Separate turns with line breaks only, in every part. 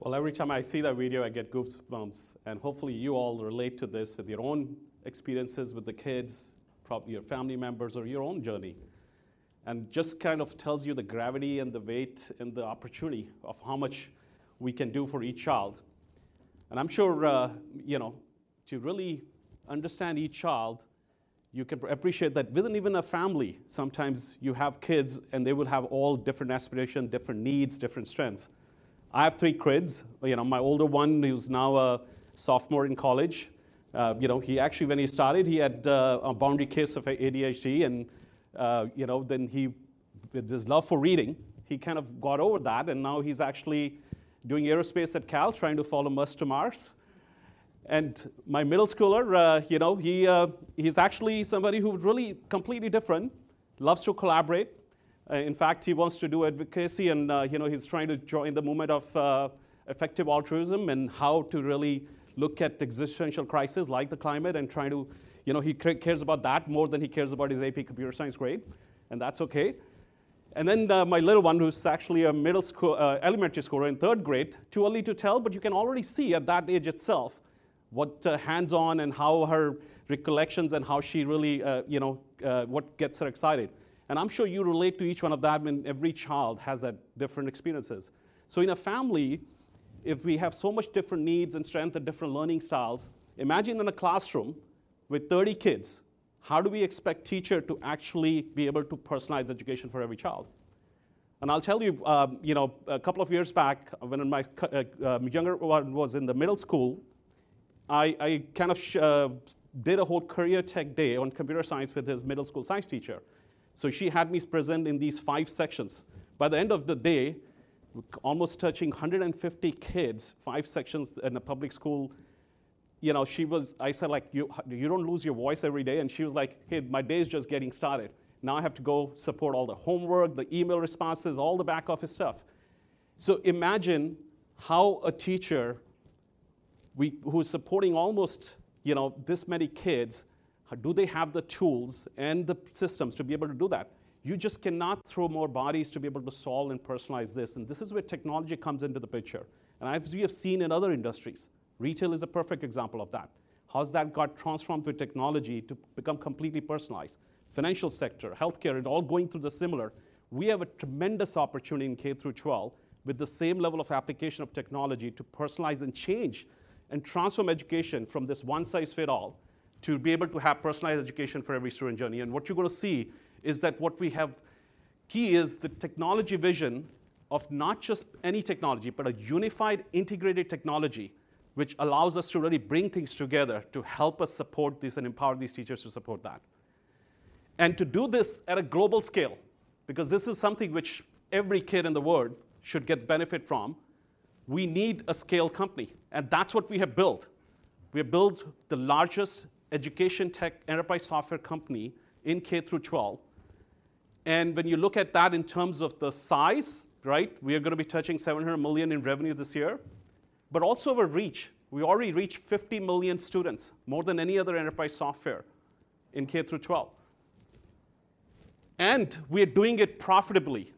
Well, every time I see that video, I get goosebumps, and hopefully you all relate to this with your own experiences with the kids, probably your family members or your own journey. And just kind of tells you the gravity, and the weight, and the opportunity of how much we can do for each child. And I'm sure, you know, to really understand each child, you can appreciate that within even a family, sometimes you have kids, and they will have all different aspiration, different needs, different strengths. I have three kids. You know, my older one, who's now a sophomore in college, you know, he actually when he started, he had a borderline case of ADHD, and, you know, then he—with his love for reading, he kind of got over that, and now he's actually doing aerospace at Cal, trying to follow Musk to Mars. And my middle schooler, you know, he, he's actually somebody who's really completely different, loves to collaborate. In fact, he wants to do advocacy, and, you know, he's trying to join the movement of, effective altruism and how to really look at existential crisis like the climate and trying to—you know, he cares about that more than he cares about his AP Computer Science grade, and that's okay. Then, my little one, who's actually a middle school elementary schooler in third grade, too early to tell, but you can already see at that age itself, what hands-on and how her recollections and how she really, you know, what gets her excited. And I'm sure you relate to each one of them, and every child has that different experiences. So in a family, if we have so much different needs and strength and different learning styles, imagine in a classroom with 30 kids, how do we expect teacher to actually be able to personalize education for every child? And I'll tell you, you know, a couple of years back, when my younger one was in the middle school, I kind of did a whole career tech day on computer science with his middle school science teacher. So she had me present in these five sections. By the end of the day, almost touching 150 kids, five sections in a public school, you know, she wa—I said, like: "You, you don't lose your voice every day?" And she was like: "Hey, my day is just getting started. Now, I have to go support all the homework, the email responses, all the back office stuff." So imagine how a teacher, who is supporting almost, you know, this many kids, do they have the tools and the systems to be able to do that? You just cannot throw more bodies to be able to solve and personalize this, and this is where technology comes into the picture. As we have seen in other industries, retail is a perfect example of that. How's that got transformed through technology to become completely personalized? Financial sector, healthcare, it all going through the similar. We have a tremendous opportunity in K-12, with the same level of application of technology, to personalize and change and transform education from this one-size-fits-all to be able to have personalized education for every student journey. What you're going to see is that what we have—key is the technology, vision of not just any technology, but a unified, integrated technology, which allows us to really bring things together to help us support this and empower these teachers to support that. And to do this at a global scale, because this is something which every kid in the world should get benefit from, we need a scaled company, and that's what we have built. We have built the largest education tech enterprise software company in K-12, and when you look at that in terms of the size, right, we are going to be touching $700 million in revenue this year, but also our reach. We already reached 50 million students, more than any other enterprise software in K-12. And we are doing it profitably,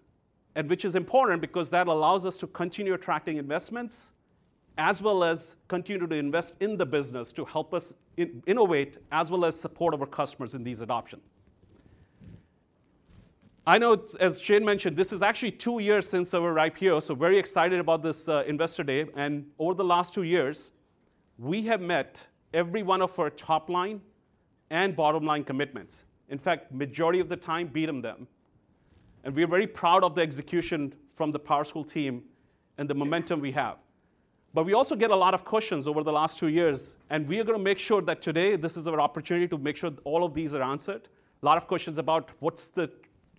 and which is important because that allows us to continue attracting investments, as well as continue to invest in the business to help us innovate, as well as support our customers in these adoption. I know, as Shane mentioned, this is actually two years since our IPO, so very excited about this, Investor Day, and over the last two years, we have met every one of our top-line and bottom-line commitments. In fact, majority of the time, beaten them. And we are very proud of the execution from the PowerSchool team and the momentum we have. But we also get a lot of questions over the last two years, and we are going to make sure that today, this is our opportunity to make sure all of these are answered. A lot of questions about what's the,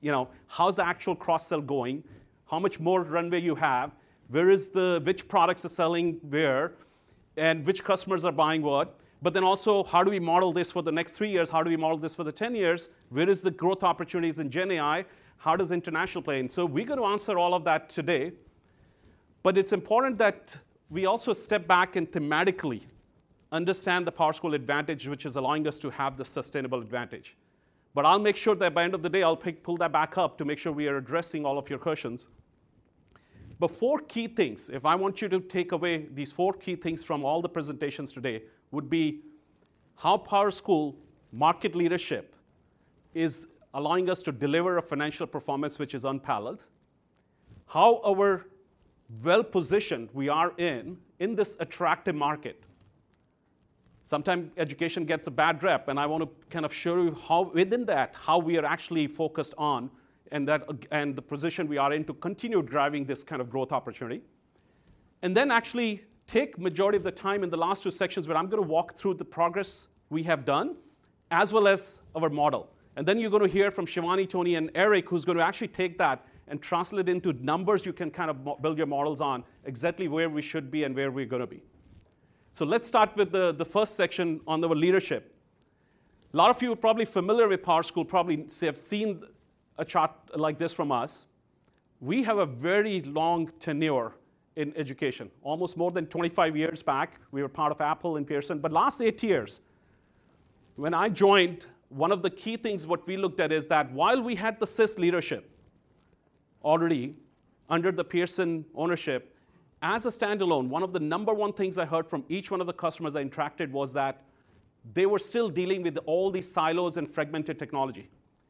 you know, how's the actual cross-sell going? How much more runway you have? Where is the... Which products are selling where, and which customers are buying what? But then also, how do we model this for the next three years? How do we model this for the 10 years? Where is the growth opportunities in Gen AI? How does international play in? So we're going to answer all of that today, but it's important that we also step back and thematically understand the PowerSchool advantage, which is allowing us to have the sustainable advantage. But I'll make sure that by end of the day, I'll pick, pull that back up to make sure we are addressing all of your questions. But four key things, if I want you to take away these four key things from all the presentations today, would be how PowerSchool market leadership is allowing us to deliver a financial performance which is unparalleled, how our well-positioned we are in this attractive market. Sometimes education gets a bad rep, and I want to kind of show you how, within that, how we are actually focused on and the position we are in to continue driving this kind of growth opportunity. And then actually take majority of the time in the last two sections, where I'm going to walk through the progress we have done, as well as our model. And then you're going to hear from Shivani, Tony and Eric, who's going to actually take that and translate into numbers you can kind of build your models on, exactly where we should be and where we're going to be. So let's start with the first section on our leadership. A lot of you are probably familiar with PowerSchool, probably have seen a chart like this from us. We have a very long tenure in education, almost more than 25 years back. We were part of Apple and Pearson, but last eight years—when I joined, one of the key things what we looked at is that while we had the SIS leadership already under the Pearson ownership, as a standalone, one of the number one things I heard from each one of the customers I interacted was that they were still dealing with all these silos and fragmented technology.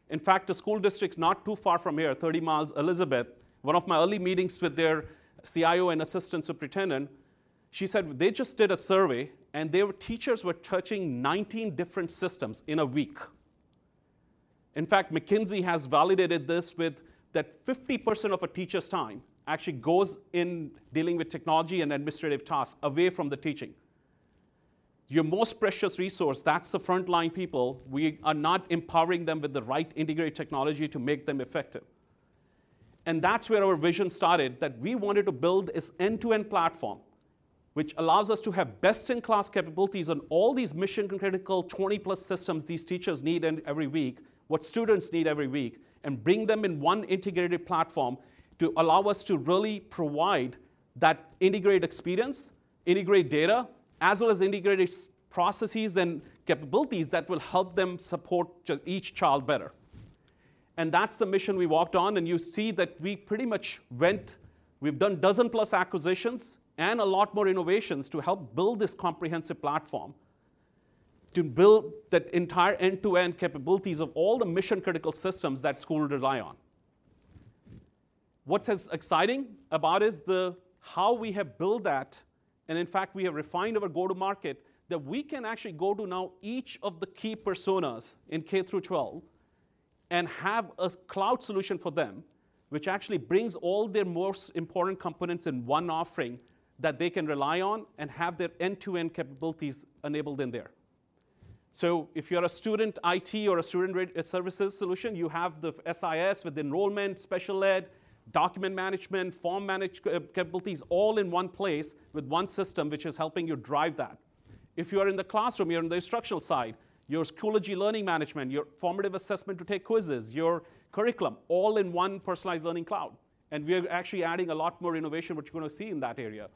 In fact, a school district not too far from here, 30 miles, Elizabeth, one of my early meetings with their CIO and assistant superintendent, she said they just did a survey, and their teachers were touching 19 different systems in a week. In fact, McKinsey has validated this with that 50% of a teacher's time actually goes in dealing with technology and administrative tasks away from the teaching. Your most precious resource, that's the frontline people, we are not empowering them with the right integrated technology to make them effective. That's where our vision started, that we wanted to build this end-to-end platform, which allows us to have best-in-class capabilities on all these mission-critical, 20+ systems these teachers need in every week, what students need every week, and bring them in one integrated platform to allow us to really provide that integrated experience, integrated data, as well as integrated processes and capabilities that will help them support each child better. That's the mission we walked on, and you see that we pretty much went. We've done 12+ acquisitions and a lot more innovations to help build this comprehensive platform, to build that entire end-to-end capabilities of all the mission-critical systems that schools rely on. What is exciting about is the, how we have built that, and in fact, we have refined our go-to-market, that we can actually go to now each of the key personas in K-12 and have a cloud solution for them, which actually brings all their most important components in one offering that they can rely on and have their end-to-end capabilities enabled in there. So if you're a student IT or a student-grade services solution, you have the SIS with enrollment, special ed, document management, form management capabilities, all in one place with one system, which is helping you drive that. If you are in the classroom, you're on the instructional side, your Schoology Learning Management, your formative assessment to take quizzes, your curriculum, all in one personalized learning cloud, and we are actually adding a lot more innovation, which you're going to see in that area.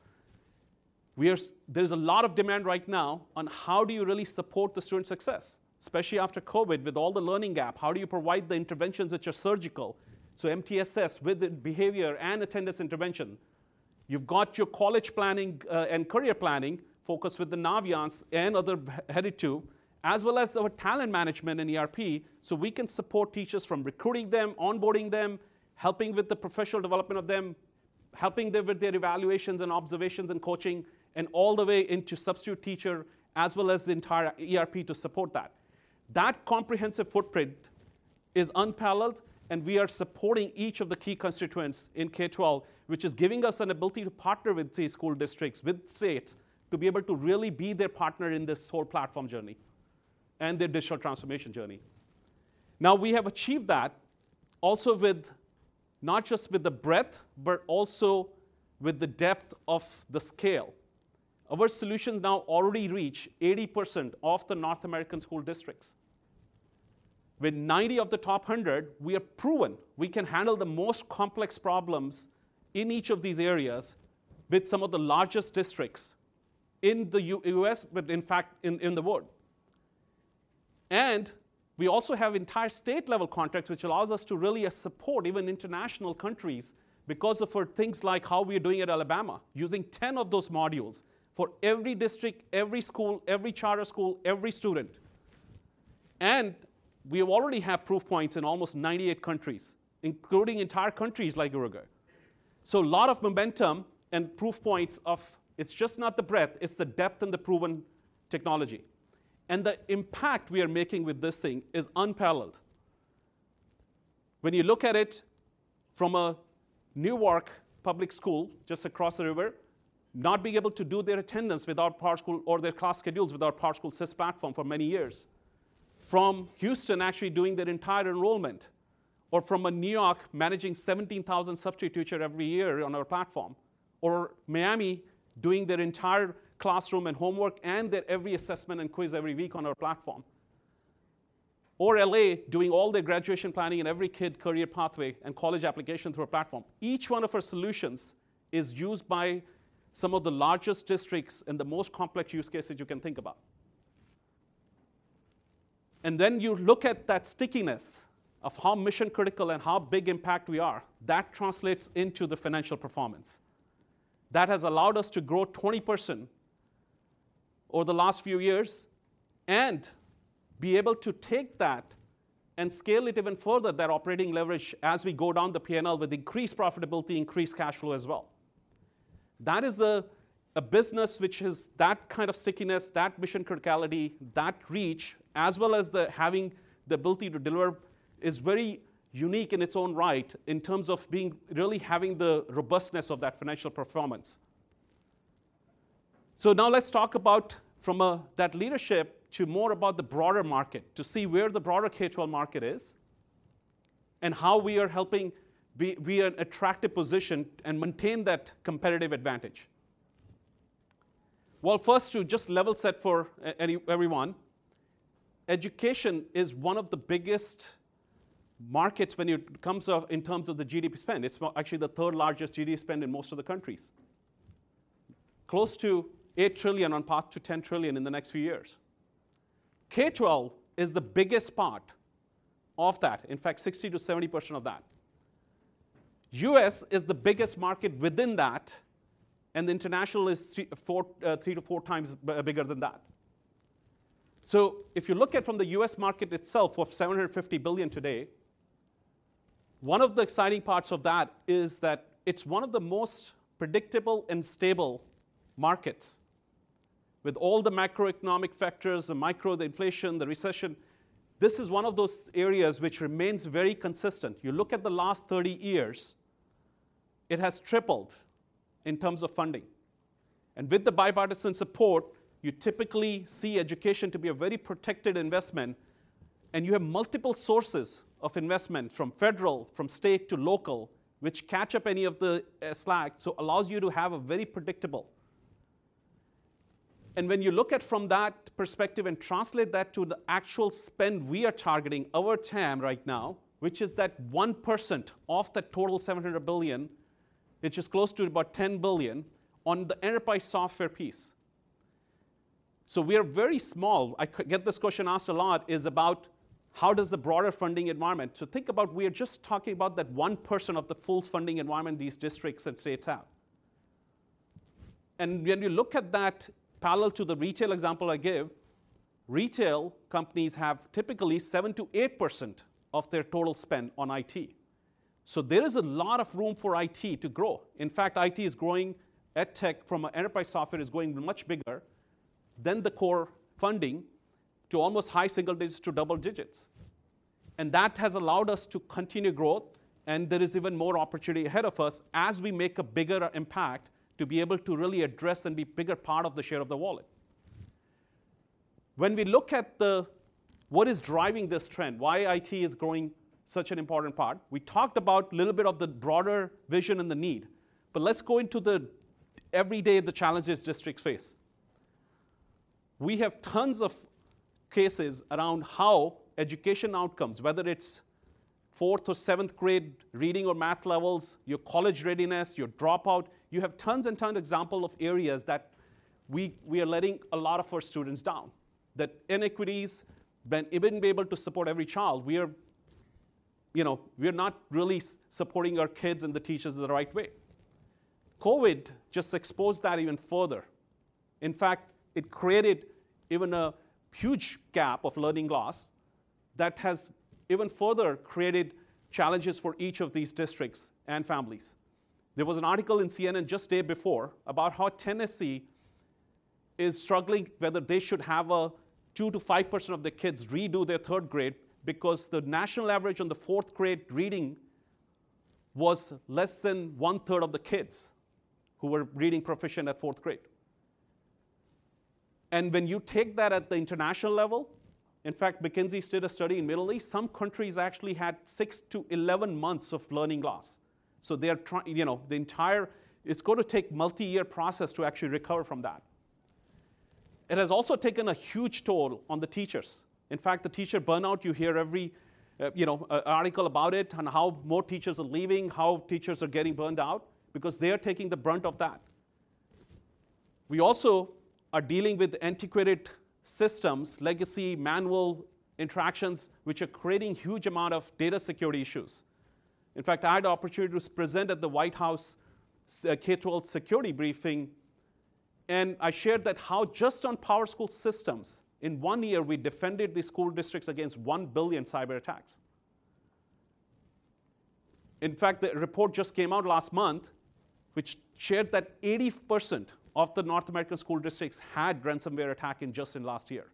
There's a lot of demand right now on: How do you really support the student success? Especially after COVID, with all the learning gap, how do you provide the interventions which are surgical? So MTSS with the behavior and attendance intervention. You've got your college planning and career planning focus with the Naviance and other Headed2, as well as our talent management and ERP, so we can support teachers from recruiting them, onboarding them, helping with the professional development of them, helping them with their evaluations and observations and coaching, and all the way into substitute teacher, as well as the entire ERP to support that. That comprehensive footprint is unparalleled, and we are supporting each of the key constituents in K-12, which is giving us an ability to partner with these school districts, with states, to be able to really be their partner in this whole platform journey and the digital transformation journey. Now, we have achieved that also with not just with the breadth but also with the depth of the scale. Our solutions now already reach 80% of the North American school districts. With 90 of the top 100, we have proven we can handle the most complex problems in each of these areas with some of the largest districts in the U.S., but in fact in the world. And we also have entire state-level contracts, which allows us to really support even international countries because of, for things like how we're doing at Alabama, using 10 of those modules for every district, every school, every charter school, every student. And we already have proof points in almost 98 countries, including entire countries like Uruguay. So a lot of momentum and proof points of it's just not the breadth, it's the depth and the proven technology, and the impact we are making with this thing is unparalleled. When you look at it from a Newark public school just across the river, not being able to do their attendance without PowerSchool or their class schedules without PowerSchool SIS platform for many years. From Houston actually doing their entire enrollment, or from a New York managing 17,000 substitute teacher every year on our platform, or Miami doing their entire classroom and homework and their every assessment and quiz every week on our platform, or LA doing all their graduation planning and every kid career pathway and college application through our platform. Each one of our solutions is used by some of the largest districts in the most complex use cases you can think about. And then you look at that stickiness of how mission-critical and how big impact we are. That translates into the financial performance. That has allowed us to grow 20% over the last few years and be able to take that and scale it even further, that operating leverage, as we go down the P&L with increased profitability, increased cash flow as well. That is a business which has that kind of stickiness, that mission criticality, that reach, as well as having the ability to deliver, is very unique in its own right in terms of being really having the robustness of that financial performance. So now let's talk about from that leadership to more about the broader market, to see where the broader K-12 market is and how we are helping be an attractive position and maintain that competitive advantage. Well, first, to just level set for everyone, education is one of the biggest markets when it comes to, in terms of the GDP spend. It's actually the third-largest GDP spend in most of the countries, close to $8 trillion, on path to $10 trillion in the next few years. K-12 is the biggest part of that, in fact, 60%-70% of that. U.S. is the biggest market within that, and the international is 3x-4x bigger than that. So if you look at from the U.S. market itself, of $750 billion today, one of the exciting parts of that is that it's one of the most predictable and stable markets. With all the macroeconomic factors, the micro, the inflation, the recession, this is one of those areas which remains very consistent. You look at the last 30 years, it has tripled in terms of funding, and with the bipartisan support, you typically see education to be a very protected investment, and you have multiple sources of investment, from federal, from state to local, which catch up any of the slack, so allows you to have a very predictable. And when you look at from that perspective and translate that to the actual spend, we are targeting our TAM right now, which is that 1% of the total $700 billion, which is close to about $10 billion on the enterprise software piece. So we are very small. I get this question asked a lot, is about: How does the broader funding environment? So think about we are just talking about that 1% of the full funding environment these districts and states have. When you look at that parallel to the retail example I gave, retail companies have typically 7%-8% of their total spend on IT. So there is a lot of room for IT to grow. In fact, IT is growing, EdTech from an enterprise software is growing much bigger than the core funding to almost high single digits to double digits. And that has allowed us to continue growth, and there is even more opportunity ahead of us as we make a bigger impact, to be able to really address and be bigger part of the share of the wallet. When we look at what is driving this trend, why IT is growing such an important part, we talked about a little bit of the broader vision and the need, but let's go into the everyday, the challenges districts face. We have tons of cases around how education outcomes, whether it's fourth to seventh grade reading or math levels, your college readiness, your dropout, you have tons and tons of examples of areas that we are letting a lot of our students down. Those inequities, when we even be able to support every child, we are, you know, we are not really supporting our kids and the teachers the right way. COVID just exposed that even further. In fact, it created even a huge gap of learning loss that has even further created challenges for each of these districts and families. There was an article in CNN just day before about how Tennessee is struggling, whether they should have a 2%-5% of the kids redo their third grade, because the national average on the fourth grade reading was less than one-third of the kids who were reading proficient at fourth grade. And when you take that at the international level, in fact, McKinsey did a study in Middle East. Some countries actually had six to 11 months of learning loss, so they are trying, you know, the entire... It's going to take multi-year process to actually recover from that. It has also taken a huge toll on the teachers. In fact, the teacher burnout, you hear every, you know, article about it and how more teachers are leaving, how teachers are getting burned out because they are taking the brunt of that. We also are dealing with antiquated systems, legacy, manual interactions, which are creating huge amount of data security issues. In fact, I had the opportunity to present at the White House K-12 security briefing, and I shared that how just on PowerSchool systems, in onenyear, we defended the school districts against one billion cyber attacks. In fact, the report just came out last month, which shared that 80% of the North American school districts had ransomware attack in just in last year.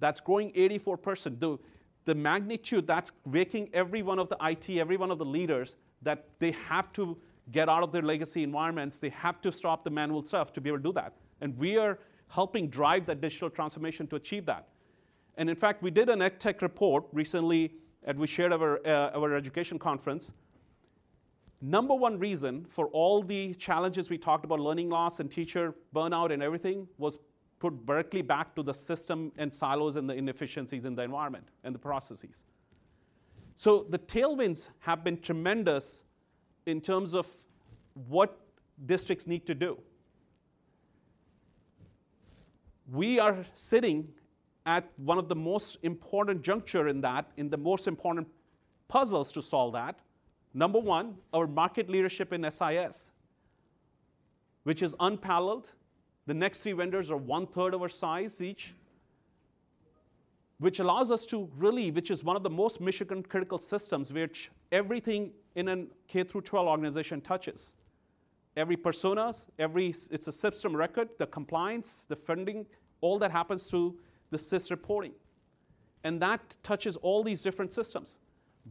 That's growing 84%. The magnitude, that's waking every one of the IT, every one of the leaders, that they have to get out of their legacy environments. They have to stop the manual stuff to be able to do that, and we are helping drive the digital transformation to achieve that. In fact, we did an EdTech report recently, and we shared our our education conference. Number one reason for all the challenges we talked about, learning loss and teacher burnout and everything, was put directly back to the system and silos and the inefficiencies in the environment and the processes. So the tailwinds have been tremendous in terms of what districts need to do. We are sitting at one of the most important juncture in that, in the most important puzzles to solve that. Number one, our market leadership in SIS, which is unparalleled. The next three vendors are 1/3 of our size each, which allows us to really, which is one of the most mission critical systems, which everything in a K-12 organization touches. Every persona's, every student's—it's a system of record, the compliance, the funding, all that happens through the SIS reporting, and that touches all these different systems.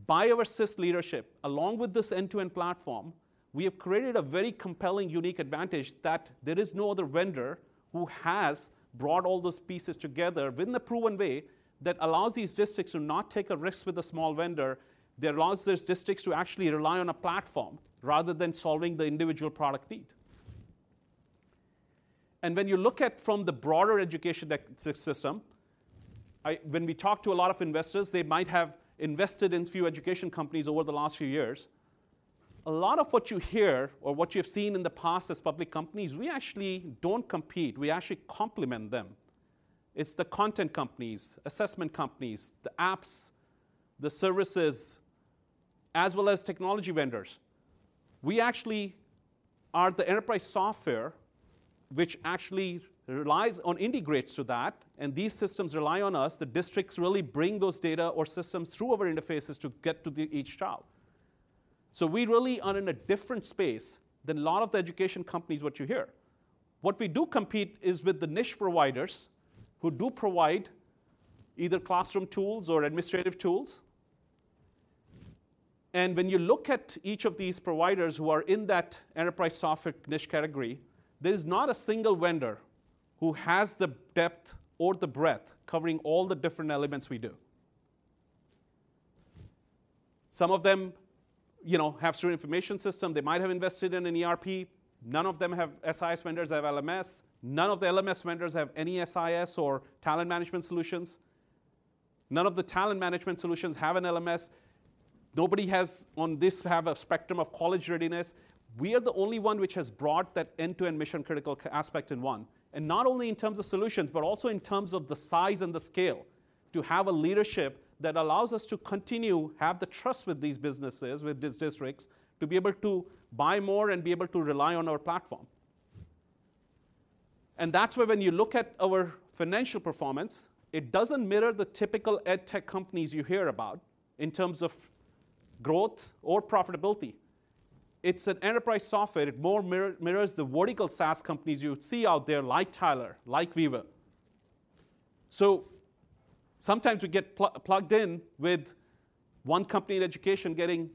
By our SIS leadership, along with this end-to-end platform, we have created a very compelling, unique advantage that there is no other vendor who has brought all those pieces together in a proven way that allows these districts to not take a risk with a small vendor. That allows those districts to actually rely on a platform rather than solving the individual product need. And when you look at from the broader education ecosystem, when we talk to a lot of investors, they might have invested in a few education companies over the last few years. A lot of what you hear or what you've seen in the past as public companies, we actually don't compete, we actually complement them. It's the content companies, assessment companies, the apps, the services, as well as technology vendors. We actually are the enterprise software, which actually relies on integrates to that, and these systems rely on us, the districts really bring those data or systems through our interfaces to get to the each child. So we really are in a different space than a lot of the education companies what you hear. What we do compete is with the niche providers, who do provide either classroom tools or administrative tools. And when you look at each of these providers who are in that enterprise software niche category, there is not a single vendor who has the depth or the breadth covering all the different elements we do. Some of them, you know, have certain information system. They might have invested in an ERP. None of them have. SIS vendors have LMS. None of the LMS vendors have any SIS or Talent Management Solutions. None of the Talent Management Solutions have an LMS. Nobody has, on this, have a spectrum of college readiness. We are the only one which has brought that end-to-end mission critical aspect in one, and not only in terms of solutions, but also in terms of the size and the scale, to have a leadership that allows us to continue, have the trust with these businesses, with these districts, to be able to buy more and be able to rely on our platform. And that's where when you look at our financial performance, it doesn't mirror the typical edtech companies you hear about in terms of growth or profitability. It's an enterprise software. It mirrors the vertical SaaS companies you would see out there, like Tyler, like Veeva. So sometimes we get plugged in with one company in education getting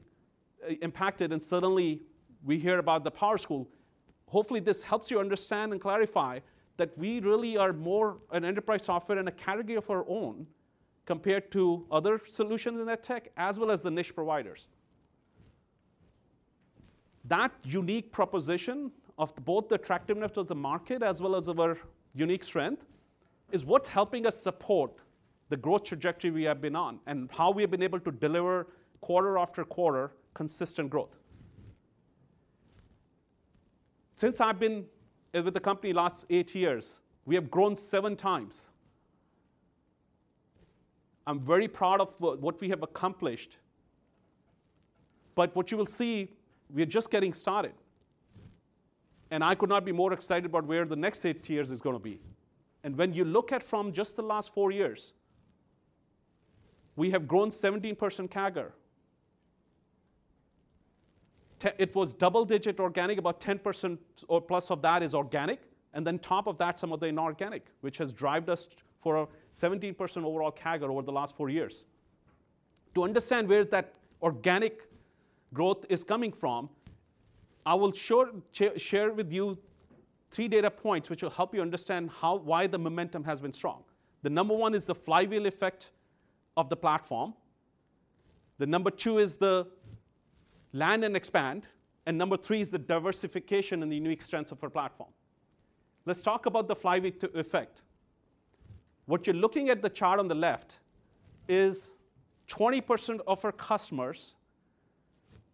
impacted, and suddenly we hear about the PowerSchool. Hopefully, this helps you understand and clarify that we really are more an enterprise software in a category of our own, compared to other solutions in EdTech, as well as the niche providers. That unique proposition of both the attractiveness of the market as well as of our unique strength is what's helping us support the growth trajectory we have been on, and how we have been able to deliver quarter after quarter consistent growth. Since I've been with the company last eight years, we have grown seven times. I'm very proud of what we have accomplished, but what you will see, we are just getting started, and I could not be more excited about where the next eight years is gonna be. When you look at from just the last four years, we have grown 17% CAGR. It was double digit organic, about 10% or plus of that is organic, and then top of that, some of the inorganic, which has driven us for a 17% overall CAGR over the last four years. To understand where that organic growth is coming from, I will share with you three data points, which will help you understand why the momentum has been strong. The number one is the flywheel effect of the platform. The number two is the land and expand, and number three is the diversification and the unique strengths of our platform. Let's talk about the flywheel effect. What you're looking at the chart on the left is 20% of our customers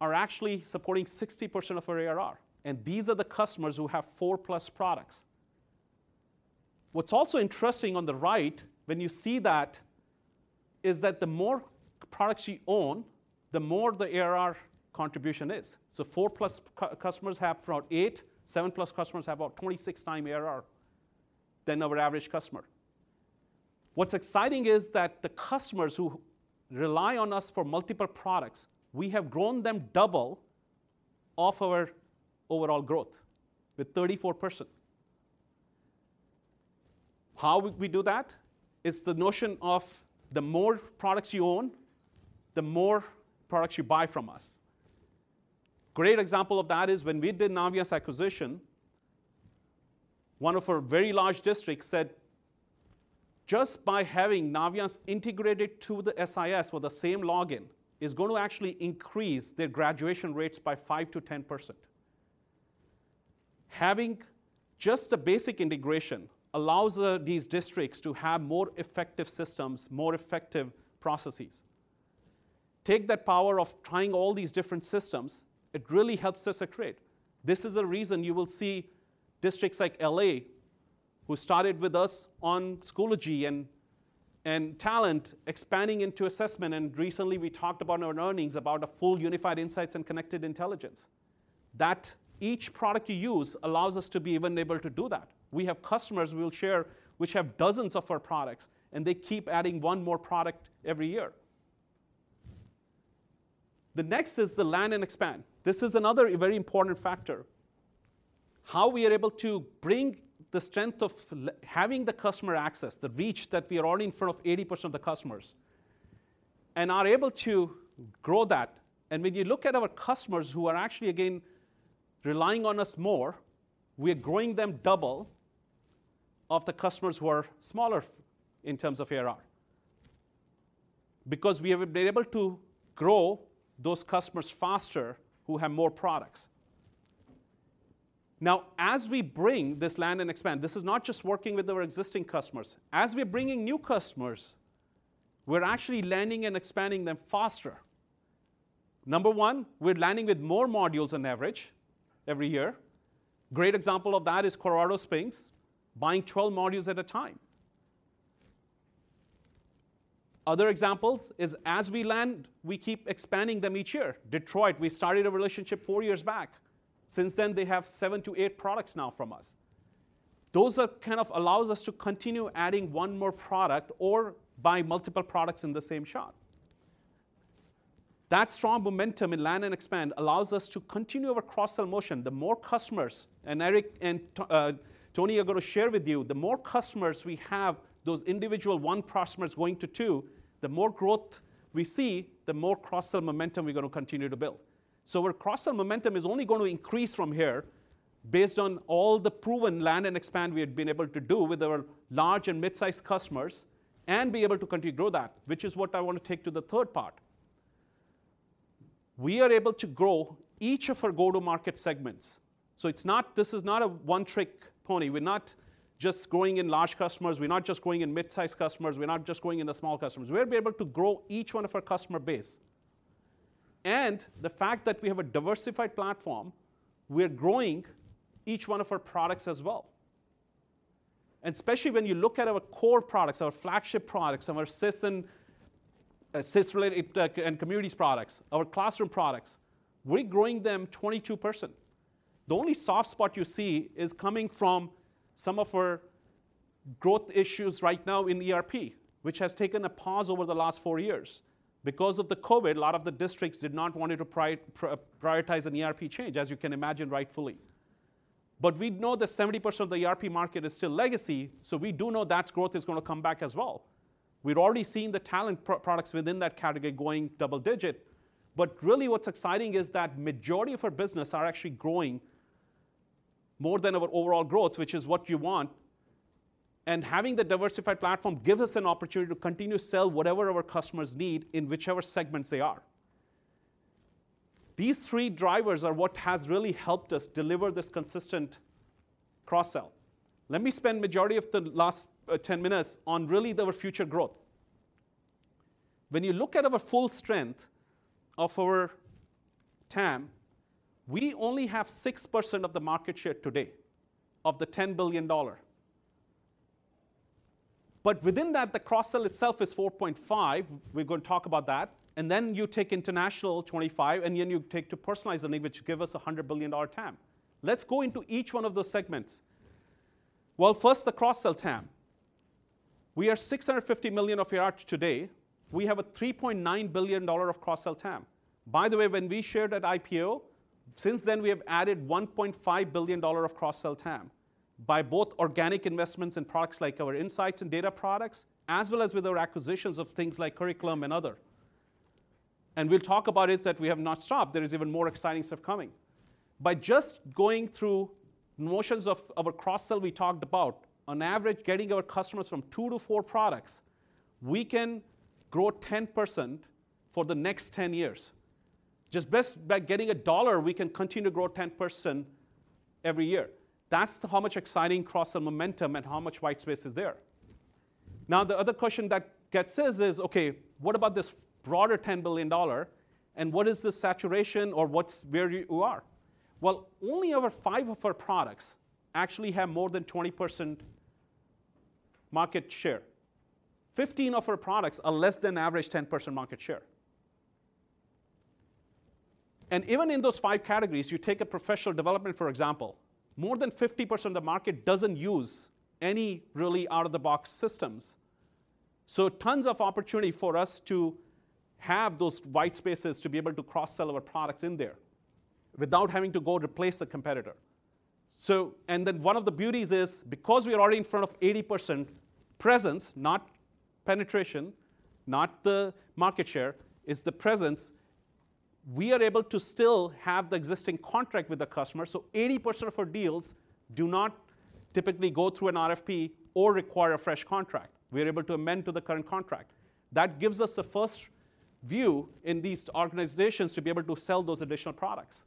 are actually supporting 60% of our ARR, and these are the customers who have four-plus products. What's also interesting on the right, when you see is that the more products you own, the more the ARR contribution is. So four-plus customers have about eight, seven-plus customers have about 26x ARR than our average customer. What's exciting is that the customers who rely on us for multiple products, we have grown them double of our overall growth, with 34%. How would we do that? It's the notion of the more products you own, the more products you buy from us. Great example of that is when we did Naviance acquisition, one of our very large districts said, "Just by having Naviance integrated to the SIS with the same login, is going to actually increase their graduation rates by 5%-10%." Having just a basic integration allows, these districts to have more effective systems, more effective processes. Take that power of trying all these different systems, it really helps us accrete. This is the reason you will see districts like L.A., who started with us on Schoology and, and Talent, expanding into Assessment, and recently we talked about in our earnings about a full Unified Insights and Connected Intelligence. That each product you use allows us to be even able to do that. We have customers we'll share, which have dozens of our products, and they keep adding one more product every year. The next is the land and expand. This is another very important factor. How we are able to bring the strength of having the customer access, the reach that we are already in front of 80% of the customers, and are able to grow that. And when you look at our customers, who are actually, again, relying on us more, we are growing them double of the customers who are smaller in terms of ARR. Because we have been able to grow those customers faster who have more products. Now, as we bring this land and expand, this is not just working with our existing customers. As we're bringing new customers, we're actually landing and expanding them faster. Number one, we're landing with more modules on average every year. Great example of that is Colorado Springs buying 12 modules at a time. Other examples is, as we land, we keep expanding them each year. Detroit, we started a relationship four years back. Since then, they have seven to eight products now from us. Those are, kind of allows us to continue adding one more product or buy multiple products in the same shot. That strong momentum in land and expand allows us to continue our cross-sell motion. The more customers—and Eric and Tony are going to share with you—the more customers we have, those individual one customers going to two, the more growth we see, the more cross-sell momentum we're going to continue to build. So our cross-sell momentum is only going to increase from here based on all the proven land and expand we have been able to do with our large and mid-sized customers, and be able to continue to grow that, which is what I want to take to the third part. We are able to grow each of our go-to-market segments, so this is not a one-trick pony. We're not just growing in large customers, we're not just growing in mid-sized customers, we're not just growing in the small customers. We're able to grow each one of our customer base. And the fact that we have a diversified platform, we are growing each one of our products as well. And especially when you look at our core products, our flagship products, and our SIS and SIS-related and communities products, our classroom products, we're growing them 22%. The only soft spot you see is coming from some of our growth issues right now in ERP, which has taken a pause over the last four years. Because of the COVID, a lot of the districts did not want to prioritize an ERP change, as you can imagine, rightfully. But we know that 70% of the ERP market is still legacy, so we do know that growth is going to come back as well. We'd already seen the talent products within that category going double digit. But really, what's exciting is that majority of our business are actually growing more than our overall growth, which is what you want. And having the diversified platform gives us an opportunity to continue to sell whatever our customers need in whichever segments they are. These three drivers are what has really helped us deliver this consistent cross-sell. Let me spend majority of the last 10 minutes on really our future growth. When you look at our full strength of our TAM, we only have 6% of the market share today, of the $10 billion. But within that, the cross-sell itself is $4.5 billion, we're going to talk about that, and then you take international, $25 billion, and then you take to personalized learning, which give us a $100 billion TAM. Let's go into each one of those segments. Well, first, the cross-sell TAM. We are $650 million of ARR today. We have a $3.9 billion of cross-sell TAM. By the way, when we shared at IPO, since then, we have added $1.5 billion of cross-sell TAM by both organic investments in products like our insights and data products, as well as with our acquisitions of things like curriculum and other. And we'll talk about it, that we have not stopped, there is even more exciting stuff coming. By just going through motions of our cross-sell we talked about, on average, getting our customers from two to four products, we can grow 10% for the next 10 years. Just best—by getting a dollar, we can continue to grow 10% every year. That's the how much exciting cross-sell momentum and how much white space is there. Now, the other question that gets asked is, "Okay, what about this broader $10 billion, and what is the saturation or what's—where you are?" Well, only over five of our products actually have more than 20% market share. 15 of our products are less than average 10% market share. And even in those five categories, you take a professional development, for example, more than 50% of the market doesn't use any really out-of-the-box systems. So tons of opportunity for us to have those white spaces to be able to cross-sell our products in there without having to go replace the competitor. So, and then one of the beauties is, because we are already in front of 80% presence, not penetration, not the market share, it's the presence, we are able to still have the existing contract with the customer. So 80% of our deals do not typically go through an RFP or require a fresh contract. We are able to amend to the current contract. That gives us the first view in these organizations to be able to sell those additional products.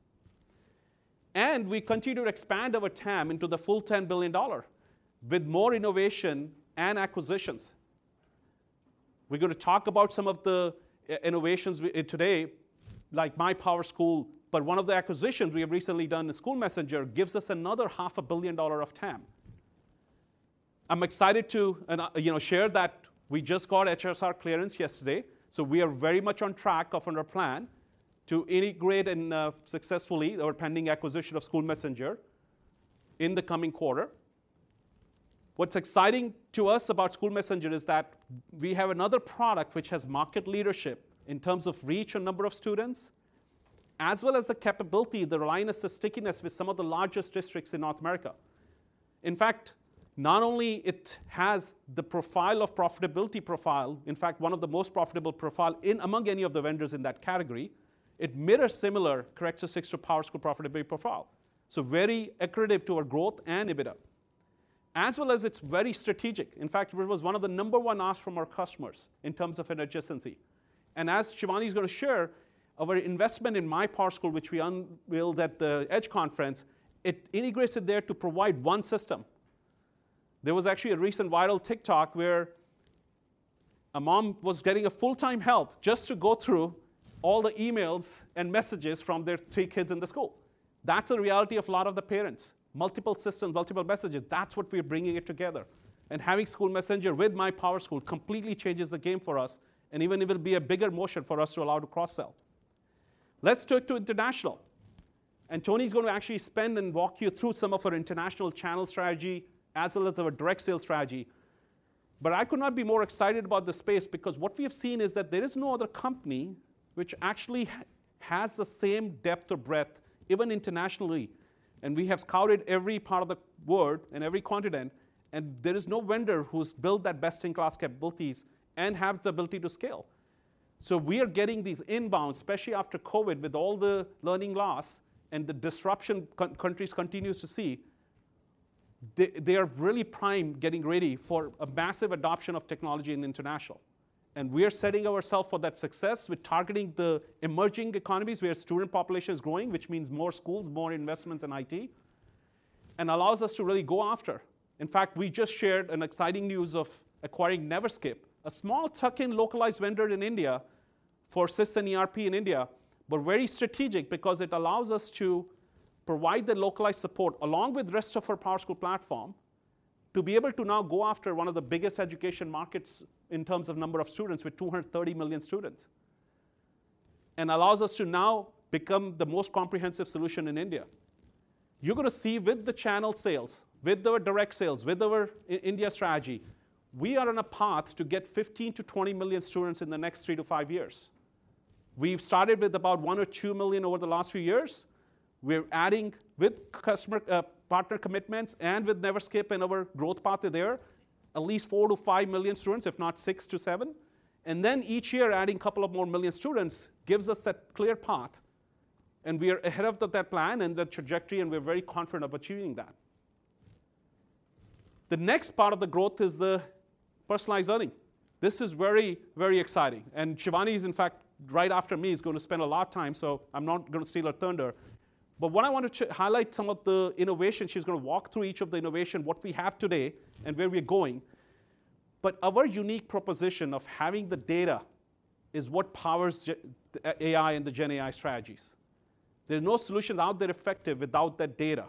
We continue to expand our TAM into the full $10 billion, with more innovation and acquisitions. We're going to talk about some of the innovations today, like MyPowerSchool, but one of the acquisitions we have recently done, the SchoolMessenger, gives us another $500 million of TAM. I'm excited to, you know, share that we just got HSR clearance yesterday, so we are very much on track of our plan to integrate and successfully our pending acquisition of SchoolMessenger in the coming quarter. What's exciting to us about SchoolMessenger is that we have another product which has market leadership in terms of reach and number of students, as well as the capability, the robustness, stickiness with some of the largest districts in North America. In fact, not only it has the profile of profitability profile, in fact, one of the most profitable profile in among any of the vendors in that category, it mirrors similar characteristics of PowerSchool profitability profile. So very accretive to our growth and EBITDA... as well as it's very strategic. In fact, it was one of the number one asks from our customers in terms of adjacency. And as Shivani is gonna share, our investment in MyPowerSchool, which we unveiled at the EDGE Conference, it integrates it there to provide one system. There was actually a recent viral TikTok, where a mom was getting full-time help just to go through all the emails and messages from their three kids in the school. That's a reality of a lot of the parents. Multiple systems, multiple messages, that's what we're bringing it together. And having SchoolMessenger with MyPowerSchool completely changes the game for us, and even it will be a bigger motion for us to allow to cross-sell. Let's turn to international, and Tony's gonna actually spend and walk you through some of our international channel strategy, as well as our direct sales strategy. But I could not be more excited about the space, because what we have seen is that there is no other company which actually has the same depth or breadth, even internationally, and we have scouted every part of the world and every continent, and there is no vendor who's built that best-in-class capabilities and have the ability to scale. So we are getting these inbounds, especially after COVID, with all the learning loss and the disruption countries continue to see. They are really primed, getting ready for a massive adoption of technology in international. And we are setting ourself for that success. We're targeting the emerging economies, where student population is growing, which means more schools, more investments in IT, and allows us to really go after. In fact, we just shared an exciting news of acquiring Neverskip, a small tuck-in localized vendor in India for SIS and ERP in India, but very strategic because it allows us to provide the localized support, along with rest of our PowerSchool platform, to be able to now go after one of the biggest education markets in terms of number of students, with 230 million students. It allows us to now become the most comprehensive solution in India. You're gonna see with the channel sales, with our direct sales, with our India strategy, we are on a path to get 15-20 million students in the next three to five years. We've started with about one to two million over the last few years. We're adding with customer, partner commitments, and with Neverskip and our growth partner there, at least four to five million students, if not six to seven, and then each year, adding couple of more million students, gives us that clear path, and we are ahead of that plan and the trajectory, and we're very confident of achieving that. The next part of the growth is the personalized learning. This is very, very exciting, and Shivani is, in fact, right after me, is gonna spend a lot of time, so I'm not gonna steal her thunder. But what I want to highlight some of the innovation, she's gonna walk through each of the innovation, what we have today and where we're going. But our unique proposition of having the data is what powers AI and the GenAI strategies. There's no solution out there effective without that data.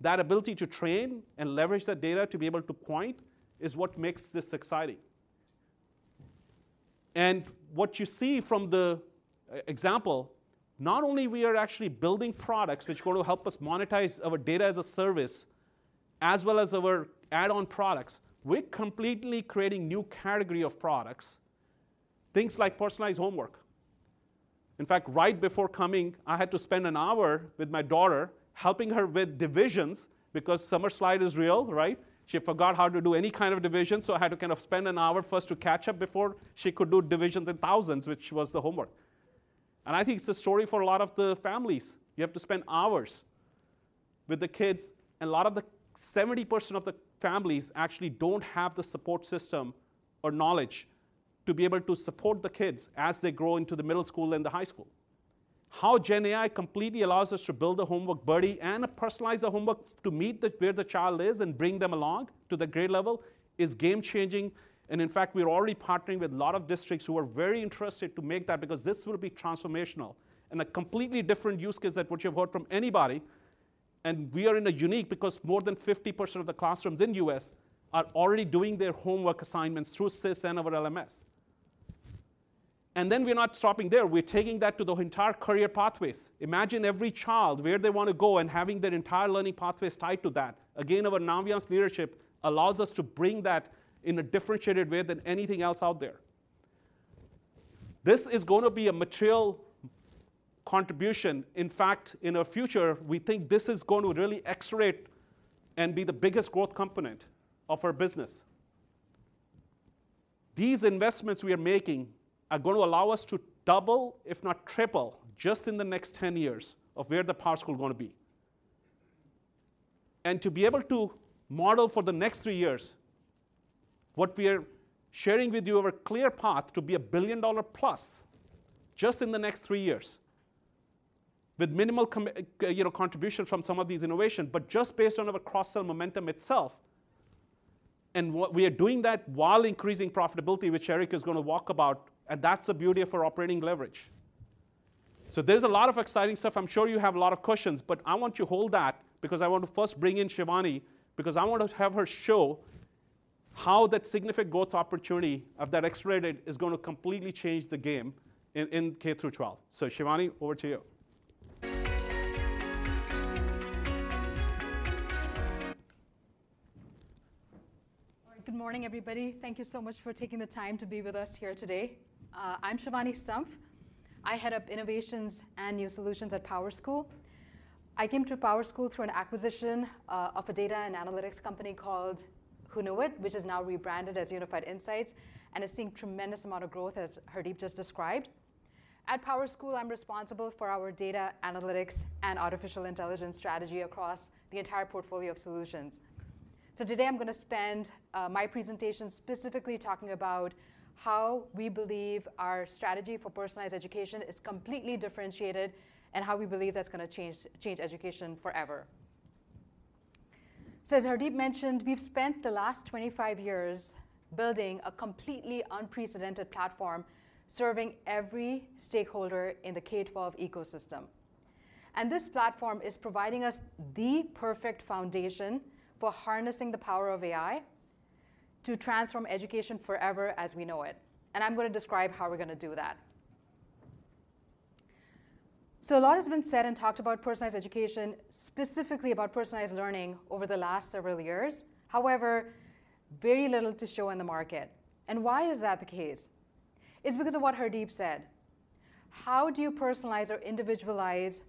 That ability to train and leverage that data to be able to point, is what makes this exciting. And what you see from the example, not only we are actually building products which going to help us monetize our data-as-a-service, as well as our add-on products, we're completely creating new category of products, things like personalized homework. In fact, right before coming, I had to spend an hour with my daughter, helping her with divisions, because summer slide is real, right? She forgot how to do any kind of division, so I had to kind of spend an hour for us to catch up before she could do divisions and thousands, which was the homework. And I think it's a story for a lot of the families. You have to spend hours with the kids, and a lot of the—70% of the families actually don't have the support system or knowledge to be able to support the kids as they grow into the middle school and the high school. How GenAI completely allows us to build a homework buddy and personalize the homework to meet the, where the child is and bring them along to the grade level, is game changing, and in fact, we're already partnering with a lot of districts who are very interested to make that. Because this will be transformational and a completely different use case than what you heard from anybody. We are in a unique, because more than 50% of the classrooms in U.S. are already doing their homework assignments through SIS and our LMS. Then we're not stopping there, we're taking that to the entire career pathways. Imagine every child, where they want to go, and having their entire learning pathways tied to that. Again, our Naviance leadership allows us to bring that in a differentiated way than anything else out there. This is gonna be a material contribution. In fact, in our future, we think this is going to really accelerate and be the biggest growth component of our business. These investments we are making are gonna allow us to double, if not triple, just in the next 10 years, of where the PowerSchool is gonna be. And to be able to model for the next three years, what we are sharing with you our clear path to be a $1 billion+, just in the next three years, with minimal, you know, contribution from some of these innovation, but just based on our cross-sell momentum itself, and we are doing that while increasing profitability, which Eric is gonna talk about, and that's the beauty of our operating leverage. So there's a lot of exciting stuff. I'm sure you have a lot of questions, but I want to hold that because I want to first bring in Shivani, because I want to have her show how that significant growth opportunity of that accelerated is gonna completely change the game in K-12. So, Shivani, over to you.
Good morning, everybody. Thank you so much for taking the time to be with us here today. I'm Shivani Stumpf. I head up innovations and new solutions at PowerSchool. I came to PowerSchool through an acquisition of a data and analytics company called Hoonuit, which is now rebranded as Unified Insights, and has seen tremendous amount of growth, as Hardeep just described. At PowerSchool, I'm responsible for our data analytics and artificial intelligence strategy across the entire portfolio of solutions. So today, I'm going to spend my presentation specifically talking about how we believe our strategy for personalized education is completely differentiated, and how we believe that's going to change education forever. So as Hardeep mentioned, we've spent the last 25 years building a completely unprecedented platform, serving every stakeholder in the K-12 ecosystem. And this platform is providing us the perfect foundation for harnessing the power of AI to transform education forever as we know it, and I'm going to describe how we're going to do that. So a lot has been said and talked about personalized education, specifically about personalized learning, over the last several years. However, very little to show in the market, and why is that the case? It's because of what Hardeep said: how do you personalize or individualize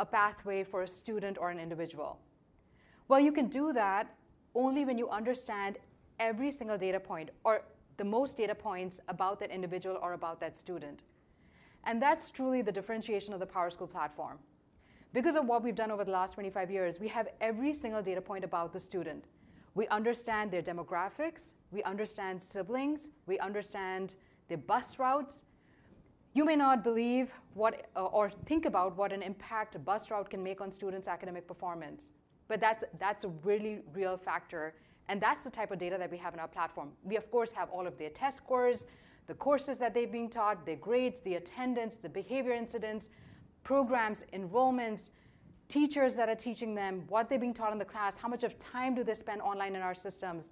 a pathway for a student or an individual? Well, you can do that only when you understand every single data point or the most data points about that individual or about that student, and that's truly the differentiation of the PowerSchool platform. Because of what we've done over the last 25 years, we have every single data point about the student. We understand their demographics, we understand siblings, we understand their bus routes. You may not believe what, or think about what an impact a bus route can make on students' academic performance, but that's a really real factor, and that's the type of data that we have in our platform. We, of course, have all of their test scores, the courses that they've been taught, their grades, the attendance, the behavior incidents, programs, enrollments, teachers that are teaching them, what they're being taught in the class, how much of time do they spend online in our systems.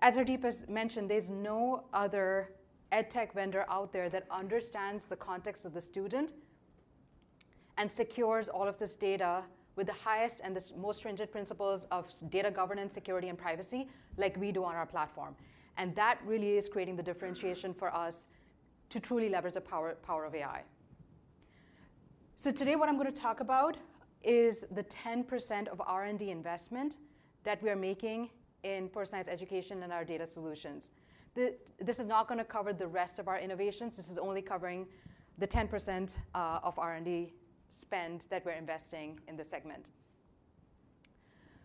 As Hardeep has mentioned, there's no other EdTech vendor out there that understands the context of the student and secures all of this data with the highest and the most stringent principles of data governance, security, and privacy like we do on our platform, and that really is creating the differentiation for us to truly leverage the power of AI. So today, what I'm going to talk about is the 10% of R&D investment that we are making in personalized education and our data solutions. This is not going to cover the rest of our innovations. This is only covering the 10% of R&D spend that we're investing in this segment.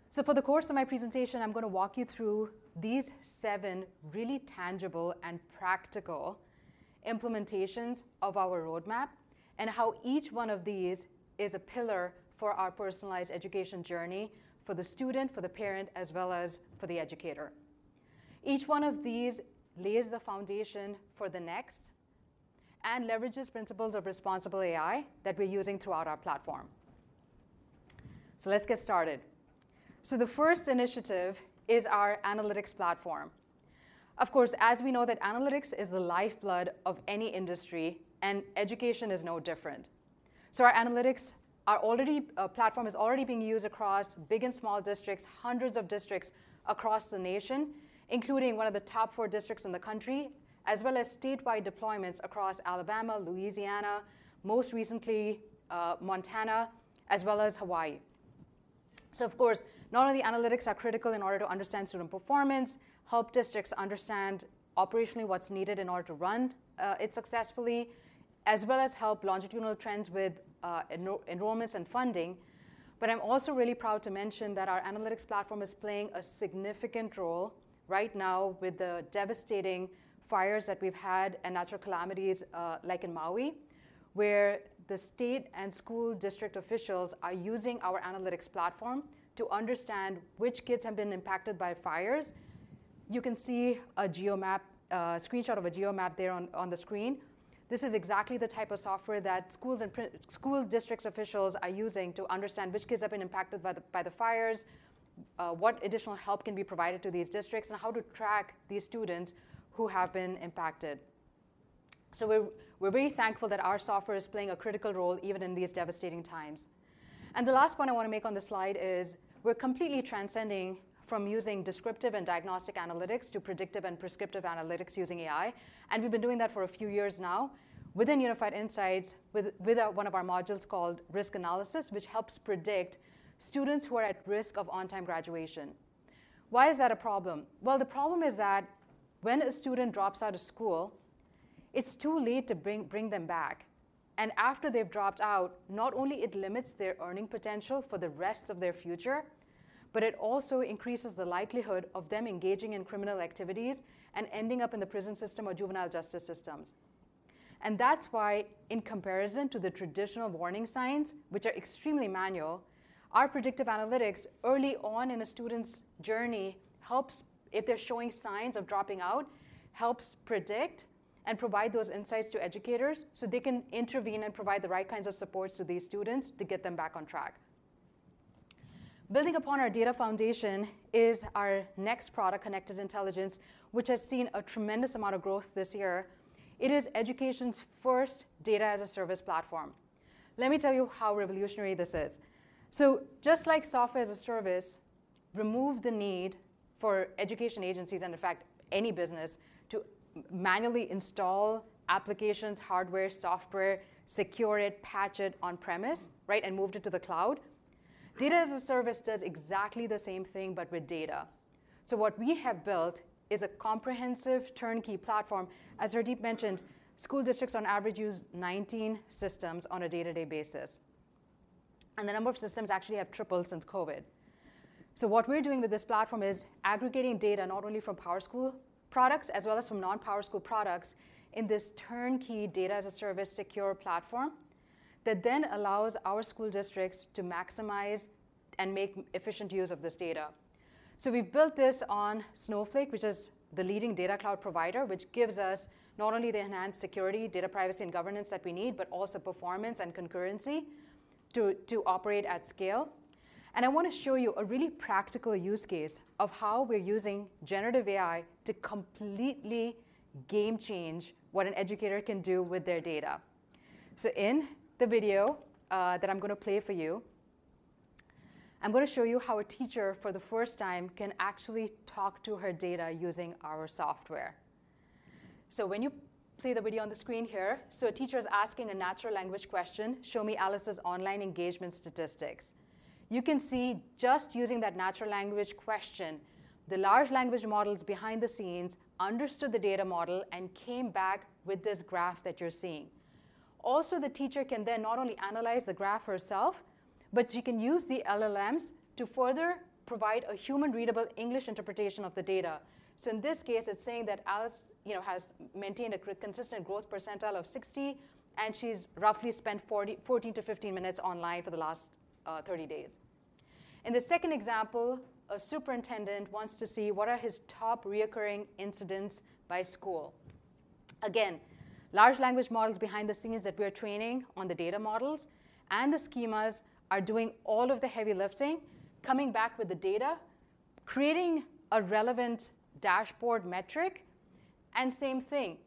So for the course of my presentation, I'm going to walk you through these seven really tangible and practical implementations of our roadmap, and how each one of these is a pillar for our personalized education journey, for the student, for the parent, as well as for the educator. Each one of these lays the foundation for the next and leverages principles of responsible AI that we're using throughout our platform. So let's get started. So the first initiative is our analytics platform. Of course, as we know that analytics is the lifeblood of any industry, and education is no different. So our analytics platform is already being used across big and small districts, hundreds of districts across the nation, including one of the top four districts in the country, as well as statewide deployments across Alabama, Louisiana, most recently, Montana, as well as Hawaii. So of course, not only analytics are critical in order to understand student performance, help districts understand operationally what's needed in order to run it successfully, as well as help longitudinal trends with enrollments and funding. But I'm also really proud to mention that our analytics platform is playing a significant role right now with the devastating fires that we've had and natural calamities like in Maui, where the state and school district officials are using our analytics platform to understand which kids have been impacted by fires. You can see a geomap screenshot of a geomap there on the screen. This is exactly the type of software that schools and school districts officials are using to understand which kids have been impacted by the fires, what additional help can be provided to these districts, and how to track these students who have been impacted. So we're very thankful that our software is playing a critical role, even in these devastating times. The last point I want to make on this slide is, we're completely transcending from using descriptive and diagnostic analytics to predictive and prescriptive analytics using AI, and we've been doing that for a few years now within Unified Insights, with one of our modules called Risk Analysis, which helps predict students who are at risk of on-time graduation. Why is that a problem? Well, the problem is that when a student drops out of school, it's too late to bring them back, and after they've dropped out, not only it limits their earning potential for the rest of their future, but it also increases the likelihood of them engaging in criminal activities and ending up in the prison system or juvenile justice systems. And that's why, in comparison to the traditional warning signs, which are extremely manual, our predictive analytics early on in a student's journey, helps if they're showing signs of dropping out, helps predict and provide those insights to educators so they can intervene and provide the right kinds of supports to these students to get them back on track. Building upon our data foundation is our next product, Connected Intelligence, which has seen a tremendous amount of growth this year. It is education's first data-as-a-service platform. Let me tell you how revolutionary this is. So just like software-as-a-service removed the need for education agencies, and in fact, any business, to manually install applications, hardware, software, secure it, patch it on premise, right, and moved it to the cloud. Data-as-a-service does exactly the same thing, but with data. So what we have built is a comprehensive turnkey platform. As Hardeep mentioned, school districts on average use 19 systems on a day-to-day basis, and the number of systems actually have tripled since COVID. So what we're doing with this platform is aggregating data not only from PowerSchool products, as well as from non-PowerSchool products, in this turnkey data-as-a-service secure platform that then allows our school districts to maximize and make efficient use of this data. So we've built this on Snowflake, which is the leading data cloud provider, which gives us not only the enhanced security, data privacy, and governance that we need, but also performance and concurrency to operate at scale. And I wanna show you a really practical use case of how we're using generative AI to completely game change what an educator can do with their data. So in the video that I'm gonna play for you, I'm gonna show you how a teacher, for the first time, can actually talk to her data using our software. So when you play the video on the screen here, a teacher is asking a natural language question: "Show me Alice's online engagement statistics." You can see, just using that natural language question, the large language models behind the scenes understood the data model and came back with this graph that you're seeing. Also, the teacher can then not only analyze the graph herself, but she can use the LLMs to further provide a human-readable English interpretation of the data. So in this case, it's saying that Alice, you know, has maintained a consistent growth percentile of 60, and she's roughly spent 14-15 minutes online for the last 30 days. In the second example, a superintendent wants to see what are his top recurring incidents by school. Again, large language models behind the scenes that we are training on the data models and the schemas are doing all of the heavy lifting, coming back with the data, creating a relevant dashboard metric, and same thing,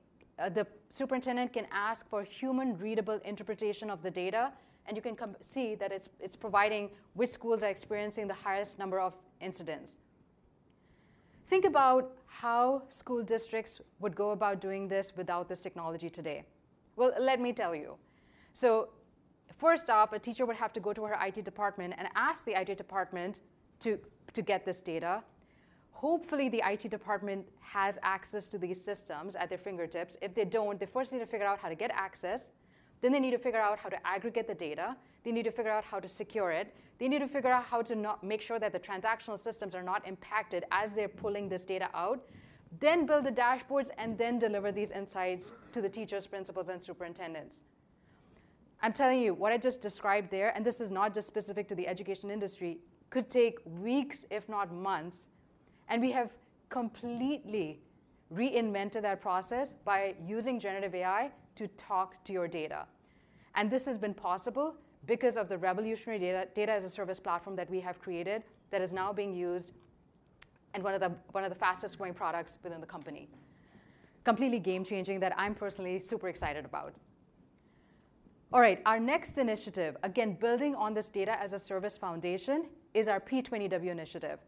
the superintendent can ask for human-readable interpretation of the data, and you can see that it's providing which schools are experiencing the highest number of incidents. Think about how school districts would go about doing this without this technology today. Well, let me tell you. So first off, a teacher would have to go to her IT department and ask the IT department to get this data. Hopefully, the IT department has access to these systems at their fingertips. If they don't, they first need to figure out how to get access, then they need to figure out how to aggregate the data, they need to figure out how to secure it, they need to figure out how to not—make sure that the transactional systems are not impacted as they're pulling this data out, then build the dashboards, and then deliver these insights to the teachers, principals, and superintendents. I'm telling you, what I just described there, and this is not just specific to the education industry, could take weeks, if not months, and we have completely reinvented that process by using generative AI to talk to your data. And this has been possible because of the revolutionary data-as-a-service platform that we have created that is now being used, and one of the fastest-growing products within the company. Completely game-changing, that I'm personally super excited about. All right, our next initiative, again, building on this data-as-a-service foundation, is our P20W initiative.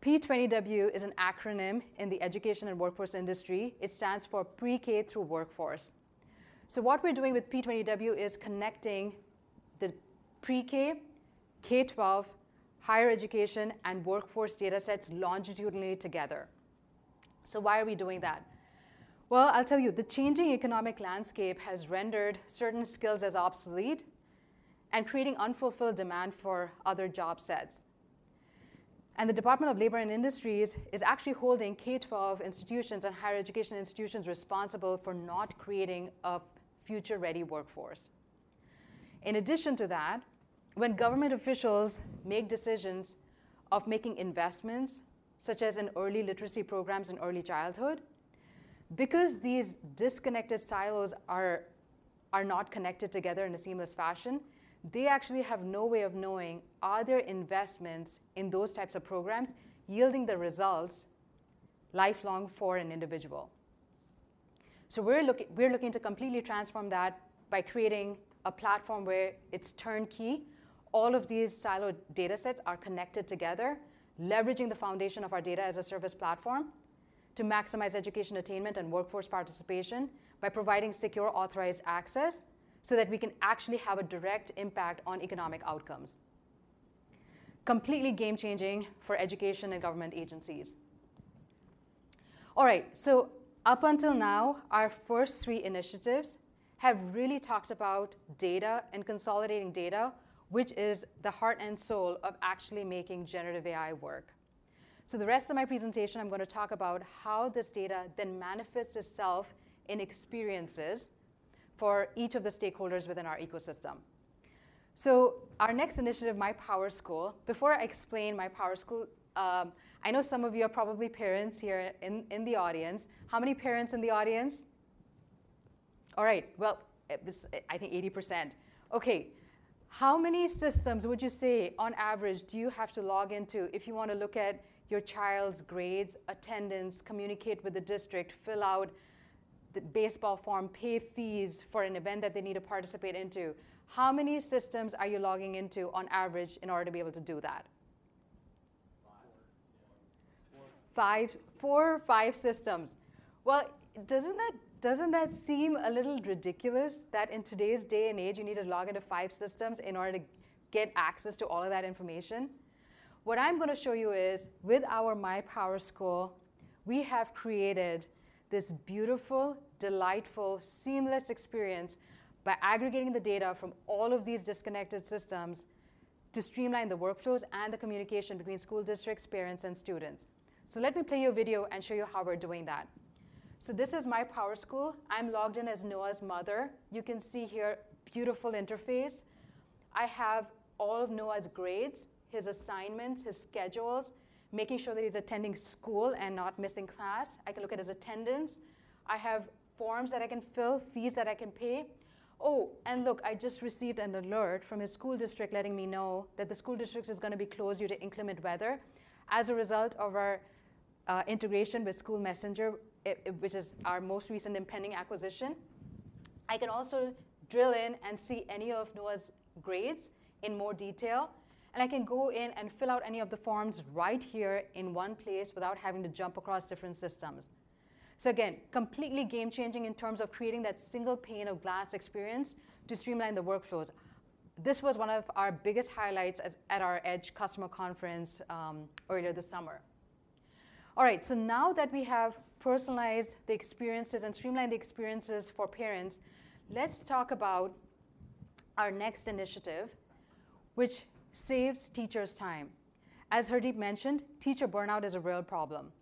P20W is an acronym in the education and workforce industry. It stands for pre-K through Workforce. So what we're doing with P20W is connecting the pre-K, K-12, higher education, and workforce data sets longitudinally together. So why are we doing that? Well, I'll tell you. The changing economic landscape has rendered certain skills as obsolete and creating unfulfilled demand for other job sets. And the Department of Labor and Industries is actually holding K-12 institutions and higher education institutions responsible for not creating a future-ready workforce.In addition to that, when government officials make decisions of making investments, such as in early literacy programs in early childhood, because these disconnected silos are not connected together in a seamless fashion. They actually have no way of knowing, are their investments in those types of programs yielding the results lifelong for an individual? So we're looking to completely transform that by creating a platform where it's turnkey. All of these siloed data sets are connected together, leveraging the foundation of our data-as-a-service platform to maximize education attainment and workforce participation by providing secure, authorized access so that we can actually have a direct impact on economic outcomes. Completely game-changing for education and government agencies. All right, so up until now, our first three initiatives have really talked about data and consolidating data, which is the heart and soul of actually making generative AI work. So the rest of my presentation, I'm gonna talk about how this data then manifests itself in experiences for each of the stakeholders within our ecosystem. So our next initiative, MyPowerSchool. Before I explain MyPowerSchool, I know some of you are probably parents here in the audience. How many parents in the audience? All right, well, this, I think 80%. Okay, how many systems would you say, on average, do you have to log into if you wanna look at your child's grades, attendance, communicate with the district, fill out the baseball form, pay fees for an event that they need to participate into? How many systems are you logging into on average in order to be able to do that? Five, four, five systems. Well, doesn't that seem a little ridiculous that in today's day and age, you need to log into five systems in order to get access to all of that information? What I'm gonna show you is, with our MyPowerSchool, we have created this beautiful, delightful, seamless experience by aggregating the data from all of these disconnected systems to streamline the workflows and the communication between school districts, parents, and students. Let me play you a video and show you how we're doing that. This is MyPowerSchool. I'm logged in as Noah's mother. You can see here, beautiful interface. I have all of Noah's grades, his assignments, his schedules, making sure that he's attending school and not missing class. I can look at his attendance. I have forms that I can fill, fees that I can pay. Oh, and look, I just received an alert from his school district, letting me know that the school district is gonna be closed due to inclement weather. As a result of our integration with SchoolMessenger, which is our most recent impending acquisition, I can also drill in and see any of Noah's grades in more detail, and I can go in and fill out any of the forms right here in one place without having to jump across different systems. So again, completely game-changing in terms of creating that single pane of glass experience to streamline the workflows. This was one of our biggest highlights at our EDGE customer conference earlier this summer. All right, so now that we have personalized the experiences and streamlined the experiences for parents, let's talk about our next initiative, which saves teachers time. As Hardeep mentioned, teacher burnout is a real problem,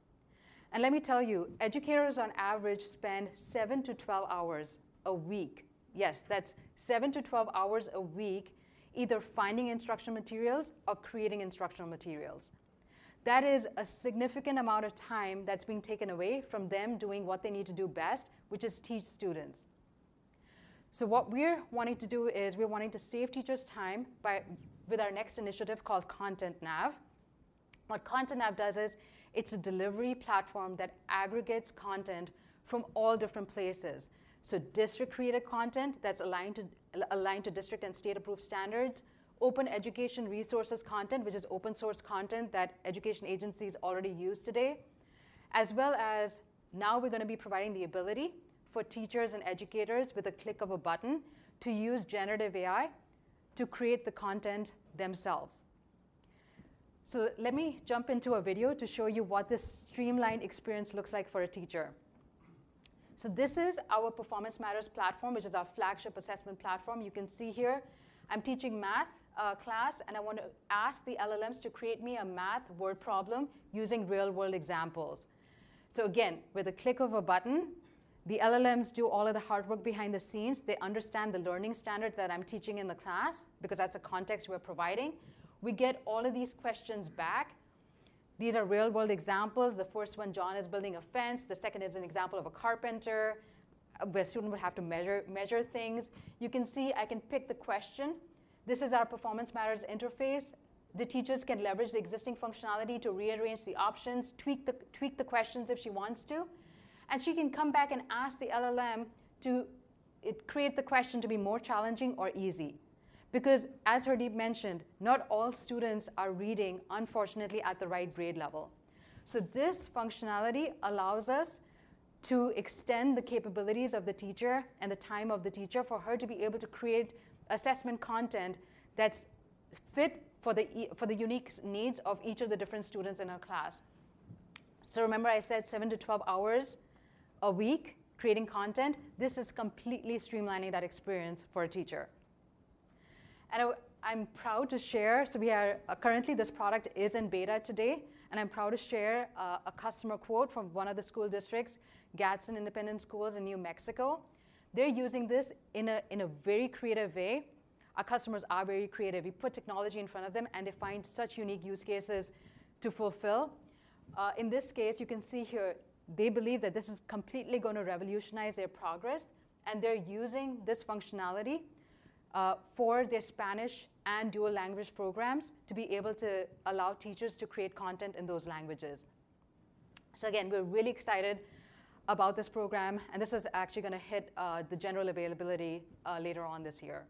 and let me tell you, educators on average spend seven to 12 hours a week, yes, that's seven to 12 hours a week, either finding instructional materials or creating instructional materials. That is a significant amount of time that's being taken away from them doing what they need to do best, which is teach students. So what we're wanting to do is, we're wanting to save teachers time by with our next initiative called ContentNav. What ContentNav does is, it's a delivery platform that aggregates content from all different places. So district-created content that's aligned to district and state-approved standards, open education resources content, which is open-source content that education agencies already use today, as well as now we're gonna be providing the ability for teachers and educators, with a click of a button, to use generative AI to create the content themselves. So let me jump into a video to show you what this streamlined experience looks like for a teacher. So this is our Performance Matters platform, which is our flagship assessment platform. You can see here, I'm teaching math class, and I want to ask the LLMs to create me a math word problem using real-world examples. So again, with a click of a button, the LLMs do all of the hard work behind the scenes. They understand the learning standard that I'm teaching in the class, because that's the context we're providing. We get all of these questions back. These are real-world examples. The first one, John is building a fence. The second is an example of a carpenter, where a student would have to measure things. You can see I can pick the question. This is our Performance Matters interface. The teachers can leverage the existing functionality to rearrange the options, tweak the questions if she wants to, and she can come back and ask the LLM to it—create the question to be more challenging or easy. Because, as Hardeep mentioned, not all students are reading, unfortunately, at the right grade level. So this functionality allows us to extend the capabilities of the teacher and the time of the teacher, for her to be able to create assessment content that's fit for the unique needs of each of the different students in her class. So remember I said seven to 12 hours a week creating content? This is completely streamlining that experience for a teacher. And I'm proud to share. Currently, this product is in beta today, and I'm proud to share a customer quote from one of the school districts, Gadsden Independent Schools in New Mexico. They're using this in a very creative way. Our customers are very creative. You put technology in front of them, and they find such unique use cases to fulfill. In this case, you can see here, they believe that this is completely gonna revolutionize their progress, and they're using this functionality for their Spanish and dual language programs to be able to allow teachers to create content in those languages. So again, we're really excited about this program, and this is actually gonna hit the general availability later on this year.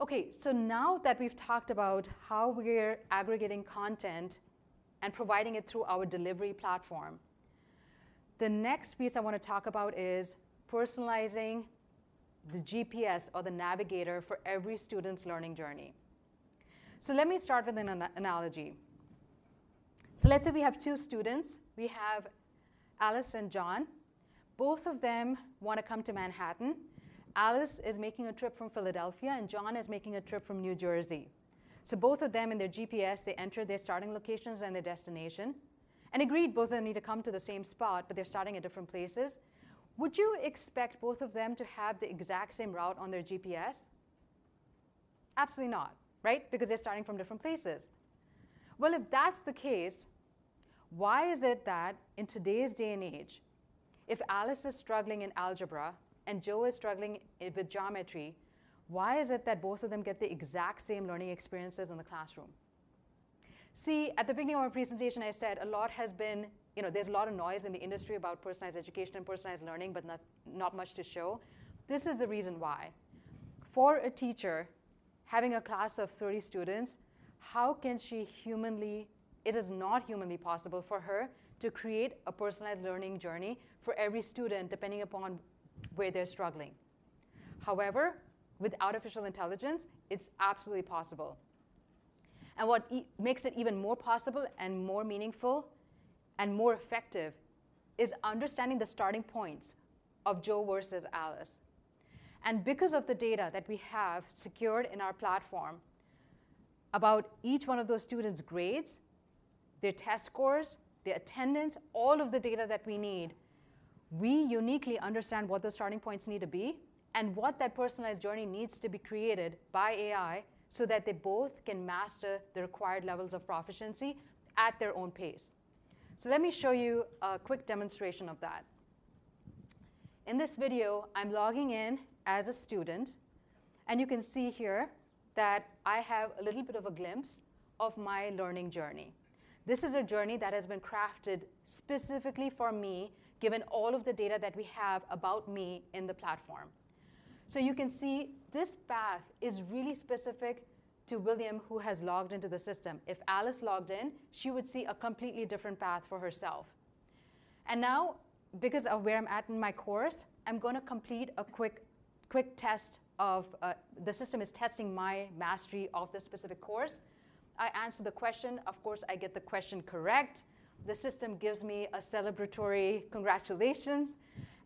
Okay, so now that we've talked about how we're aggregating content and providing it through our delivery platform, the next piece I want to talk about is personalizing the GPS or the navigator for every student's learning journey. So let me start with an analogy. So let's say we have two students. We have Alice and John. Both of them want to come to Manhattan. Alice is making a trip from Philadelphia, and John is making a trip from New Jersey. So both of them, in their GPS, they enter their starting locations and their destination, and agreed, both of them need to come to the same spot, but they're starting at different places. Would you expect both of them to have the exact same route on their GPS? Absolutely not, right? Because they're starting from different places. Well, if that's the case, why is it that in today's day and age, if Alice is struggling in algebra and Joe is struggling with geometry, why is it that both of them get the exact same learning experiences in the classroom? See, at the beginning of my presentation, I said a lot has be—you know, there's a lot of noise in the industry about personalized education and personalized learning, but not, not much to show. This is the reason why.... For a teacher having a class of 30 students, how can she humanly? It is not humanly possible for her to create a personalized learning journey for every student, depending upon where they're struggling. However, with artificial intelligence, it's absolutely possible. And what makes it even more possible and more meaningful and more effective is understanding the starting points of Joe versus Alice. And because of the data that we have secured in our platform about each one of those students' grades, their test scores, their attendance, all of the data that we need, we uniquely understand what those starting points need to be and what that personalized journey needs to be created by AI, so that they both can master the required levels of proficiency at their own pace. So let me show you a quick demonstration of that. In this video, I'm logging in as a student, and you can see here that I have a little bit of a glimpse of my learning journey. This is a journey that has been crafted specifically for me, given all of the data that we have about me in the platform. So you can see this path is really specific to William, who has logged into the system. If Alice logged in, she would see a completely different path for herself. And now, because of where I'm at in my course, I'm gonna complete a quick, quick test of. The system is testing my mastery of this specific course. I answer the question. Of course, I get the question correct. The system gives me a celebratory congratulations,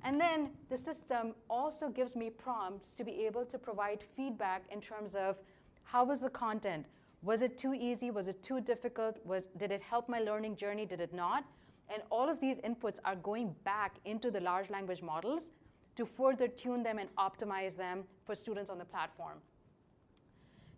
and then the system also gives me prompts to be able to provide feedback in terms of: How was the content? Was it too easy? Was it too difficult? Did it help my learning journey, did it not? And all of these inputs are going back into the large language models to further tune them and optimize them for students on the platform.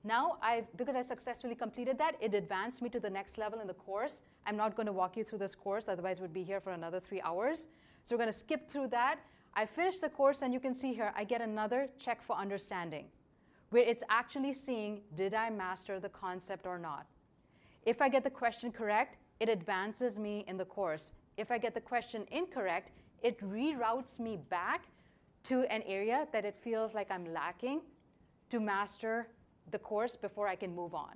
Now, because I successfully completed that, it advanced me to the next level in the course. I'm not gonna walk you through this course, otherwise we'd be here for another three hours, so we're gonna skip through that. I finished the course, and you can see here, I get another check for understanding, where it's actually seeing, did I master the concept or not? If I get the question correct, it advances me in the course. If I get the question incorrect, it reroutes me back to an area that it feels like I'm lacking, to master the course before I can move on.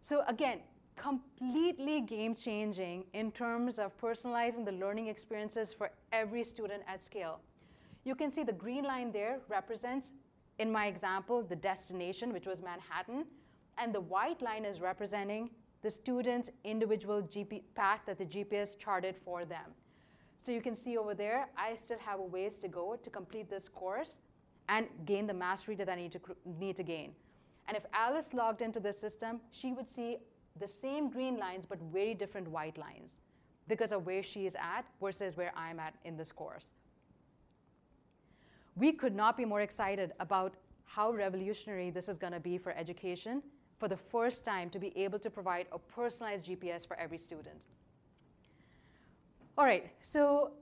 So again, completely game-changing in terms of personalizing the learning experiences for every student at scale. You can see the green line there represents, in my example, the destination, which was Manhattan, and the white line is representing the student's individual GPS path that the GPS charted for them. So you can see over there, I still have a ways to go to complete this course and gain the mastery that I need to need to gain. And if Alice logged into the system, she would see the same green lines, but very different white lines because of where she is at versus where I'm at in this course. We could not be more excited about how revolutionary this is gonna be for education, for the first time, to be able to provide a personalized GPS for every student. All right, so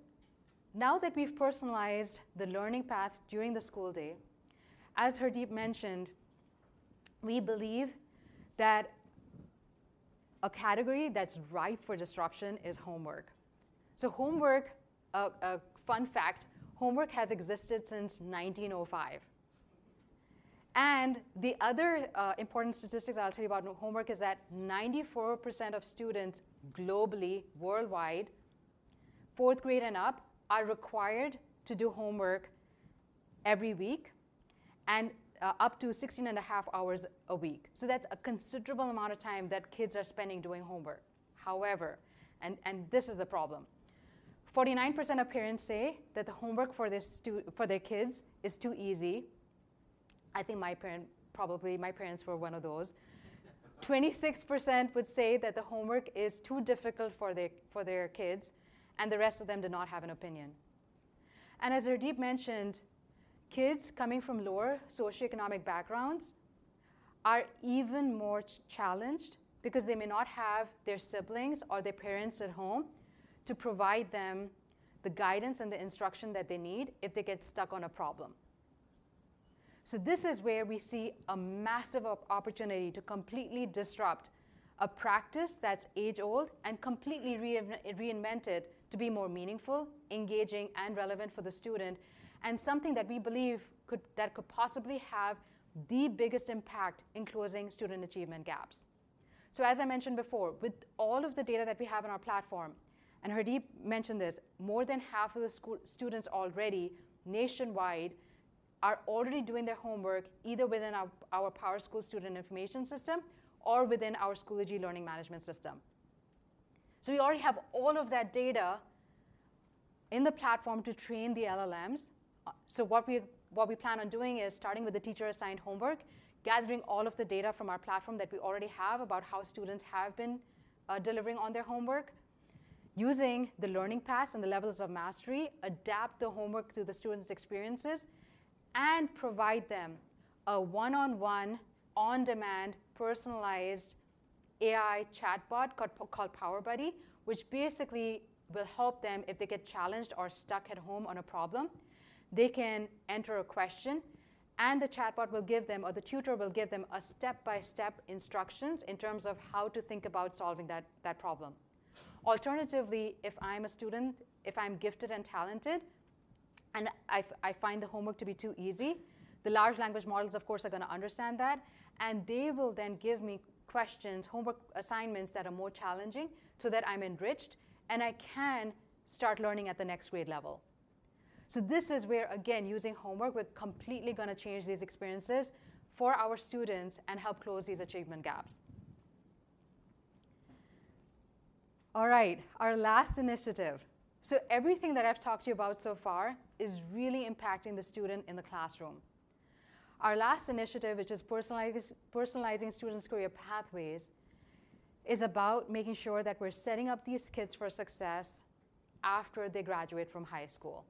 now that we've personalized the learning path during the school day, as Hardeep mentioned, we believe that a category that's ripe for disruption is homework. So homework, a fun fact: homework has existed since 1905. And the other important statistic that I'll tell you about in homework is that 94% of students globally, worldwide, fourth grade and up, are required to do homework every week, and up to 16.5 hours a week. So that's a considerable amount of time that kids are spending doing homework. However, this is the problem, 49% of parents say that the homework for their kids is too easy. I think my parent, probably my parents were one of those. 26% would say that the homework is too difficult for their kids, and the rest of them did not have an opinion. As Hardeep mentioned, kids coming from lower socioeconomic backgrounds are even more challenged because they may not have their siblings or their parents at home to provide them the guidance and the instruction that they need if they get stuck on a problem. This is where we see a massive opportunity to completely disrupt a practice that's age-old, and completely reinvent it to be more meaningful, engaging, and relevant for the student, and something that we believe that could possibly have the biggest impact in closing student achievement gaps. So, as I mentioned before, with all of the data that we have on our platform, and Hardeep mentioned this, more than half of the school students already, nationwide, are already doing their homework, either within our PowerSchool student information system or within our Schoology learning management system. So we already have all of that data in the platform to train the LLMs. So what we plan on doing is starting with the teacher-assigned homework, gathering all of the data from our platform that we already have about how students have been delivering on their homework, using the learning paths and the levels of mastery, adapt the homework to the students' experiences, and provide them a one-on-one, on-demand, personalized AI chatbot called PowerBuddy, which basically will help them if they get challenged or stuck at home on a problem. They can enter a question, and the chatbot will give them, or the tutor will give them, a step-by-step instructions in terms of how to think about solving that, that problem. Alternatively, if I'm a student, if I'm gifted and talented and I find the homework to be too easy, the large language models, of course, are gonna understand that, and they will then give me questions, homework assignments that are more challenging so that I'm enriched, and I can start learning at the next grade level. So this is where, again, using homework, we're completely gonna change these experiences for our students and help close these achievement gaps. All right, our last initiative. So everything that I've talked to you about so far is really impacting the student in the classroom. Our last initiative, which is personalizing students' career pathways, is about making sure that we're setting up these kids for success after they graduate from high school.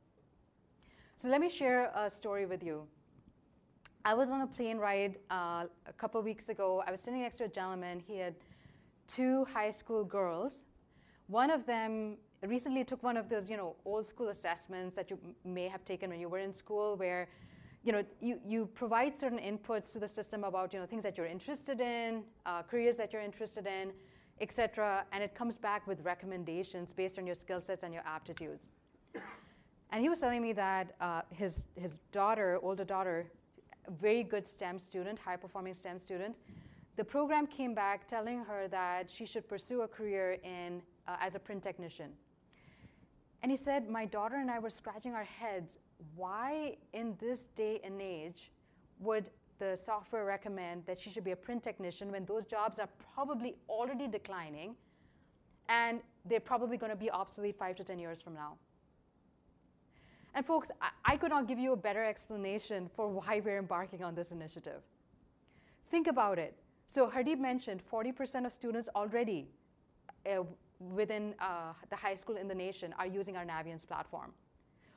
So let me share a story with you. I was on a plane ride a couple weeks ago. I was sitting next to a gentleman. He had two high school girls. One of them recently took one of those, you know, old-school assessments that you may have taken when you were in school, where, you know, you provide certain inputs to the system about, you know, things that you're interested in, careers that you're interested in, et cetera, and it comes back with recommendations based on your skill sets and your aptitudes. He was telling me that, his daughter, older daughter, a very good STEM student, high-performing STEM student, the program came back telling her that she should pursue a career in, as a print technician. And he said, "My daughter and I were scratching our heads. Why, in this day and age, would the software recommend that she should be a print technician, when those jobs are probably already declining, and they're probably gonna be obsolete five to 10 years from now?" And folks, I, I could not give you a better explanation for why we're embarking on this initiative. Think about it. So Hardeep mentioned 40% of students already, within, the high school in the nation are using our Naviance platform.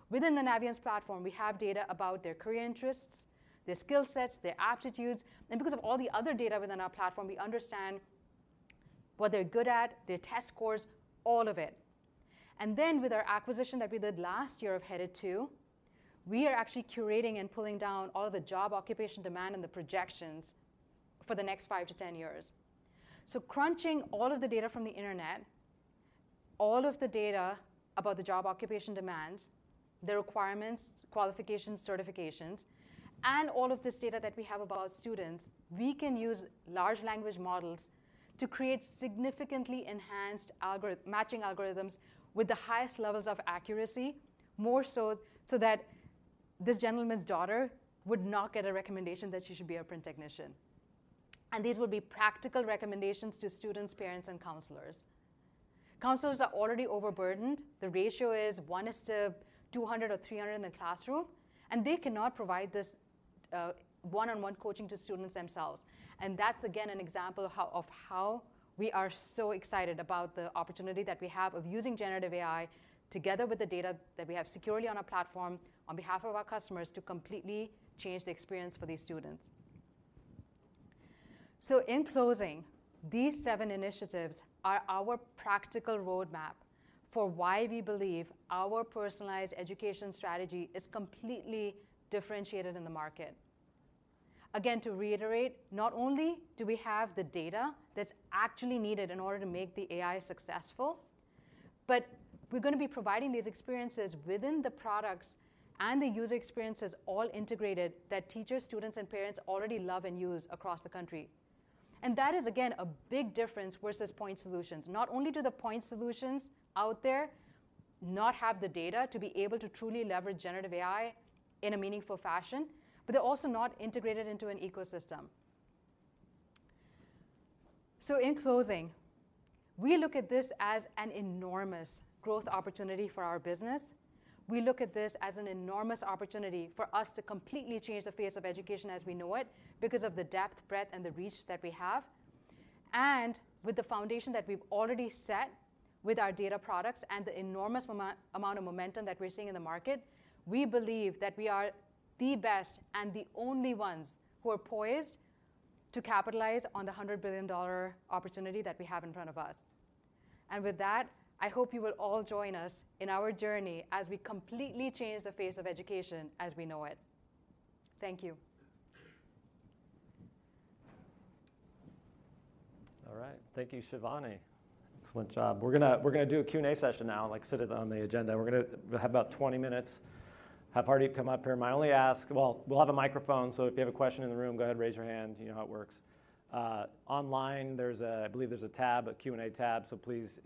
Within the Naviance platform, we have data about their career interests, their skill sets, their aptitudes, and because of all the other data within our platform, we understand what they're good at, their test scores, all of it. Then, with our acquisition that we did last year of Headed2, we are actually curating and pulling down all of the job occupation demand and the projections for the next five to 10 years. Crunching all of the data from the internet, all of the data about the job occupation demands, the requirements, qualifications, certifications, and all of this data that we have about students, we can use large language models to create significantly enhanced algorithm-matching algorithms with the highest levels of accuracy, more so, so that this gentleman's daughter would not get a recommendation that she should be a print technician. These would be practical recommendations to students, parents, and counselors. Counselors are already overburdened. The ratio is one to 200 or 300 in the classroom, and they cannot provide this one-on-one coaching to students themselves. And that's, again, an example of how we are so excited about the opportunity that we have of using generative AI together with the data that we have securely on our platform, on behalf of our customers, to completely change the experience for these students. In closing, these seven initiatives are our practical roadmap for why we believe our personalized education strategy is completely differentiated in the market. Again, to reiterate, not only do we have the data that's actually needed in order to make the AI successful, but we're gonna be providing these experiences within the products and the user experiences all integrated, that teachers, students, and parents already love and use across the country. That is, again, a big difference versus point solutions. Not only do the point solutions out there not have the data to be able to truly leverage generative AI in a meaningful fashion, but they're also not integrated into an ecosystem. In closing, we look at this as an enormous growth opportunity for our business. We look at this as an enormous opportunity for us to completely change the face of education as we know it, because of the depth, breadth, and the reach that we have. With the foundation that we've already set with our data products and the enormous amount of momentum that we're seeing in the market, we believe that we are the best and the only ones who are poised to capitalize on the $100 billion opportunity that we have in front of us. With that, I hope you will all join us in our journey as we completely change the face of education as we know it. Thank you.
All right. Thank you, Shivani. Excellent job. We're gonna do a Q&A session now, like said on the agenda. We're gonna have about 20 minutes, have Hardeep come up here. My only ask—well, we'll have a microphone, so if you have a question in the room, go ahead, raise your hand. You know how it works. Online, I believe there's a Q&A tab, so please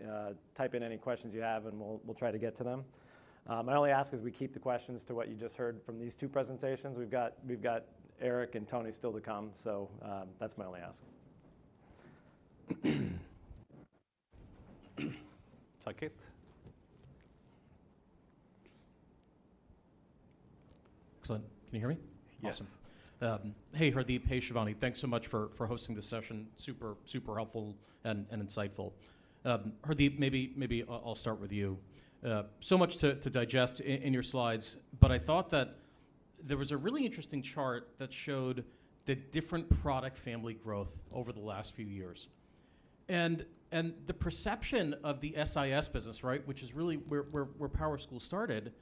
type in any questions you have, and we'll try to get to them. My only ask is we keep the questions to what you just heard from these two presentations. We've got Eric and Tony still to come, so that's my only ask. Saket?
Excellent. Can you hear me?
Yes.
Awesome. Hey, Hardeep. Hey, Shivani. Thanks so much for hosting this session. Super, super helpful and insightful. Hardeep, maybe I'll start with you. So much to digest in your slides, but I thought that there was a really interesting chart that showed the different product family growth over the last few years, and the perception of the SIS business, right, which is really where PowerSchool started.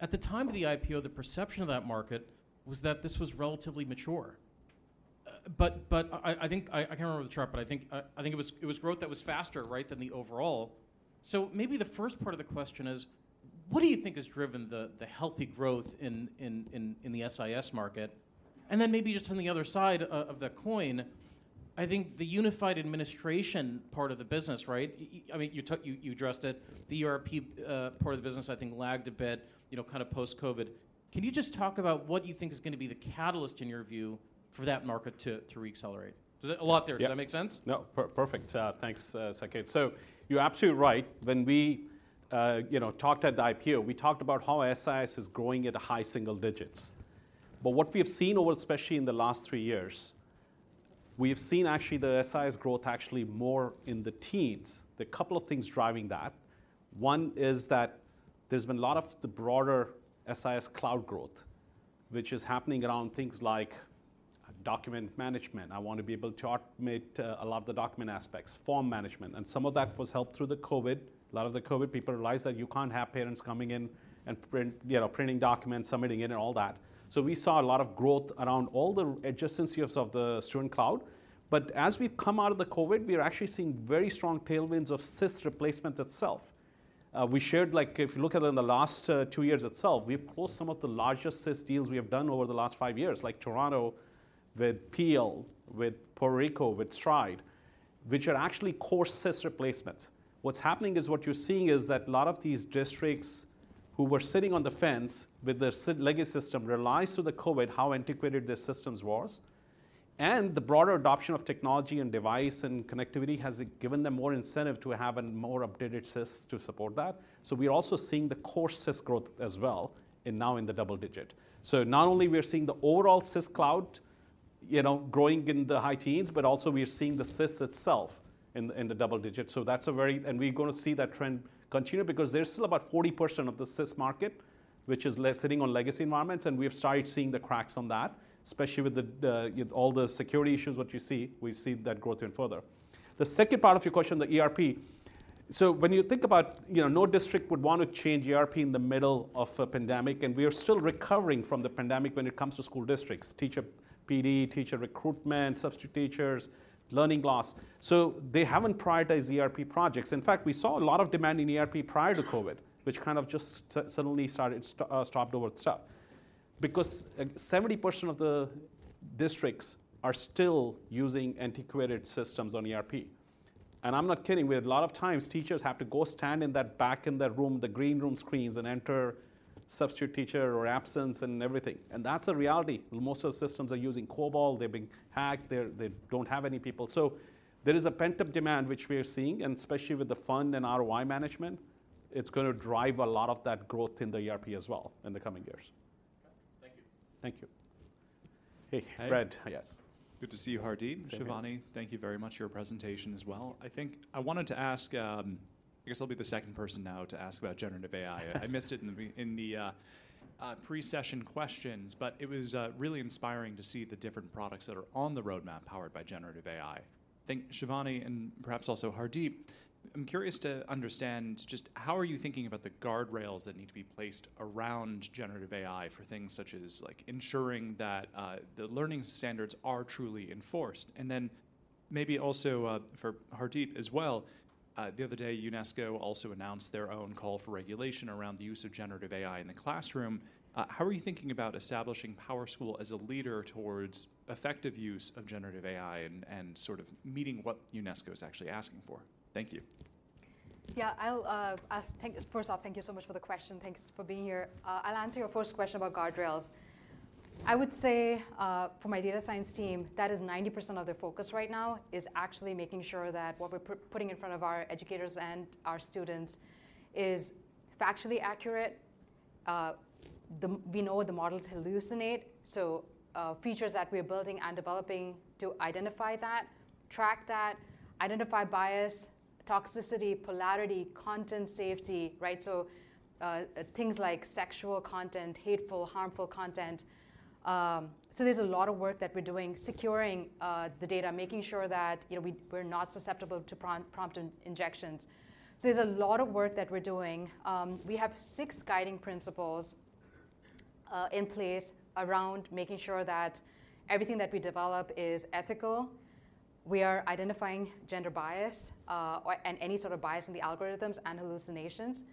At the time of the IPO, the perception of that market was that this was relatively mature-
But I think I can't remember the chart, but I think it was growth that was faster, right, than the overall. So maybe the first part of the question is: what do you think has driven the healthy growth in the SIS market? And then maybe just on the other side of the coin, I think the unified administration part of the business, right? I mean, you took—you addressed it. The ERP part of the business, I think, lagged a bit, you know, kind of post-COVID. Can you just talk about what you think is gonna be the catalyst, in your view, for that market to re-accelerate? There's a lot there.
Yeah.
Does that make sense?
No, perfect. Thanks, Saket. So you're absolutely right. When we, you know, talked at the IPO, we talked about how SIS is growing at a high single digits. But what we have seen over, especially in the last three years, we've seen actually the SIS growth actually more in the teens. There are couple of things driving that. One is that there's been a lot of the broader SIS cloud growth, which is happening around things like document management. I want to be able to automate a lot of the document aspects, form management, and some of that was helped through the COVID. A lot of the COVID, people realized that you can't have parents coming in and print, you know, printing documents, submitting in and all that. So we saw a lot of growth around all the adjacencies of the student cloud. But as we've come out of the COVID, we are actually seeing very strong tailwinds of SIS replacements itself. We shared, like if you look at it in the last two years itself, we've pulled some of the largest SIS deals we have done over the last five years, like Toronto, with Peel, with Puerto Rico, with Stride, which are actually core SIS replacements. What's happening is, what you're seeing is that a lot of these districts who were sitting on the fence with their legacy system, realized through the COVID, how antiquated their systems was, and the broader adoption of technology and device and connectivity has given them more incentive to have a more updated SIS to support that. So we're also seeing the core SIS growth as well, and now in the double digit. So not only we're seeing the overall SIS cloud, you know, growing in the high teen, but also we are seeing the SIS itself in the double digits%. So that's a very—and we're gonna see that trend continue because there's still about 40% of the SIS market, which is sitting on legacy environments, and we have started seeing the cracks on that, especially with the, you know, all the security issues what you see, we've seen that growth even further. The second part of your question, the ERP. So when you think about, you know, no district would want to change ERP in the middle of a pandemic, and we are still recovering from the pandemic when it comes to school districts: teacher PD, teacher recruitment, substitute teachers, learning loss. So they haven't prioritized ERP projects. In fact, we saw a lot of demand in ERP prior to COVID, which kind of just suddenly started, stopped all the stuff. Because, 70% of the districts are still using antiquated systems on ERP. And I'm not kidding, we had a lot of times teachers have to go stand in that back, in that room, the green room screens, and enter substitute teacher or absence and everything. And that's a reality. Most of the systems are using COBOL. They're being hacked, they're, they don't have any people. So there is a pent-up demand, which we are seeing, and especially with the fund and ROI management, it's gonna drive a lot of that growth in the ERP as well in the coming years.
Okay. Thank you.
Thank you. Hey, Fred.
Hey.
Yes.
Good to see you, Hardeep.
Same here.
Shivani, thank you very much for your presentation as well.
Thank you.
I think I wanted to ask, I guess I'll be the second person now to ask about generative AI. I missed it in the pre-session questions, but it was really inspiring to see the different products that are on the roadmap powered by generative AI. I think, Shivani, and perhaps also Hardeep, I'm curious to understand, just how are you thinking about the guardrails that need to be placed around generative AI for things such as, like ensuring that the learning standards are truly enforced? And then maybe also, for Hardeep as well, the other day, UNESCO also announced their own call for regulation around the use of generative AI in the classroom. How are you thinking about establishing PowerSchool as a leader towards effective use of generative AI and sort of meeting what UNESCO is actually asking for? Thank you.
Yeah, thank you, first off, thank you so much for the question. Thanks for being here. I'll answer your first question about guardrails. I would say, for my data science team, that is 90% of their focus right now, is actually making sure that what we're putting in front of our educators and our students is factually accurate. We know the models hallucinate, so features that we're building and developing to identify that, track that, identify bias, toxicity, polarity, content safety, right? So, things like sexual content, hateful, harmful content. So there's a lot of work that we're doing securing the data, making sure that, you know, we're not susceptible to prompt injections. So there's a lot of work that we're doing. We have six guiding principles in place around making sure that everything that we develop is ethical. We are identifying gender bias, or, and any sort of bias in the algorithms and hallucinations.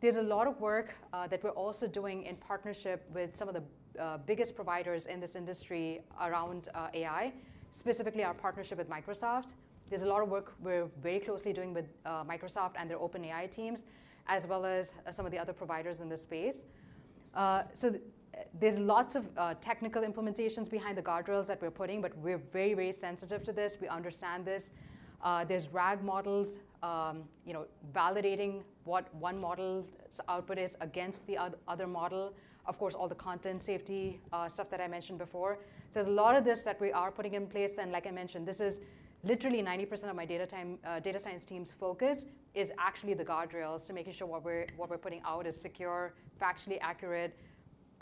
There's a lot of work that we're also doing in partnership with some of the biggest providers in this industry around AI, specifically our partnership with Microsoft. There's a lot of work we're very closely doing with Microsoft and their OpenAI teams, as well as some of the other providers in this space. So there's lots of technical implementations behind the guardrails that we're putting, but we're very, very sensitive to this. We understand this. There's RAG models, you know, validating what one model's output is against the other model. Of course, all the content safety stuff that I mentioned before. So there's a lot of this that we are putting in place, and like I mentioned, this is literally 90% of my data time, data science team's focus, is actually the guardrails to making sure what we're, what we're putting out is secure, factually accurate,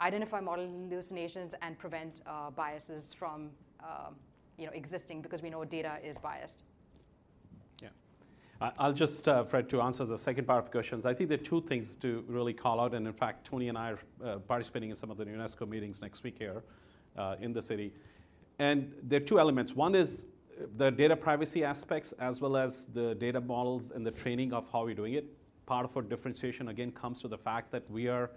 identify model hallucinations, and prevent, biases from, you know, existing, because we know data is biased.
Yeah. I'll just, Fred, to answer the second part of the questions, I think there are two things to really call out, and in fact, Tony and I are participating in some of the UNESCO meetings next week here in the city. And there are two elements. One is the data privacy aspects as well as the data models and the training of how we're doing it. Part of our differentiation, again, comes to the fact that we are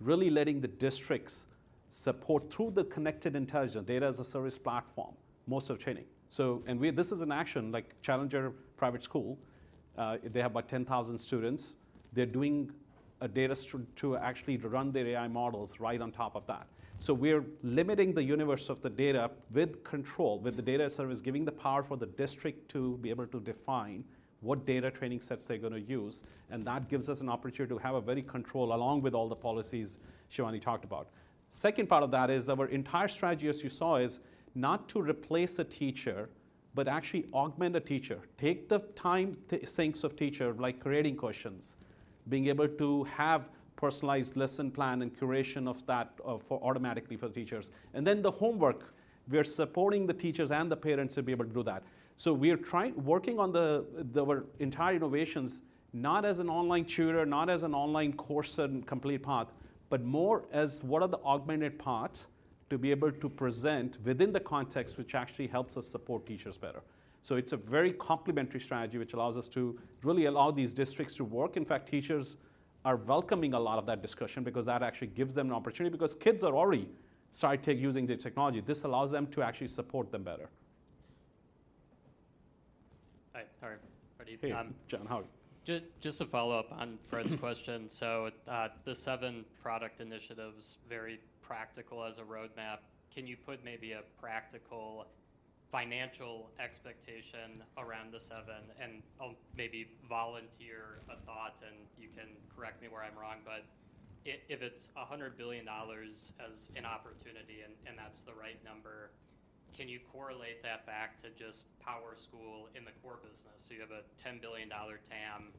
really letting the districts support through the Connected Intelligence data as a service platform, most of training. So, and we—this is an action like Challenger Private School, they have about 10,000 students. They're doing a da—to actually run their AI models right on top of that. So we're limiting the universe of the data with control, with the data service, giving the power for the district to be able to define what data training sets they're going to use, and that gives us an opportunity to have a very control, along with all the policies Shivani talked about. Second part of that is our entire strategy, as you saw, is not to replace a teacher, but actually augment a teacher. Take the time, things of teacher, like creating questions, being able to have personalized lesson plan and curation of that, for automatically for the teachers, and then the homework. We are supporting the teachers and the parents to be able to do that. So we are trying— Working on our entire innovations, not as an online tutor, not as an online course and complete path, but more as what are the augmented parts to be able to present within the context, which actually helps us support teachers better. So it's a very complementary strategy, which allows us to really allow these districts to work. In fact, teachers are welcoming a lot of that discussion because that actually gives them an opportunity, because kids are already starting to using the technology. This allows them to actually support them better.
Hi, Hardeep. How are you?
Hey, John, how are you?
Just to follow up on Fred's question, so, the seven product initiatives, very practical as a roadmap. Can you put maybe a practical financial expectation around the seven? And I'll maybe volunteer a thought, and you can correct me where I'm wrong, but if it's $100 billion as an opportunity and that's the right number, can you correlate that back to just PowerSchool in the core business? So you have a $10 billion TAM,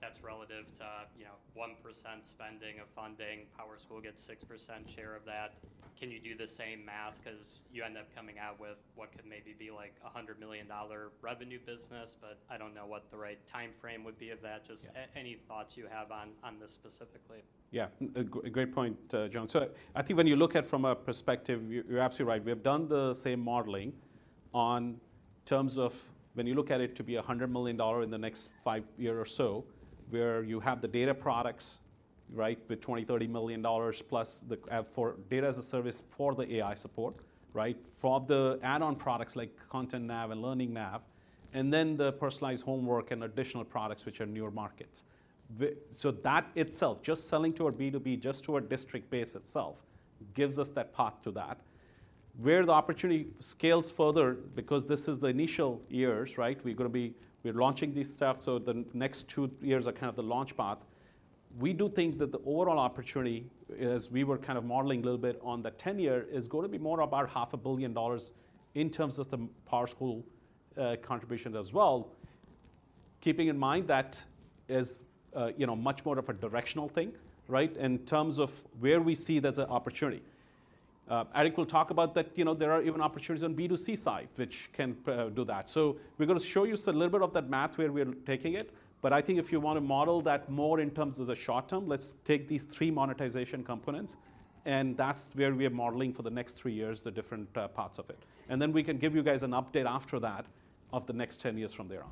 that's relative to, you know, 1% spending of funding. PowerSchool gets 6% share of that. Can you do the same math? 'Cause you end up coming out with what could maybe be, like, a $100 million revenue business, but I don't know what the right timeframe would be of that. Just any thoughts you have on this specifically?
Yeah. A great point, John. So I think when you look at from a perspective, you're, you're absolutely right. We have done the same modeling on terms of when you look at it to be $100 million in the next five years or so, where you have the data products, right? With $20 million-$30 million, plus the for data as a service for the AI support, right? For the add-on products like ContentNav and LearningNav, and then the personalized homework and additional products, which are newer markets. So that itself, just selling to a B2B, just to a district base itself, gives us that path to that. Where the opportunity scales further, because this is the initial years, right? We're going to be we're launching this stuff, so the next two years are kind of the launch path. We do think that the overall opportunity is, we were kind of modeling a little bit on the 10-year, is going to be more about $500 million in terms of the PowerSchool contribution as well. Keeping in mind that is, you know, much more of a directional thing, right, in terms of where we see there's an opportunity. Eric will talk about that, you know, there are even opportunities on B2C side, which can do that. So we're going to show you a little bit of that math where we are taking it, but I think if you want to model that more in terms of the short term, let's take these three monetization components, and that's where we are modeling for the next three years, the different parts of it. Then we can give you guys an update after that, of the next 10 years from there on.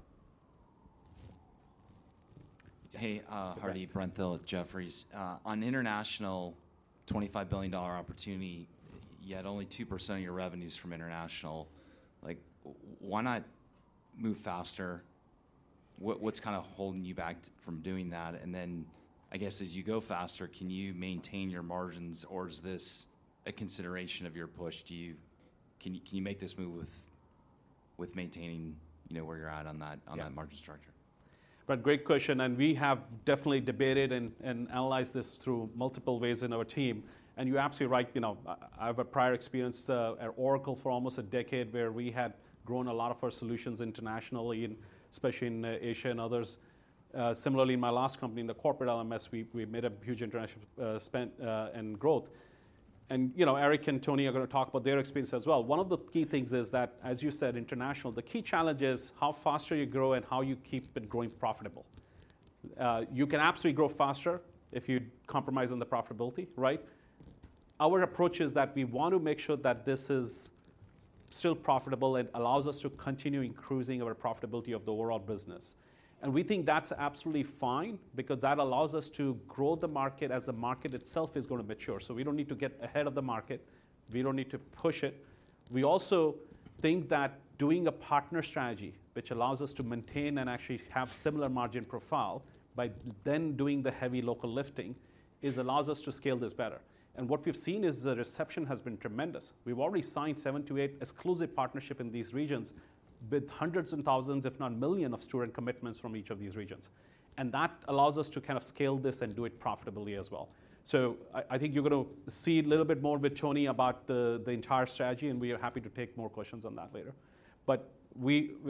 Yes.
Hey, Hari, Brent Thill with Jefferies. On international $25 billion opportunity, yet only 2% of your revenue's from international, like, why not move faster? What, what's kind of holding you back from doing that? And then, I guess, as you go faster, can you maintain your margins, or is this a consideration of your push? Do you—can you, can you make this move with, with maintaining, you know, where you're at on that on that margin structure?
Brent, great question, and we have definitely debated and analyzed this through multiple ways in our team, and you're absolutely right. You know, I have a prior experience at Oracle for almost a decade, where we had grown a lot of our solutions internationally and especially in Asia and others. Similarly, in my last company, in the corporate LMS, we made a huge international spend and growth. And, you know, Eric and Tony are going to talk about their experience as well. One of the key things is that, as you said, international, the key challenge is how faster you grow and how you keep it growing profitable. You can absolutely grow faster if you compromise on the profitability, right? Our approach is that we want to make sure that this is still profitable and allows us to continue increasing our profitability of the overall business, and we think that's absolutely fine because that allows us to grow the market as the market itself is going to mature. So we don't need to get ahead of the market. We don't need to push it. We also think that doing a partner strategy, which allows us to maintain and actually have similar margin profile, by then doing the heavy local lifting, allows us to scale this better. And what we've seen is the reception has been tremendous. We've already signed seven to eight exclusive partnership in these regions, with hundreds and thousands, if not million, of student commitments from each of these regions. And that allows us to kind of scale this and do it profitably as well. So I think you're going to see a little bit more with Tony about the entire strategy, and we are happy to take more questions on that later. But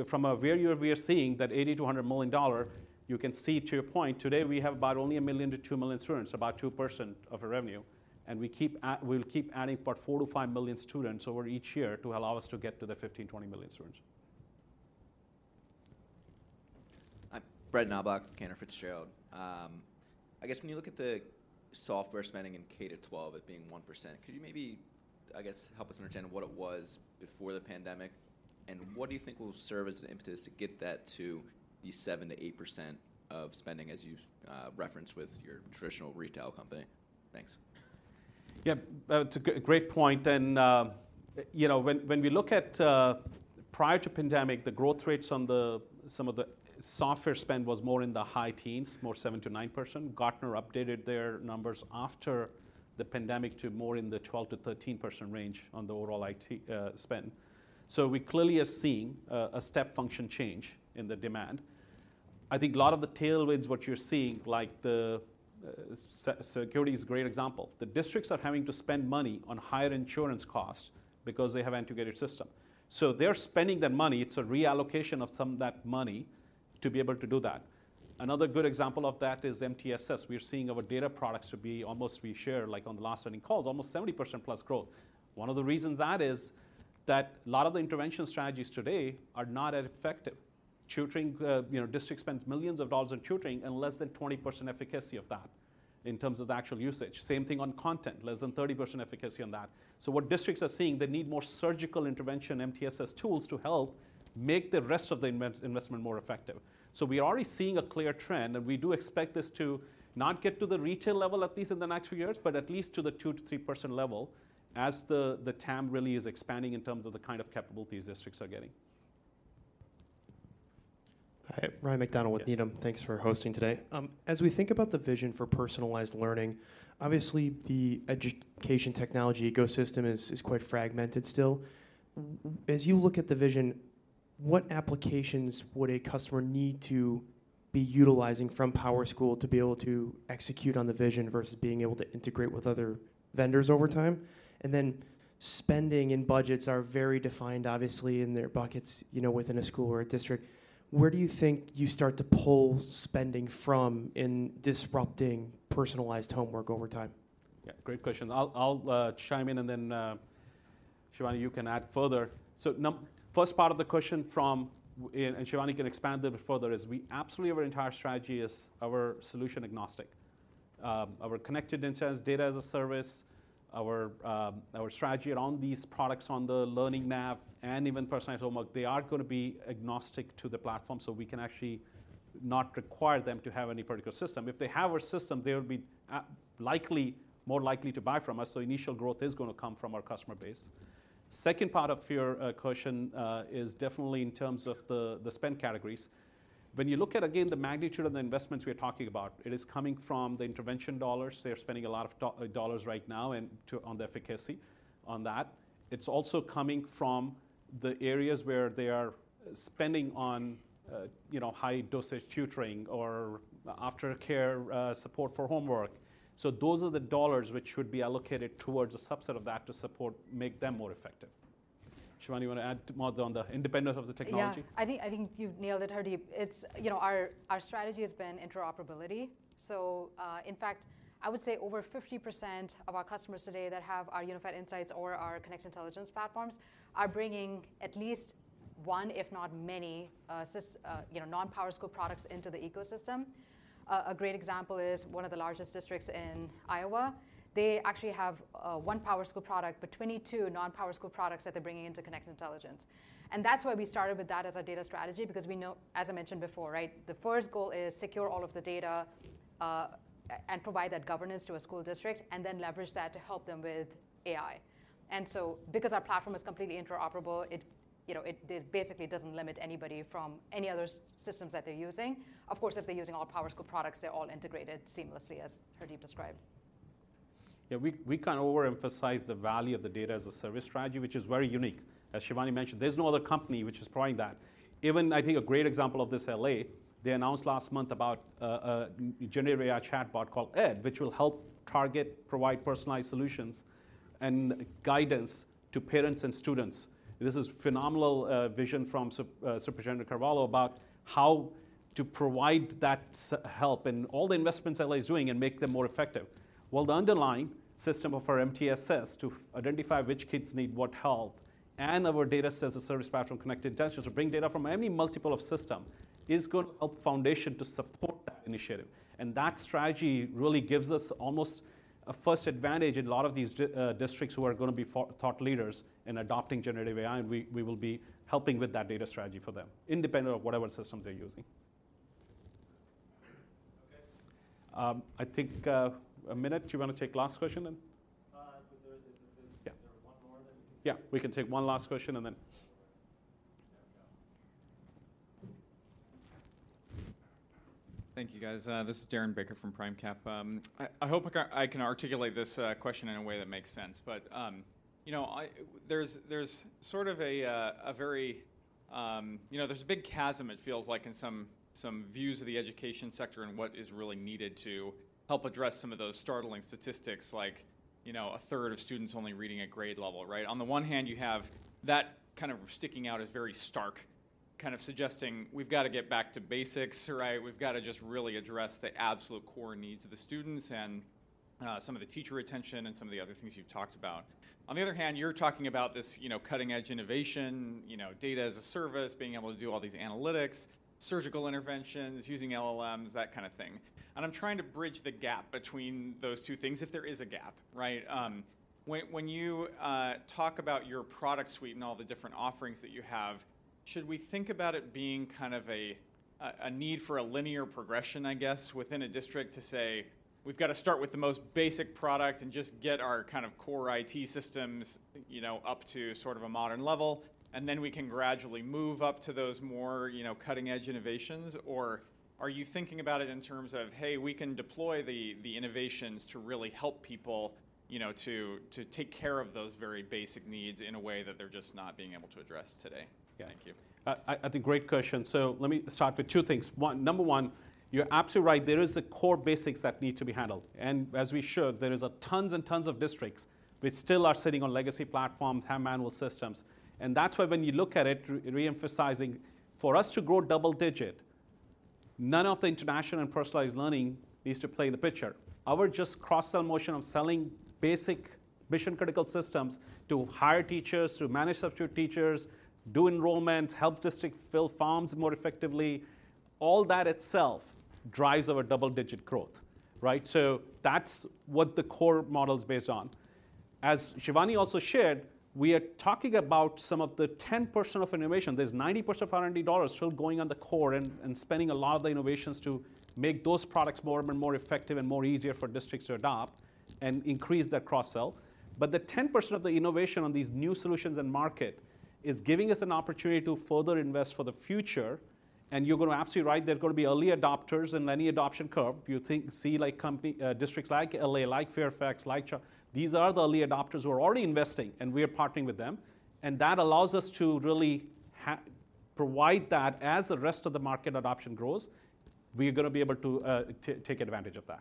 from a view, we are seeing that $80 million-$100 million, you can see to a point, today we have about only 1–2 million students, about 2% of our revenue, and we'll keep adding about 4–5 million students over each year to allow us to get to the 15–20 million students.
I'm Brett Knoblauch, Cantor Fitzgerald. I guess when you look at the software spending in K-12, it being 1%, could you maybe, I guess, help us understand what it was before the pandemic? And what do you think will serve as an impetus to get that to the 7%-8% of spending, as you referenced with your traditional retail company? Thanks.
Yeah. It's a great point, and, you know, when we look at, prior to pandemic, the growth rates on some of the software spend was more in the high teens, more 7%-9%. Gartner updated their numbers after the pandemic to more in the 12%-13% range on the overall IT spend. So we clearly are seeing a step function change in the demand. I think a lot of the tailwinds, what you're seeing, like the security is a great example. The districts are having to spend money on higher insurance costs because they have integrated system. So they're spending that money. It's a reallocation of some of that money to be able to do that. Another good example of that is MTSS. We're seeing our data products to be almost, we share, like on the last earnings calls, almost 70%+ growth. One of the reasons that is, that a lot of the intervention strategies today are not as effective. Tutoring, you know, districts spend millions of dollars on tutoring and less than 20% efficacy of that in terms of the actual usage. Same thing on content, less than 30% efficacy on that. So what districts are seeing, they need more surgical intervention, MTSS tools, to help make the rest of the investment more effective. We are already seeing a clear trend, and we do expect this to not get to the retail level, at least in the next few years, but at least to the 2%-3% level as the TAM really is expanding in terms of the kind of capabilities districts are getting.
Hi, Ryan MacDonald with Needham. Thanks for hosting today. As we think about the vision for personalized learning, obviously, the education technology ecosystem is quite fragmented still. As you look at the vision, what applications would a customer need to be utilizing from PowerSchool to be able to execute on the vision versus being able to integrate with other vendors over time? And then, spending and budgets are very defined, obviously, in their buckets, you know, within a school or a district. Where do you think you start to pull spending from in disrupting personalized homework over time?
Yeah, great question. I'll chime in, and then, Shivani, you can add further. So first part of the question, and Shivani can expand a bit further, is we absolutely, our entire strategy is our solution agnostic. Our Connected Intelligence, data-as-a-service, our strategy around these products on the learning map and even personalized homework, they are gonna be agnostic to the platform, so we can actually not require them to have any particular system. If they have our system, they would be likely, more likely to buy from us, so initial growth is gonna come from our customer base. Second part of your question is definitely in terms of the spend categories. When you look at, again, the magnitude of the investments we are talking about, it is coming from the intervention dollars. They're spending a lot of dollars right now and on the efficacy on that. It's also coming from the areas where they are spending on, you know, high dosage tutoring or aftercare, support for homework. So those are the dollars which would be allocated towards a subset of that to support make them more effective. Shivani, you want to add more on the independent of the technology?
Yeah. I think, I think you've nailed it, Hardeep. It's, you know, our, our strategy has been interoperability. So, in fact, I would say over 50% of our customers today that have our Unified Insights or our Connected Intelligence platforms are bringing at least one, if not many, systems, you know, non-PowerSchool products into the ecosystem. A great example is one of the largest districts in Iowa. They actually have one PowerSchool product, but 22 non-PowerSchool products that they're bringing into Connected Intelligence. And that's why we started with that as our data strategy, because we know, as I mentioned before, right? The first goal is secure all of the data, and provide that governance to a school district, and then leverage that to help them with AI. So, because our platform is completely interoperable, it, you know, basically doesn't limit anybody from any other systems that they're using. Of course, if they're using all PowerSchool products, they're all integrated seamlessly, as Hardeep described.
Yeah, we kind of overemphasize the value of the data as a service strategy, which is very unique. As Shivani mentioned, there's no other company which is providing that. Even I think a great example of this, L.A., they announced last month about generative AI chatbot called Ed, which will help target, provide personalized solutions and guidance to parents and students. This is phenomenal vision from Superintendent Carvalho, about how to provide that help and all the investments L.A. is doing and make them more effective. Well, the underlying system of our MTSS to identify which kids need what help, and our data as a service platform, Connected Intelligence, to bring data from any multiple of system, is good a foundation to support that initiative. That strategy really gives us almost a first advantage in a lot of these districts who are gonna be thought leaders in adopting generative AI, and we, we will be helping with that data strategy for them, independent of whatever systems they're using.
Okay.
I think a minute. Do you want to take last question, then?
There is...
Yeah.
Is there one more then?
Yeah, we can take one last question, and then-
Thank you, guys. This is Darren Baker from PRIMECAP. I hope I can articulate this question in a way that makes sense. But, you know, there's sort of a very, you know, there's a big chasm, it feels like, in some views of the education sector and what is really needed to help address some of those startling statistics like, you know, a third of students only reading at grade level, right? On the one hand, you have that kind of sticking out as very stark, kind of suggesting we've got to get back to basics, right? We've got to just really address the absolute core needs of the students, and some of the teacher retention and some of the other things you've talked about. On the other hand, you're talking about this, you know, cutting-edge innovation, you know, data-as-a-service, being able to do all these analytics, surgical interventions, using LLMs, that kind of thing. And I'm trying to bridge the gap between those two things, if there is a gap, right? When, when you talk about your product suite and all the different offerings that you have, should we think about it being kind of a, a need for a linear progression, I guess, within a district to say: we've got to start with the most basic product and just get our kind of core IT systems, you know, up to sort of a modern level, and then we can gradually move up to those more, you know, cutting-edge innovations? Or are you thinking about it in terms of, hey, we can deploy the innovations to really help people, you know, to take care of those very basic needs in a way that they're just not being able to address today? Yeah. Thank you.
I think great question. So let me start with two things. One, number one, you're absolutely right, there is a core basics that need to be handled. And as we showed, there is a tons and tons of districts, which still are sitting on legacy platforms, have manual systems. And that's why when you look at it, re-emphasizing, for us to grow double-digit, none of the international and personalized learning needs to play in the picture. Our just cross-sell motion of selling basic mission-critical systems to hire teachers, to manage substitute teachers, do enrollments, help district fill forms more effectively, all that itself drives our double-digit growth, right? So that's what the core model is based on. As Shivani also shared, we are talking about some of the 10% of innovation. There's 90% of R&D dollars still going on the core and, and spending a lot of the innovations to make those products more and more effective and more easier for districts to adopt and increase that cross-sell. But the 10% of the innovation on these new solutions and market is giving us an opportunity to further invest for the future. And you're going to absolutely right, there are going to be early adopters in any adoption curve. You think, see, like, company, districts like L.A., like Fairfax, like these are the early adopters who are already investing, and we are partnering with them, and that allows us to really provide that as the rest of the market adoption grows, we are going to be able to take advantage of that.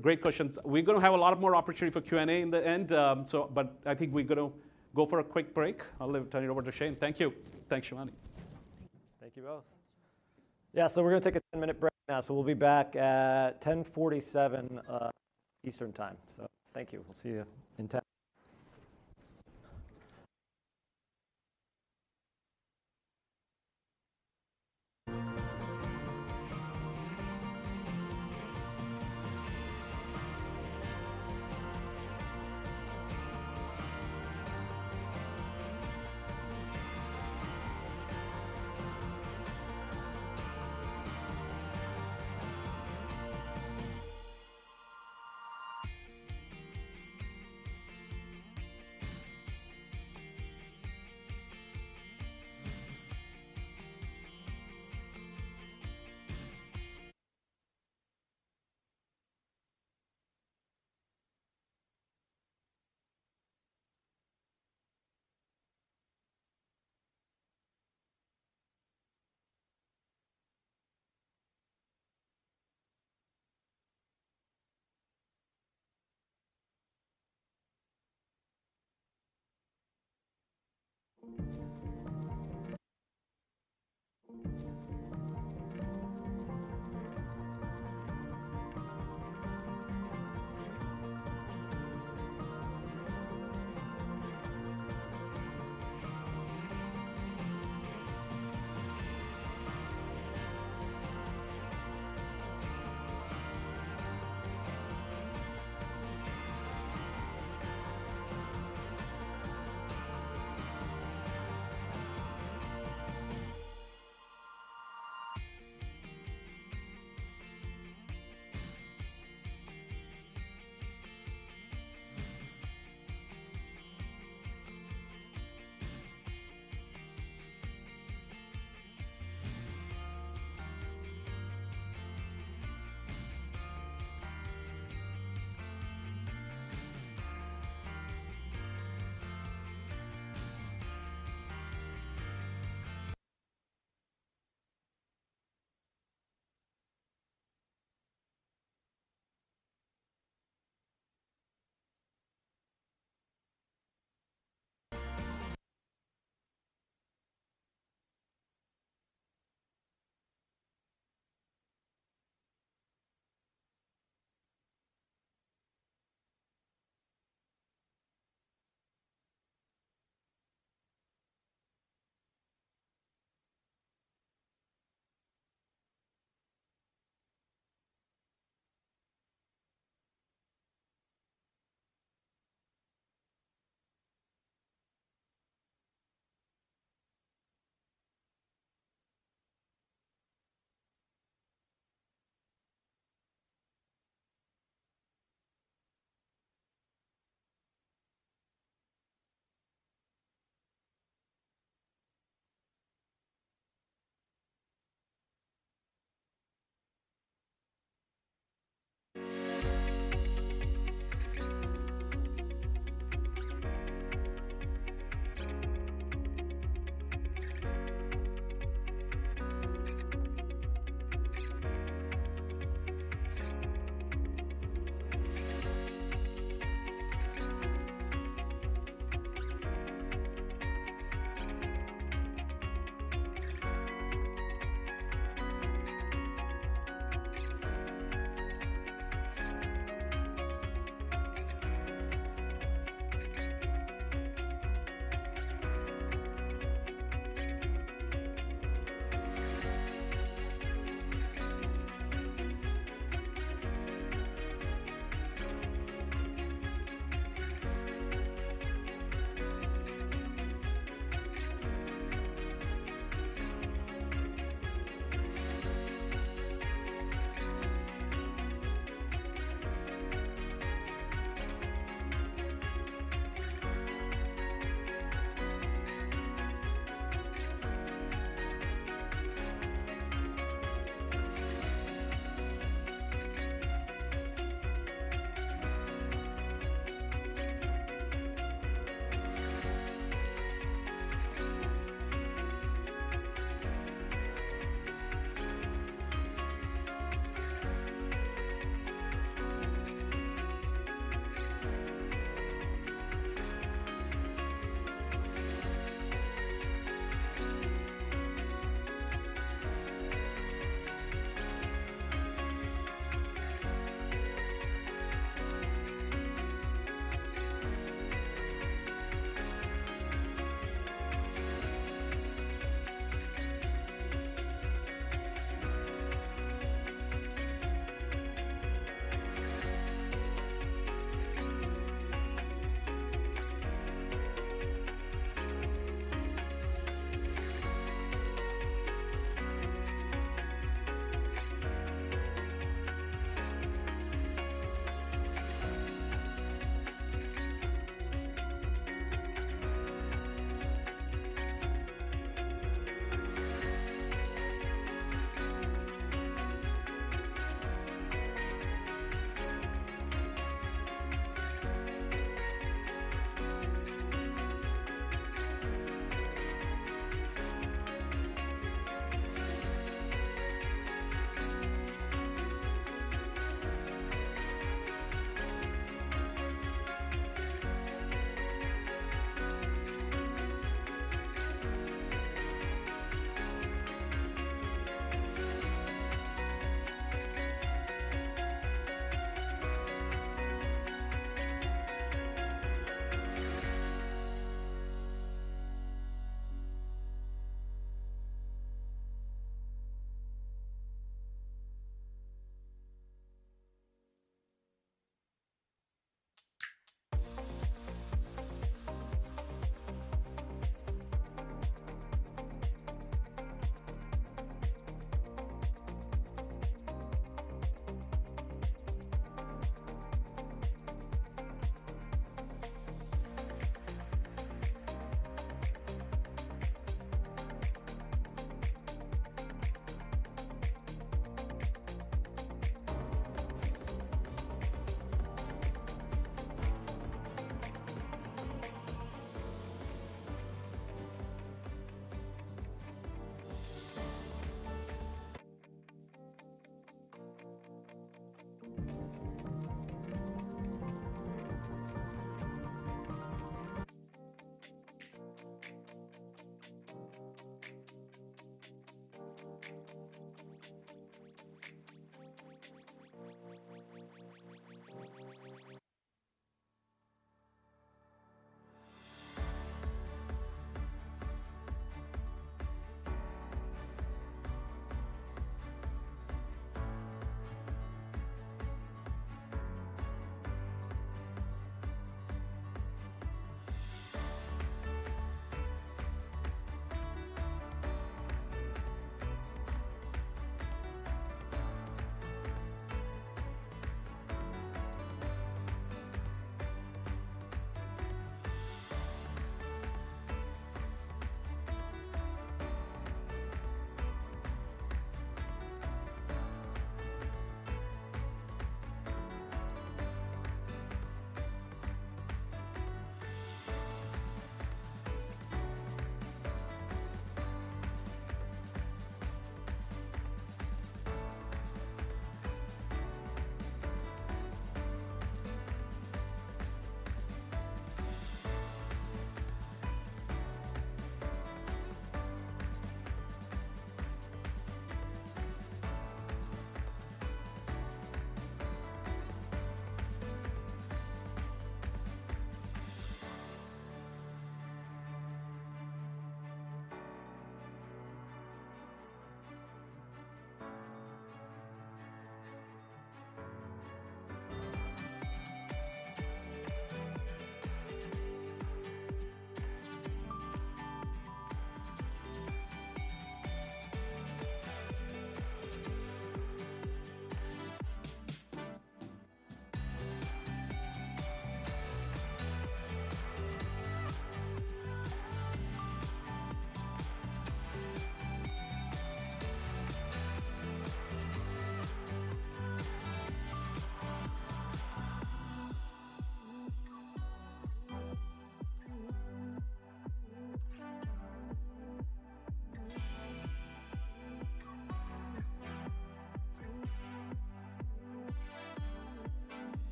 Great questions. We're going to have a lot of more opportunity for Q&A in the end, so, but I think we're going to go for a quick break. I'll turn it over to Shane. Thank you. Thanks, Shivani.
Thank you both. Yeah, so we're going to take a 10-minute break now, so we'll be back at 10:47 Eastern Time. So thank you. We'll see you in 10. Is it on? Hello. All right.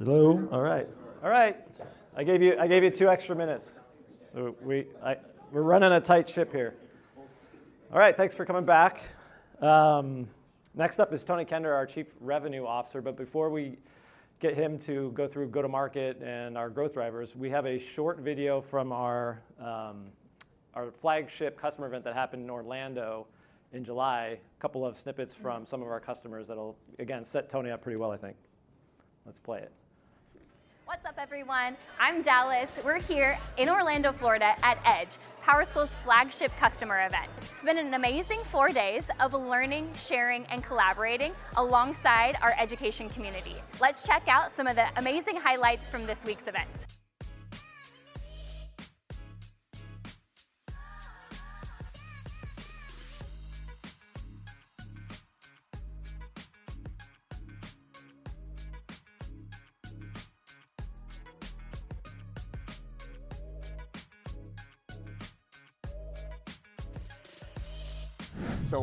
All right, I gave you two extra minutes, so we're running a tight ship here. All right, thanks for coming back. Next up is Tony Kender, our Chief Revenue Officer, but before we get him to go through go-to-market and our growth drivers, we have a short video from our flagship customer event that happened in Orlando in July. A couple of snippets from some of our customers that'll, again, set Tony up pretty well, I think. Let's play it.
What's up, everyone? I'm Dallas. We're here in Orlando, Florida, at EDGE, PowerSchool's flagship customer event. It's been an amazing four days of learning, sharing, and collaborating alongside our education community. Let's check out some of the amazing highlights from this week's event.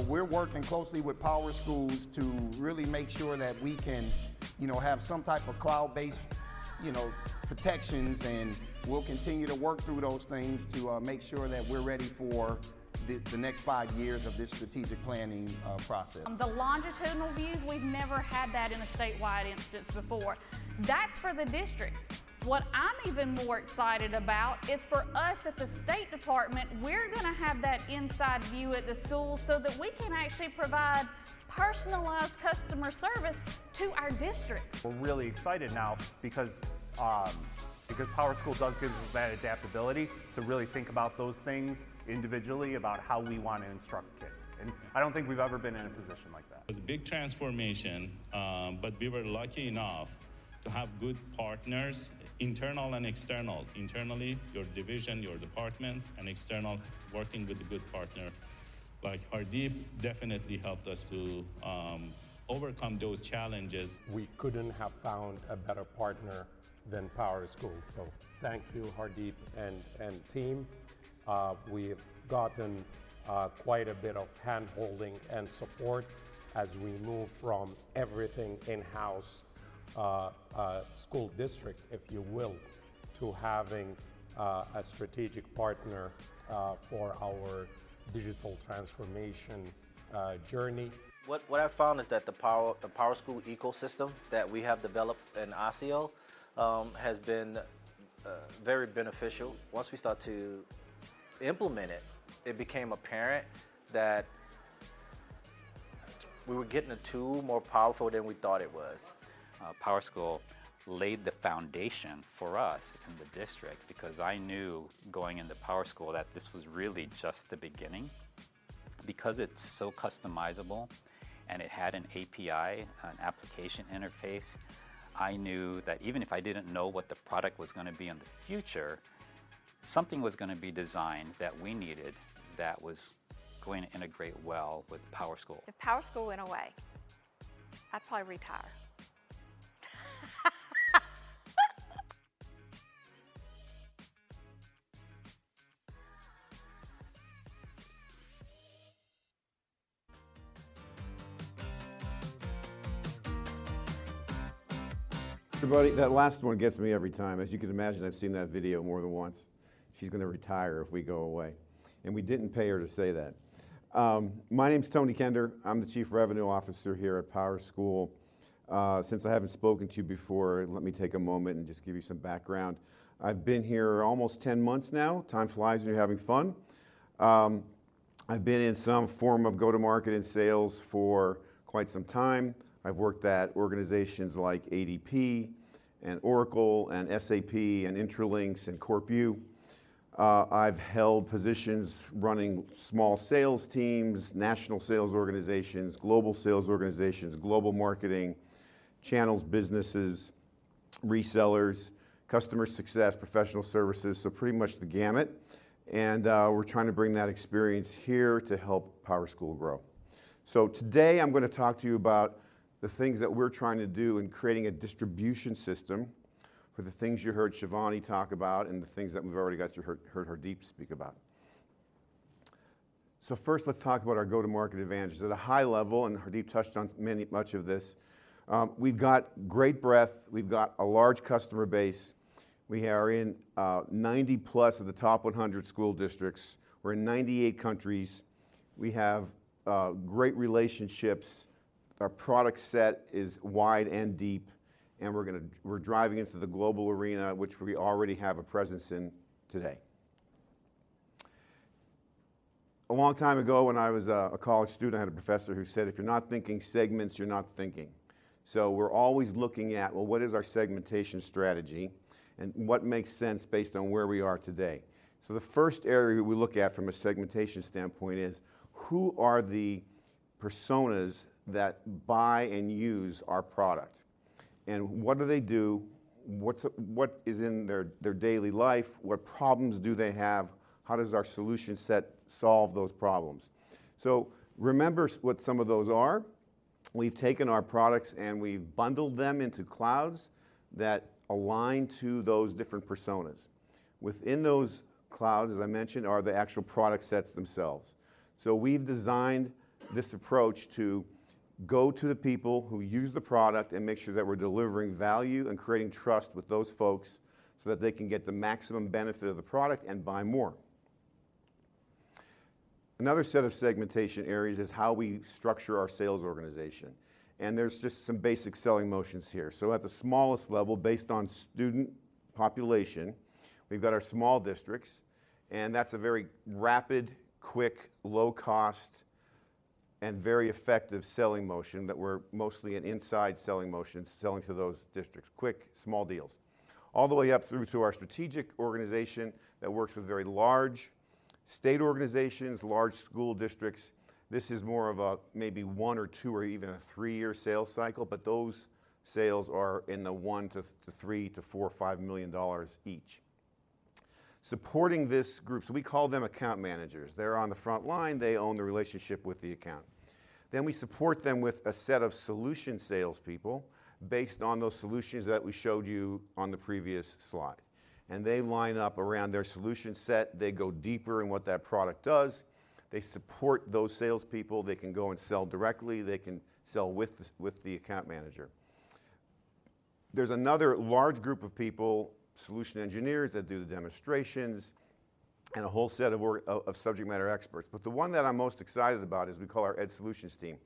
So we're working closely with PowerSchool to really make sure that we can, you know, have some type of cloud-based, you know, protections, and we'll continue to work through those things to make sure that we're ready for the next five years of this strategic planning process. The longitudinal view, we've never had that in a statewide instance before. That's for the districts. What I'm even more excited about is, for us at the State Department, we're gonna have that inside view at the schools so that we can actually provide personalized customer service to our districts. We're really excited now because, um, because PowerSchool does give us that adaptability to really think about those things individually, about how we want to instruct kids, and I don't think we've ever been in a position like that. It's a big transformation, but we were lucky enough to have good partners, internal and external. Internally, your division, your departments, and external, working with a good partner like Hardeep definitely helped us to, overcome those challenges. We couldn't have found a better partner than PowerSchool, so thank you, Hardeep and team. We've gotten quite a bit of hand-holding and support as we move from everything in-house school district, if you will, to having a strategic partner for our digital transformation journey. What I found is that the PowerSchool ecosystem that we have developed in Osseo has been very beneficial. Once we start to implement it, it became apparent that we were getting a tool more powerful than we thought it was. PowerSchool laid the foundation for us in the district, because I knew going into PowerSchool, that this was really just the beginning. Because it's so customizable, and it had an API, an application interface, I knew that even if I didn't know what the product was gonna be in the future, something was gonna be designed that we needed that was going to integrate well with PowerSchool. If PowerSchool went away, I'd probably retire.
Everybody, that last one gets me every time. As you can imagine, I've seen that video more than once. She's gonna retire if we go away, and we didn't pay her to say that. My name's Tony Kender. I'm the Chief Revenue Officer here at PowerSchool. Since I haven't spoken to you before, let me take a moment and just give you some background. I've been here almost 10 months now. Time flies when you're having fun. I've been in some form of go-to-market and sales for quite some time. I've worked at organizations like ADP, Oracle, SAP, Intralinks, and CorpU. I've held positions running small sales teams, national sales organizations, global sales organizations, global marketing channels, businesses, resellers, customer success, professional services, so pretty much the gamut. We're trying to bring that experience here to help PowerSchool grow. So today, I'm gonna talk to you about the things that we're trying to do in creating a distribution system for the things you heard Shivani talk about and the things that we've already heard Hardeep speak about. So first, let's talk about our go-to-market advantages. At a high level, and Hardeep touched on much of this, we've got great breadth, we've got a large customer base. We are in 90+ of the top 100 school districts. We're in 98 countries. We have great relationships. Our product set is wide and deep, and we're gonna, we're driving into the global arena, which we already have a presence in today. A long time ago, when I was a college student, I had a professor who said, "If you're not thinking segments, you're not thinking." So we're always looking at, well, what is our segmentation strategy, and what makes sense based on where we are today? So the first area we look at from a segmentation standpoint is, who are the personas that buy and use our product? And what do they do? What is in their daily life? What problems do they have? How does our solution set solve those problems? So remember what some of those are. We've taken our products, and we've bundled them into clouds that align to those different personas. Within those clouds, as I mentioned, are the actual product sets themselves. So we've designed this approach to go to the people who use the product and make sure that we're delivering value and creating trust with those folks so that they can get the maximum benefit of the product and buy more. Another set of segmentation areas is how we structure our sales organization, and there's just some basic selling motions here. So at the smallest level, based on student population, we've got our small districts, and that's a very rapid, quick, low-cost, and very effective selling motion that we're mostly an inside selling motion, selling to those districts. Quick, small deals. All the way up through to our strategic organization that works with very large state organizations, large school districts. This is more of a maybe one or two or even a three-year sales cycle, but those sales are in the $1 to $3 to $4 or $5 million each. Supporting this group, so we call them account managers. They're on the front line. They own the relationship with the account. Then we support them with a set of solution salespeople based on those solutions that we showed you on the previous slide. And they line up around their solution set. They go deeper in what that product does. They support those salespeople. They can go and sell directly. They can sell with the account manager. There's another large group of people, solution engineers, that do the demonstrations, and a whole set of subject matter experts. The one that I'm most excited about is we call our Ed Solutions team,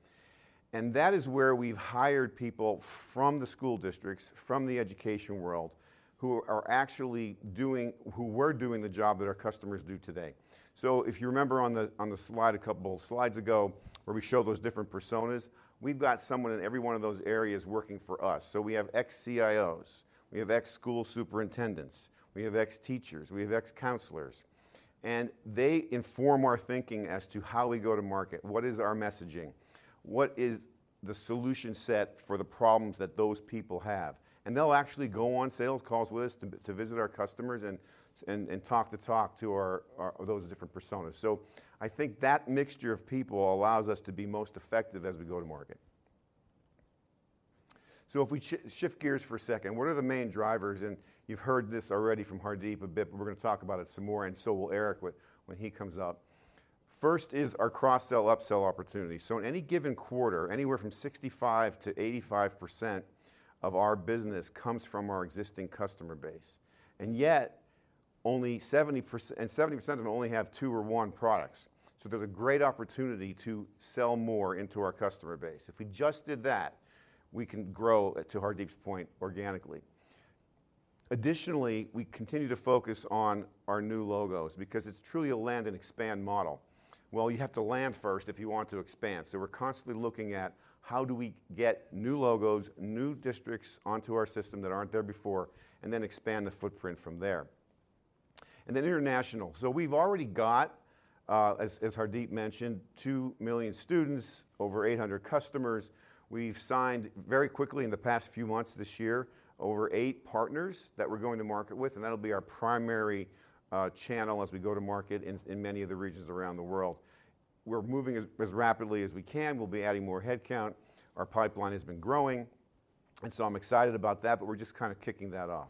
and that is where we've hired people from the school districts, from the education world, who are actually doing who were doing the job that our customers do today. So if you remember on the slide, a couple of slides ago, where we showed those different personas, we've got someone in every one of those areas working for us. So we have ex-CIOs, we have ex-school superintendents, we have ex-teachers, we have ex-counselors, and they inform our thinking as to how we go to market. What is our messaging? What is the solution set for the problems that those people have? And they'll actually go on sales calls with us to visit our customers and talk the talk to those different personas. So I think that mixture of people allows us to be most effective as we go to market. So if we shift gears for a second, what are the main drivers? And you've heard this already from Hardeep a bit, but we're gonna talk about it some more, and so will Eric when he comes up. First is our cross-sell, upsell opportunity. So in any given quarter, anywhere from 65%-85% of our business comes from our existing customer base, and yet only 70%... And 70% of them only have two or one products. So there's a great opportunity to sell more into our customer base. If we just did that, we can grow to Hardeep's point, organically.... Additionally, we continue to focus on our new logos because it's truly a land and expand model. Well, you have to land first if you want to expand, so we're constantly looking at how do we get new logos, new districts onto our system that aren't there before, and then expand the footprint from there. And then international. So we've already got, as Hardeep mentioned, two million students, over 800 customers. We've signed very quickly in the past few months this year, over eight partners that we're going to market with, and that'll be our primary channel as we go to market in many of the regions around the world. We're moving as rapidly as we can. We'll be adding more headcount. Our pipeline has been growing, and so I'm excited about that, but we're just kinda kicking that off.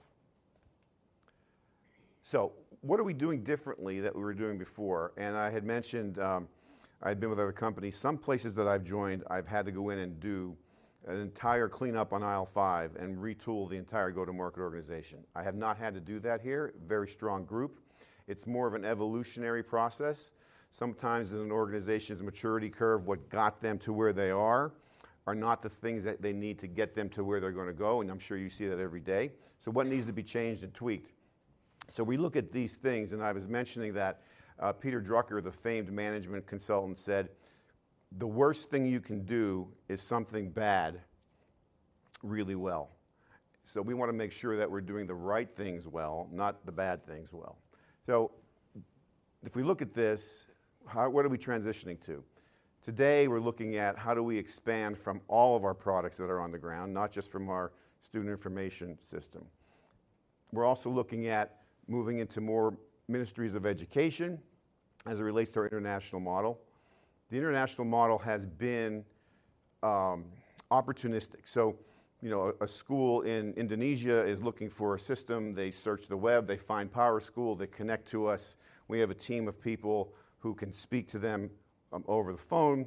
So what are we doing differently that we were doing before? And I had mentioned, I'd been with other companies. Some places that I've joined, I've had to go in and do an entire cleanup on aisle five and retool the entire go-to-market organization. I have not had to do that here. Very strong group. It's more of an evolutionary process. Sometimes in an organization's maturity curve, what got them to where they are, are not the things that they need to get them to where they're gonna go, and I'm sure you see that every day. So what needs to be changed and tweaked? So we look at these things, and I was mentioning that, Peter Drucker, the famed management consultant, said, "The worst thing you can do is something bad really well." So we wanna make sure that we're doing the right things well, not the bad things well. So if we look at this, what are we transitioning to? Today, we're looking at how do we expand from all of our products that are on the ground, not just from our student information system. We're also looking at moving into more ministries of education as it relates to our international model. The international model has been opportunistic. So, you know, a school in Indonesia is looking for a system. They search the web, they find PowerSchool, they connect to us. We have a team of people who can speak to them over the phone,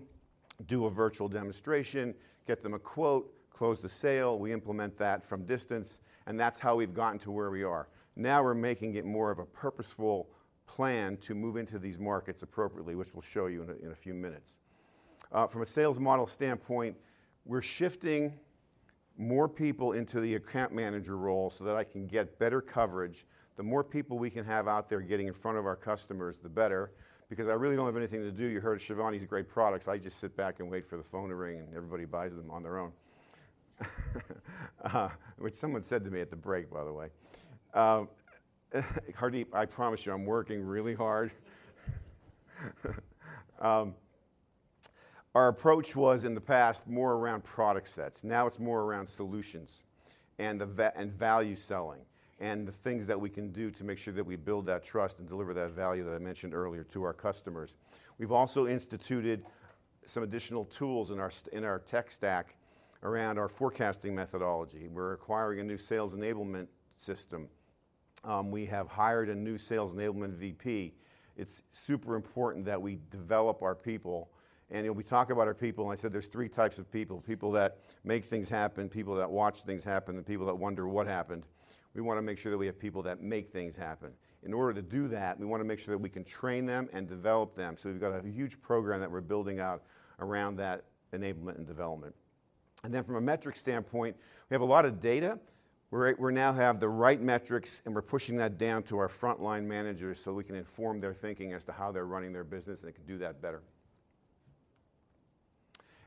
do a virtual demonstration, get them a quote, close the sale. We implement that from distance, and that's how we've gotten to where we are. Now, we're making it more of a purposeful plan to move into these markets appropriately, which we'll show you in a few minutes. From a sales model standpoint, we're shifting more people into the account manager role so that I can get better coverage. The more people we can have out there getting in front of our customers, the better, because I really don't have anything to do. You heard Shivani's great products. I just sit back and wait for the phone to ring, and everybody buys them on their own. Which someone said to me at the break, by the way. Hardeep, I promise you, I'm working really hard. Our approach was, in the past, more around product sets. Now, it's more around solutions and the and value selling, and the things that we can do to make sure that we build that trust and deliver that value that I mentioned earlier to our customers. We've also instituted some additional tools in our tech stack around our forecasting methodology. We're acquiring a new sales enablement system. We have hired a new sales enablement VP. It's super important that we develop our people, and we talk about our people, and I said there's three types of people: people that make things happen, people that watch things happen, and people that wonder what happened. We wanna make sure that we have people that make things happen. In order to do that, we wanna make sure that we can train them and develop them. So we've got a huge program that we're building out around that enablement and development. And then from a metric standpoint, we have a lot of data. We now have the right metrics, and we're pushing that down to our frontline managers, so we can inform their thinking as to how they're running their business, and they can do that better.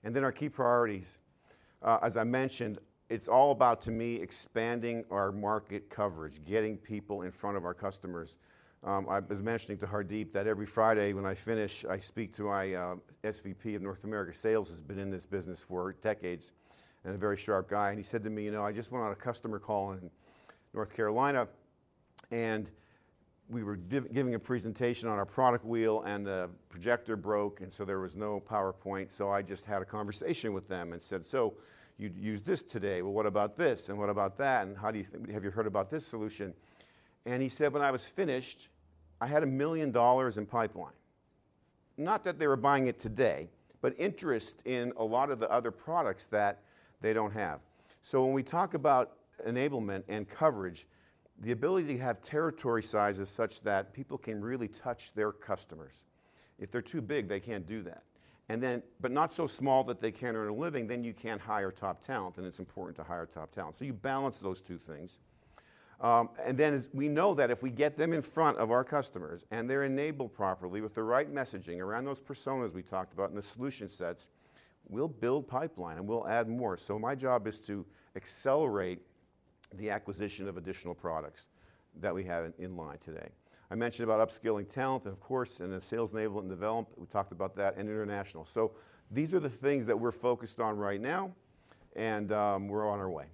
Then our key priorities. As I mentioned, it's all about, to me, expanding our market coverage, getting people in front of our customers. I was mentioning to Hardeep that every Friday, when I finish, I speak to my SVP of North America Sales, who's been in this business for decades, and a very sharp guy, and he said to me, "You know, I just went on a customer call in North Carolina, and we were giving a presentation on our product wheel, and the projector broke, and so there was no PowerPoint. So I just had a conversation with them and said, "So you'd use this today, well, what about this, and what about that, and how do you think. Have you heard about this solution?" And he said, "When I was finished, I had $1 million in pipeline. Not that they were buying it today, but interest in a lot of the other products that they don't have." So when we talk about enablement and coverage, the ability to have territory sizes such that people can really touch their customers. If they're too big, they can't do that. And then, but not so small that they can't earn a living, then you can't hire top talent, and it's important to hire top talent. So you balance those two things. And then as we know that if we get them in front of our customers, and they're enabled properly with the right messaging around those personas we talked about and the solution sets, we'll build pipeline, and we'll add more. So my job is to accelerate the acquisition of additional products that we have in line today. I mentioned about upskilling talent, and of course, and the sales enablement and development, we talked about that, and international. So these are the things that we're focused on right now, and, we're on our way.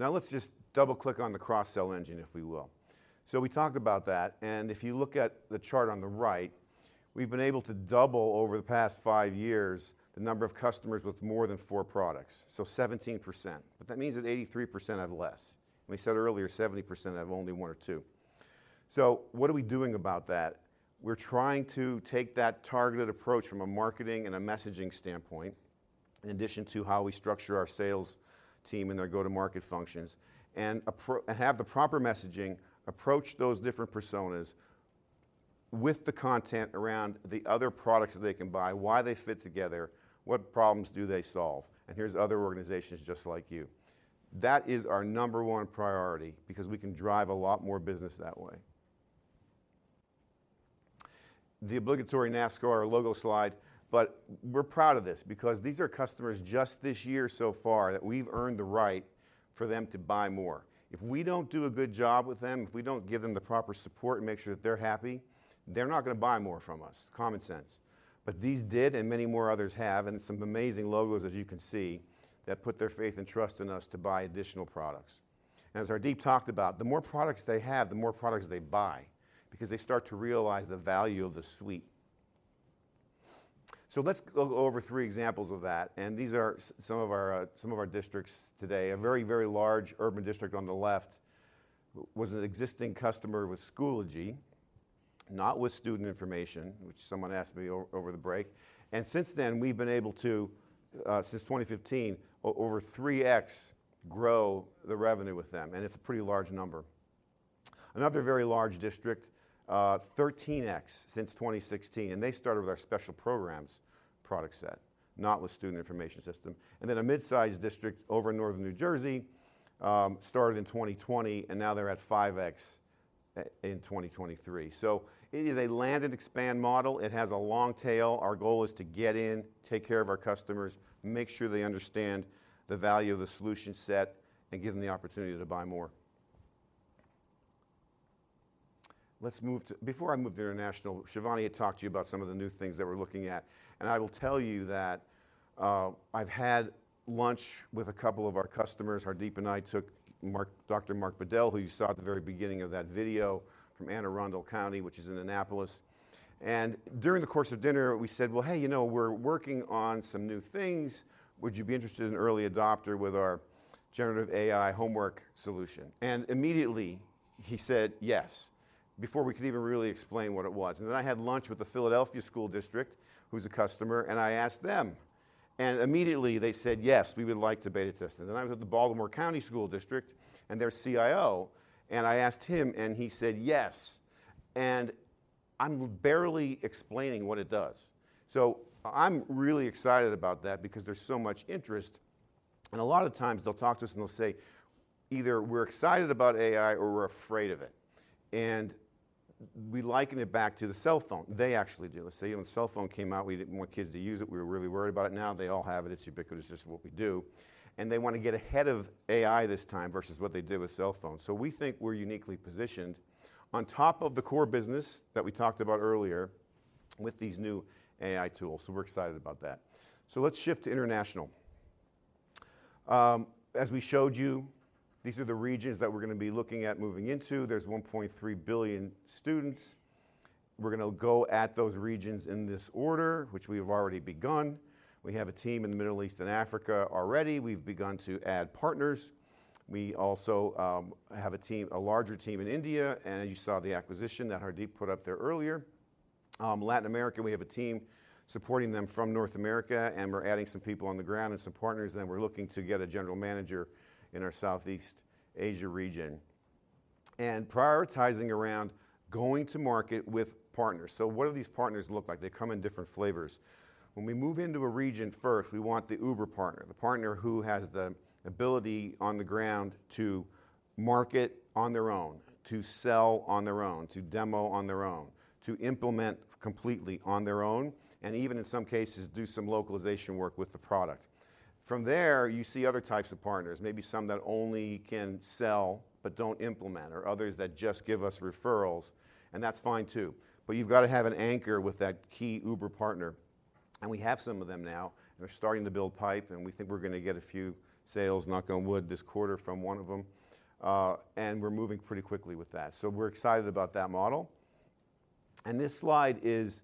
Now, let's just double-click on the cross-sell engine, if we will. So we talked about that, and if you look at the chart on the right, we've been able to double over the past five years the number of customers with more than four products, so 17%. But that means that 83% have less. We said earlier, 70% have only one or two. So what are we doing about that? We're trying to take that targeted approach from a marketing and a messaging standpoint, in addition to how we structure our sales team and their go-to-market functions, and approach those different personas... with the content around the other products that they can buy, why they fit together, what problems do they solve, and here's other organizations just like you. That is our number one priority, because we can drive a lot more business that way. The obligatory NASCAR logo slide, but we're proud of this because these are customers just this year so far, that we've earned the right for them to buy more. If we don't do a good job with them, if we don't give them the proper support and make sure that they're happy, they're not going to buy more from us. Common sense. But these did, and many more others have, and some amazing logos, as you can see, that put their faith and trust in us to buy additional products. And as Hardeep talked about, the more products they have, the more products they buy, because they start to realize the value of the suite. So let's go over three examples of that, and these are some of our districts today. A very, very large urban district on the left was an existing customer with Schoology, not with student information, which someone asked me over the break. And since then, we've been able to, since 2015, over 3x grow the revenue with them, and it's a pretty large number. Another very large district, 13x since 2016, and they started with our special programs product set, not with student information system. And then a mid-sized district over in Northern New Jersey, started in 2020, and now they're at 5x in 2023. So it is a land and expand model. It has a long tail. Our goal is to get in, take care of our customers, make sure they understand the value of the solution set, and give them the opportunity to buy more. Let's move to. Before I move to international, Shivani had talked to you about some of the new things that we're looking at. And I will tell you that, I've had lunch with a couple of our customers. Hardeep and I took Mark, Dr. Mark Bedell, who you saw at the very beginning of that video, from Anne Arundel County, which is in Annapolis. And during the course of dinner, we said, "Well, hey, you know, we're working on some new things. Would you be interested in an early adopter with our generative AI homework solution?" And immediately he said yes, before we could even really explain what it was. And then I had lunch with the Philadelphia School District, who's a customer, and I asked them, and immediately they said, "Yes, we would like to beta test it." And then I was at the Baltimore County School District and their CIO, and I asked him, and he said yes, and I'm barely explaining what it does. So I'm really excited about that because there's so much interest, and a lot of times they'll talk to us, and they'll say, either, "We're excited about AI, or we're afraid of it." And we liken it back to the cell phone. They actually do. Let's say when the cell phone came out, we didn't want kids to use it. We were really worried about it. Now they all have it. It's ubiquitous. It's what we do. And they want to get ahead of AI this time versus what they did with cell phones. So we think we're uniquely positioned on top of the core business that we talked about earlier with these new AI tools. So we're excited about that. So let's shift to international. As we showed you, these are the regions that we're going to be looking at moving into. There's 1.3 billion students. We're going to go at those regions in this order, which we have already begun. We have a team in the Middle East and Africa already. We've begun to add partners. We also have a team, a larger team in India. As you saw, the acquisition that Hardeep put up there earlier. Latin America, we have a team supporting them from North America, and we're adding some people on the ground and some partners, and then we're looking to get a general manager in our Southeast Asia region. Prioritizing around going to market with partners. So what do these partners look like? They come in different flavors. When we move into a region first, we want the Uber partner, the partner who has the ability on the ground to market on their own, to sell on their own, to demo on their own, to implement completely on their own, and even in some cases, do some localization work with the product. From there, you see other types of partners, maybe some that only can sell but don't implement, or others that just give us referrals. That's fine, too. You've got to have an anchor with that key Uber partner, and we have some of them now. They're starting to build pipe, and we think we're going to get a few sales, knock on wood, this quarter from one of them, and we're moving pretty quickly with that. We're excited about that model. This slide is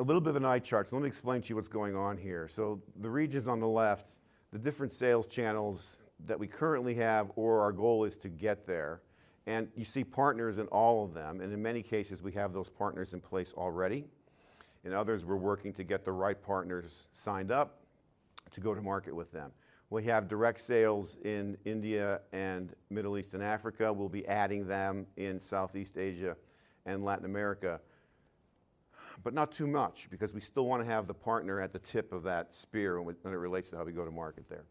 a little bit of an eye chart, so let me explain to you what's going on here. The regions on the left, the different sales channels that we currently have, or our goal is to get there, and you see partners in all of them, and in many cases, we have those partners in place already. In others, we're working to get the right partners signed up to go to market with them. We have direct sales in India and Middle East and Africa. We'll be adding them in Southeast Asia and Latin America, but not too much because we still want to have the partner at the tip of that spear when it, when it relates to how we go to market there.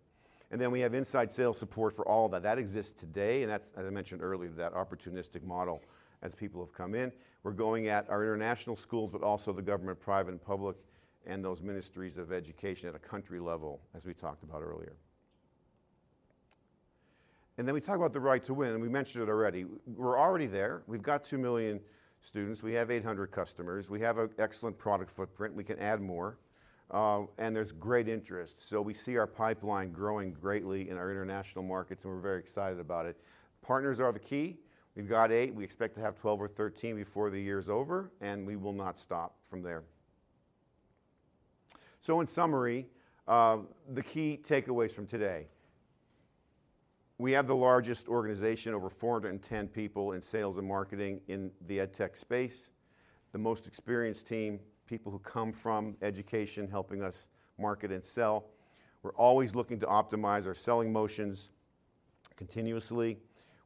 Then we have inside sales support for all of that. That exists today, and that's, as I mentioned earlier, that opportunistic model as people have come in. We're going at our international schools, but also the government, private and public, and those ministries of education at a country level, as we talked about earlier. And then we talk about the right to win, and we mentioned it already. We're already there. We've got 2 million students. We have 800 customers. We have an excellent product footprint, and we can add more, and there's great interest. So we see our pipeline growing greatly in our international markets, and we're very excited about it. Partners are the key. We've got eight. We expect to have 12 or 13 before the year is over, and we will not stop from there. So in summary, the key takeaways from today, we have the largest organization, over 410 people in sales and marketing in the EdTech space, the most experienced team, people who come from education, helping us market and sell. We're always looking to optimize our selling motions continuously,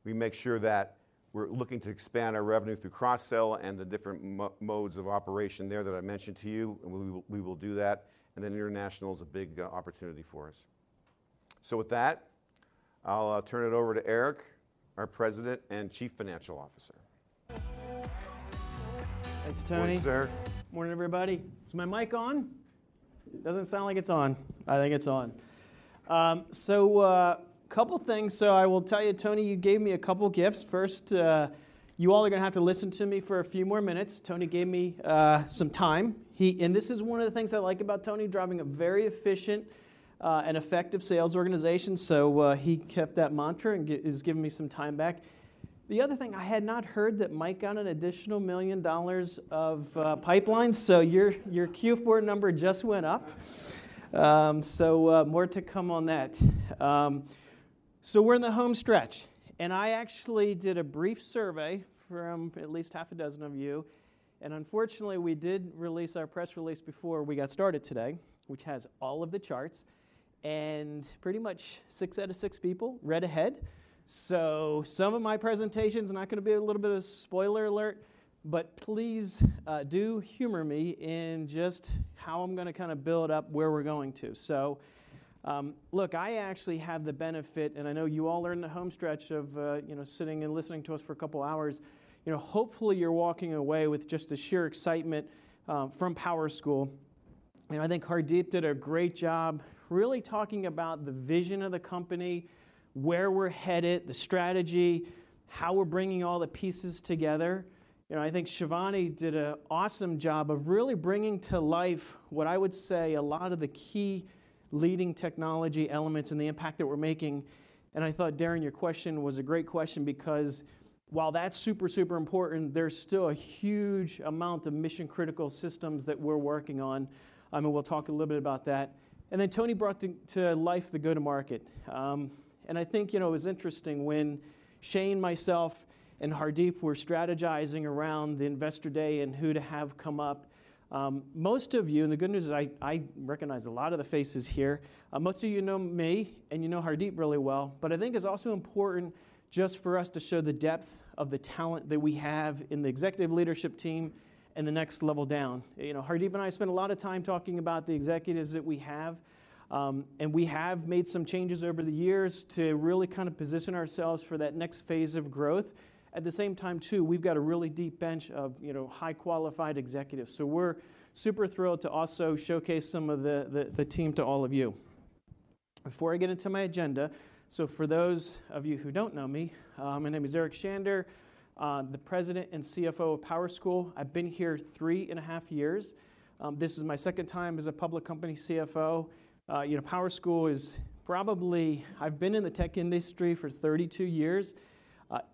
we make sure that we're looking to expand our revenue through cross-sell and the different modes of operation there that I mentioned to you, and we will, we will do that, and then international is a big opportunity for us. So with that, I'll turn it over to Eric, our President and Chief Financial Officer.
Thanks, Tony.
Thanks, Eric.
Morning, everybody. Is my mic on? Doesn't sound like it's on. I think it's on. So a couple things. So I will tell you, Tony, you gave me a couple gifts. First, you all are going to have to listen to me for a few more minutes. Tony gave me some time. And this is one of the things I like about Tony, driving a very efficient and effective sales organization. So he kept that mantra and is giving me some time back. The other thing, I had not heard that Mike got an additional $1 million of pipeline, so your Q4 number just went up. So more to come on that. So we're in the home stretch, and I actually did a brief survey from at least half a dozen of you, and unfortunately, we did release our press release before we got started today, which has all of the charts, and pretty much six out of six people read ahead. So some of my presentation's not going to be a little bit of a spoiler alert, but please, do humor me in just how I'm going to kind of build up where we're going to. So, look, I actually have the benefit, and I know you all are in the home stretch of, you know, sitting and listening to us for a couple of hours. You know, hopefully, you're walking away with just the sheer excitement from PowerSchool. I think Hardeep did a great job, really talking about the vision of the company, where we're headed, the strategy, how we're bringing all the pieces together. You know, I think Shivani did an awesome job of really bringing to life what I would say, a lot of the key leading technology elements and the impact that we're making. I thought, Darren, your question was a great question because while that's super, super important, there's still a huge amount of mission-critical systems that we're working on, and we'll talk a little bit about that. Then Tony brought to life the go-to-market. You know, it was interesting when Shane, myself, and Hardeep were strategizing around the Investor Day and who to have come up. Most of you, and the good news is I recognize a lot of the faces here. Most of you know me, and you know Hardeep really well, but I think it's also important just for us to show the depth of the talent that we have in the executive leadership team and the next level down. You know, Hardeep and I spend a lot of time talking about the executives that we have, and we have made some changes over the years to really kind of position ourselves for that next phase of growth. At the same time, too, we've got a really deep bench of, you know, high-qualified executives. So we're super thrilled to also showcase some of the team to all of you. Before I get into my agenda, so for those of you who don't know me, my name is Eric Shander, the President and CFO of PowerSchool. I've been here three and a half years. This is my second time as a public company CFO. You know, PowerSchool is probably—I've been in the tech industry for 32 years.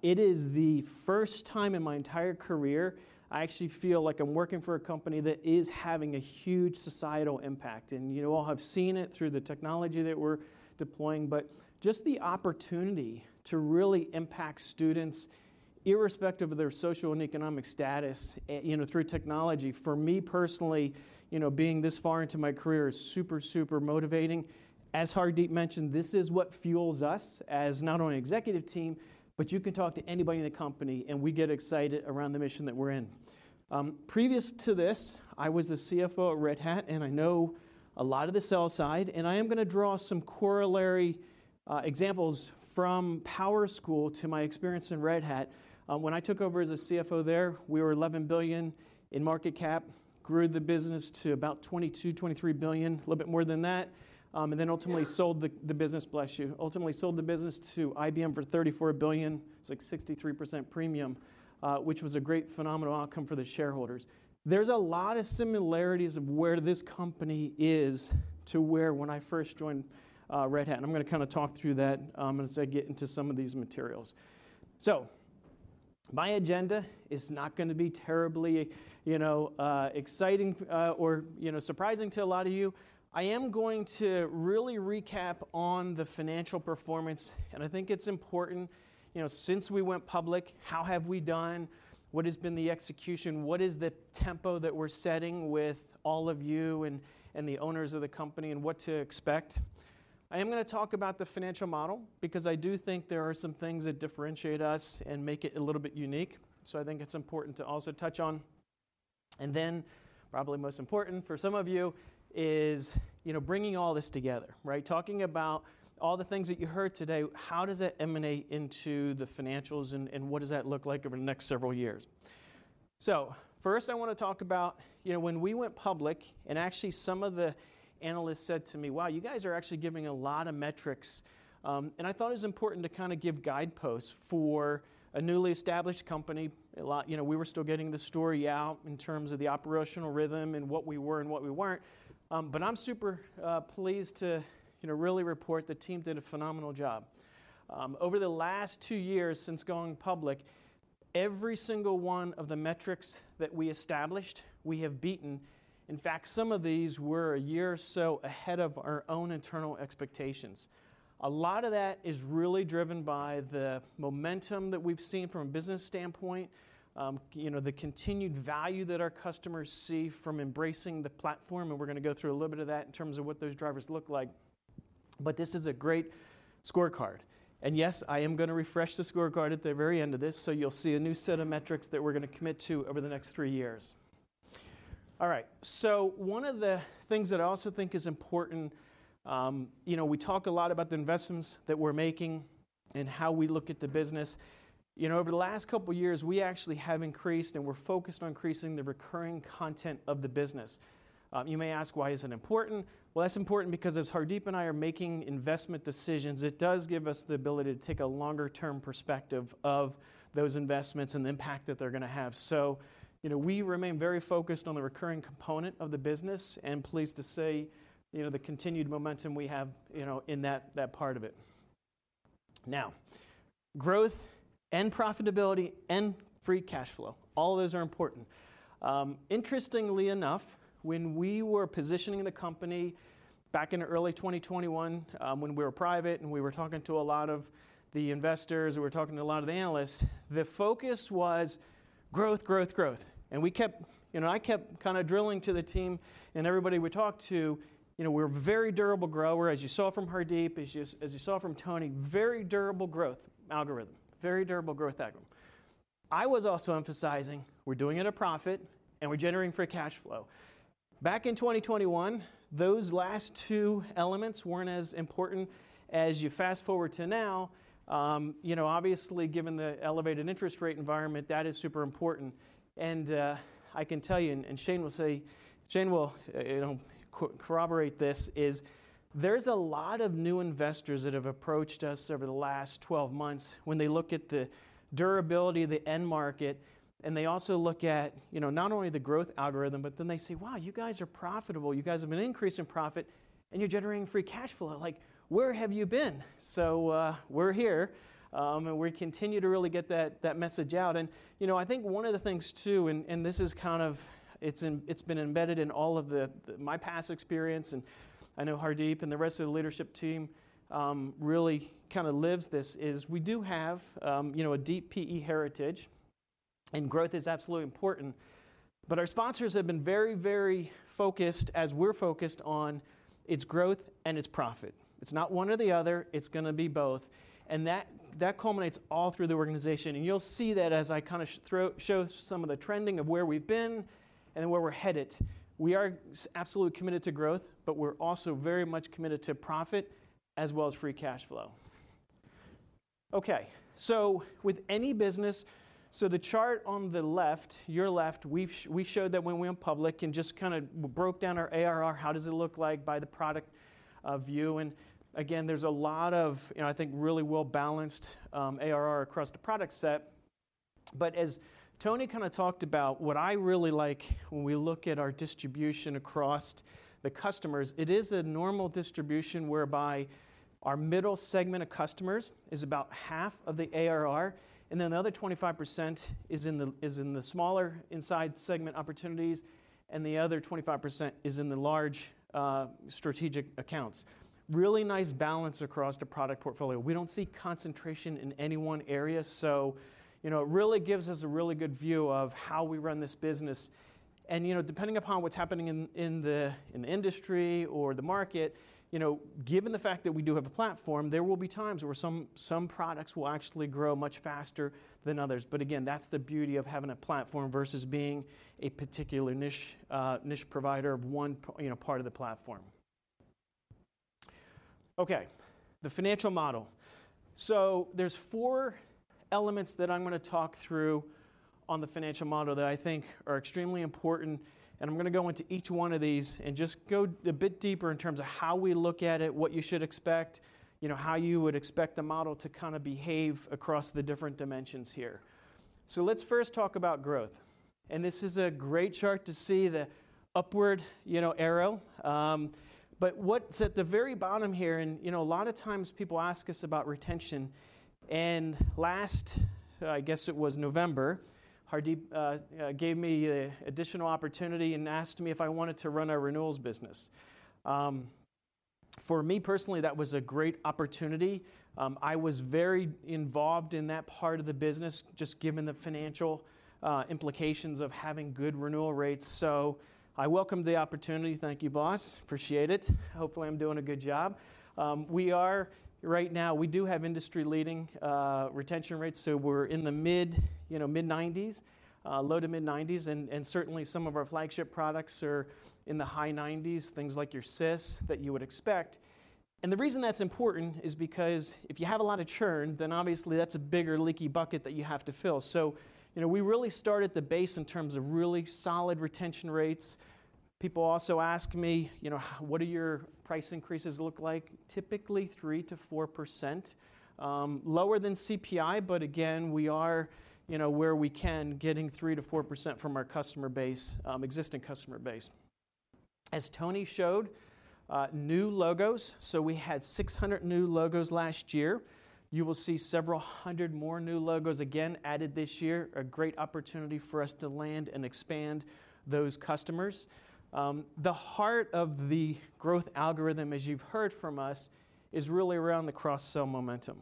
It is the first time in my entire career I actually feel like I'm working for a company that is having a huge societal impact, and you all have seen it through the technology that we're deploying. But just the opportunity to really impact students, irrespective of their social and economic status, you know, through technology, for me personally, you know, being this far into my career, is super, super motivating. As Hardeep mentioned, this is what fuels us as not only executive team, but you can talk to anybody in the company, and we get excited around the mission that we're in. Previous to this, I was the CFO at Red Hat, and I know a lot of the sell-side, and I am going to draw some corollary examples from PowerSchool to my experience in Red Hat. When I took over as a CFO there, we were $11 billion in market cap, grew the business to about $22 billion-$23 billion, a little bit more than that, and then ultimately sold the business to IBM for $34 billion. It's like 63% premium, which was a great, phenomenal outcome for the shareholders. There's a lot of similarities of where this company is to where when I first joined Red Hat, and I'm going to kind of talk through that, as I get into some of these materials. So my agenda is not going to be terribly, you know, exciting, or, you know, surprising to a lot of you. I am going to really recap on the financial performance, and I think it's important, you know, since we went public, how have we done? What has been the execution? What is the tempo that we're setting with all of you and the owners of the company, and what to expect? I am going to talk about the financial model because I do think there are some things that differentiate us and make it a little bit unique, so I think it's important to also touch on. Then, probably most important for some of you is, you know, bringing all this together, right? Talking about all the things that you heard today, how does it emanate into the financials, and what does that look like over the next several years? So first, I want to talk about, you know, when we went public, and actually, some of the analysts said to me, "Wow, you guys are actually giving a lot of metrics." I thought it was important to kind of give guideposts for a newly established company. You know, we were still getting the story out in terms of the operational rhythm and what we were and what we weren't. But I'm super pleased to, you know, really report the team did a phenomenal job. Over the last two years, since going public, every single one of the metrics that we established, we have beaten. In fact, some of these were a year or so ahead of our own internal expectations. A lot of that is really driven by the momentum that we've seen from a business standpoint, you know, the continued value that our customers see from embracing the platform, and we're going to go through a little bit of that in terms of what those drivers look like. But this is a great scorecard. And yes, I am gonna refresh the scorecard at the very end of this, so you'll see a new set of metrics that we're gonna commit to over the next three years. All right, so one of the things that I also think is important, you know, we talk a lot about the investments that we're making and how we look at the business. You know, over the last couple of years, we actually have increased, and we're focused on increasing the recurring content of the business. You may ask: Why is it important? Well, that's important because as Hardeep and I are making investment decisions, it does give us the ability to take a longer-term perspective of those investments and the impact that they're gonna have. So, you know, we remain very focused on the recurring component of the business and pleased to say, you know, the continued momentum we have, you know, in that, that part of it. Now, growth and profitability and free cash flow, all of those are important. Interestingly enough, when we were positioning the company back in early 2021, when we were private, and we were talking to a lot of the investors, and we were talking to a lot of the analysts, the focus was growth, growth, growth. And we kept. You know, I kept kinda drilling to the team and everybody we talked to, you know, we're a very durable grower, as you saw from Hardeep, as you saw from Tony, very durable growth algorithm. Very durable growth algorithm. I was also emphasizing, we're doing it at a profit, and we're generating free cash flow. Back in 2021, those last two elements weren't as important as you fast-forward to now. You know, obviously, given the elevated interest rate environment, that is super important. I can tell you, and Shane will say, Shane will, you know, corroborate this: there's a lot of new investors that have approached us over the last 12 months. When they look at the durability of the end market, and they also look at, you know, not only the growth algorithm, but then they say, "Wow, you guys are profitable. You guys have an increase in profit, and you're generating free cash flow. Like, where have you been?" So, we're here, and we continue to really get that message out. You know, I think one of the things, too, and this is kind of it's been embedded in all of the my past experience, and I know Hardeep and the rest of the leadership team really kinda lives this, is we do have, you know, a deep PE heritage, and growth is absolutely important, but our sponsors have been very, very focused, as we're focused on its growth and its profit. It's not one or the other, it's gonna be both, and that culminates all through the organization. And you'll see that as I kinda show some of the trending of where we've been and where we're headed. We are absolutely committed to growth, but we're also very much committed to profit as well as free cash flow. Okay, so with any business... So the chart on the left, your left, we showed that when we went public and just kinda broke down our ARR, how does it look like by the product view? And again, there's a lot of, you know, I think, really well-balanced ARR across the product set. But as Tony kinda talked about, what I really like when we look at our distribution across the customers, it is a normal distribution whereby our middle segment of customers is about half of the ARR, and then another 25% is in the, is in the smaller sized segment opportunities, and the other 25% is in the large strategic accounts. Really nice balance across the product portfolio. We don't see concentration in any one area, so, you know, it really gives us a really good view of how we run this business. You know, depending upon what's happening in the industry or the market, you know, given the fact that we do have a platform, there will be times where some products will actually grow much faster than others. But again, that's the beauty of having a platform versus being a particular niche provider of one, you know, part of the platform. Okay, the financial model. So there's four elements that I'm gonna talk through on the financial model that I think are extremely important, and I'm gonna go into each one of these and just go a bit deeper in terms of how we look at it, what you should expect, you know, how you would expect the model to kinda behave across the different dimensions here. So let's first talk about growth, and this is a great chart to see the upward, you know, arrow. But what's at the very bottom here, and, you know, a lot of times people ask us about retention, and last, I guess it was November, Hardeep gave me an additional opportunity and asked me if I wanted to run our renewals business. For me personally, that was a great opportunity. I was very involved in that part of the business, just given the financial implications of having good renewal rates. So I welcomed the opportunity. Thank you, boss. Appreciate it. Hopefully, I'm doing a good job. Right now, we do have industry-leading retention rates, so we're in the mid, you know, mid-90s, low- to mid-90s, and certainly, some of our flagship products are in the high 90s, things like your SIS, that you would expect. And the reason that's important is because if you have a lot of churn, then obviously that's a bigger leaky bucket that you have to fill. So, you know, we really start at the base in terms of really solid retention rates. People also ask me, you know: What do your price increases look like? Typically, 3%-4%. Lower than CPI, but again, we are, you know, where we can, getting 3%-4% from our customer base, existing customer base. As Tony showed, new logos, so we had 600 new logos last year. You will see several hundred more new logos again added this year, a great opportunity for us to land and expand those customers. The heart of the growth algorithm, as you've heard from us, is really around the cross-sell momentum,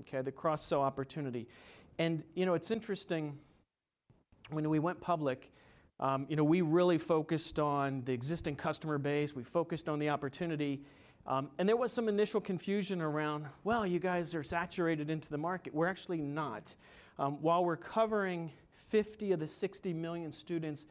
okay? The cross-sell opportunity. And, you know, it's interesting, when we went public, you know, we really focused on the existing customer base, we focused on the opportunity. And there was some initial confusion around, "Well, you guys are saturated into the market." We're actually not. While we're covering 50 million of the 60 million students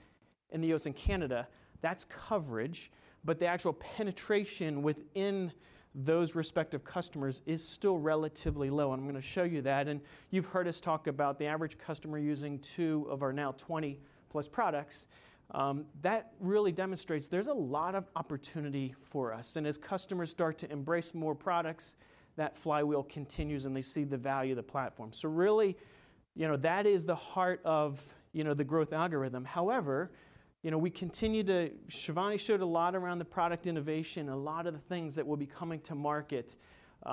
in the U.S. and Canada, that's coverage, but the actual penetration within those respective customers is still relatively low, and I'm gonna show you that. And you've heard us talk about the average customer using two of our now 20+ products. That really demonstrates there's a lot of opportunity for us, and as customers start to embrace more products, that flywheel continues, and they see the value of the platform. So really, you know, that is the heart of, you know, the growth algorithm. However, you know, we continue to—Shivani showed a lot around the product innovation, a lot of the things that will be coming to market. You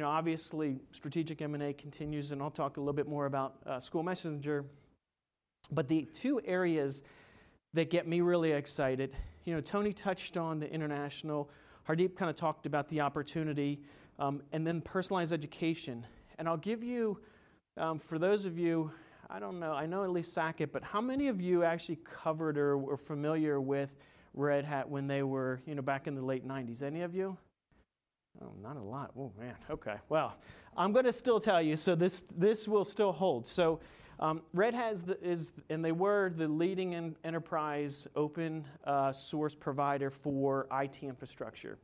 know, obviously, strategic M&A continues, and I'll talk a little bit more about, SchoolMessenger, but the two areas that get me really excited: you know, Tony touched on the international, Hardeep kind of talked about the opportunity, and then personalized education. I'll give you, for those of you, I don't know, I know at least [Sackett, but how many of you actually covered or familiar with Red Hat when they were, you know, back in the late 90s? Any of you? Oh, not a lot. Oh, man! Okay. Well, I'm gonna still tell you, so this, this will still hold. So Red Hat is the leading in enterprise open source provider for IT infrastructure.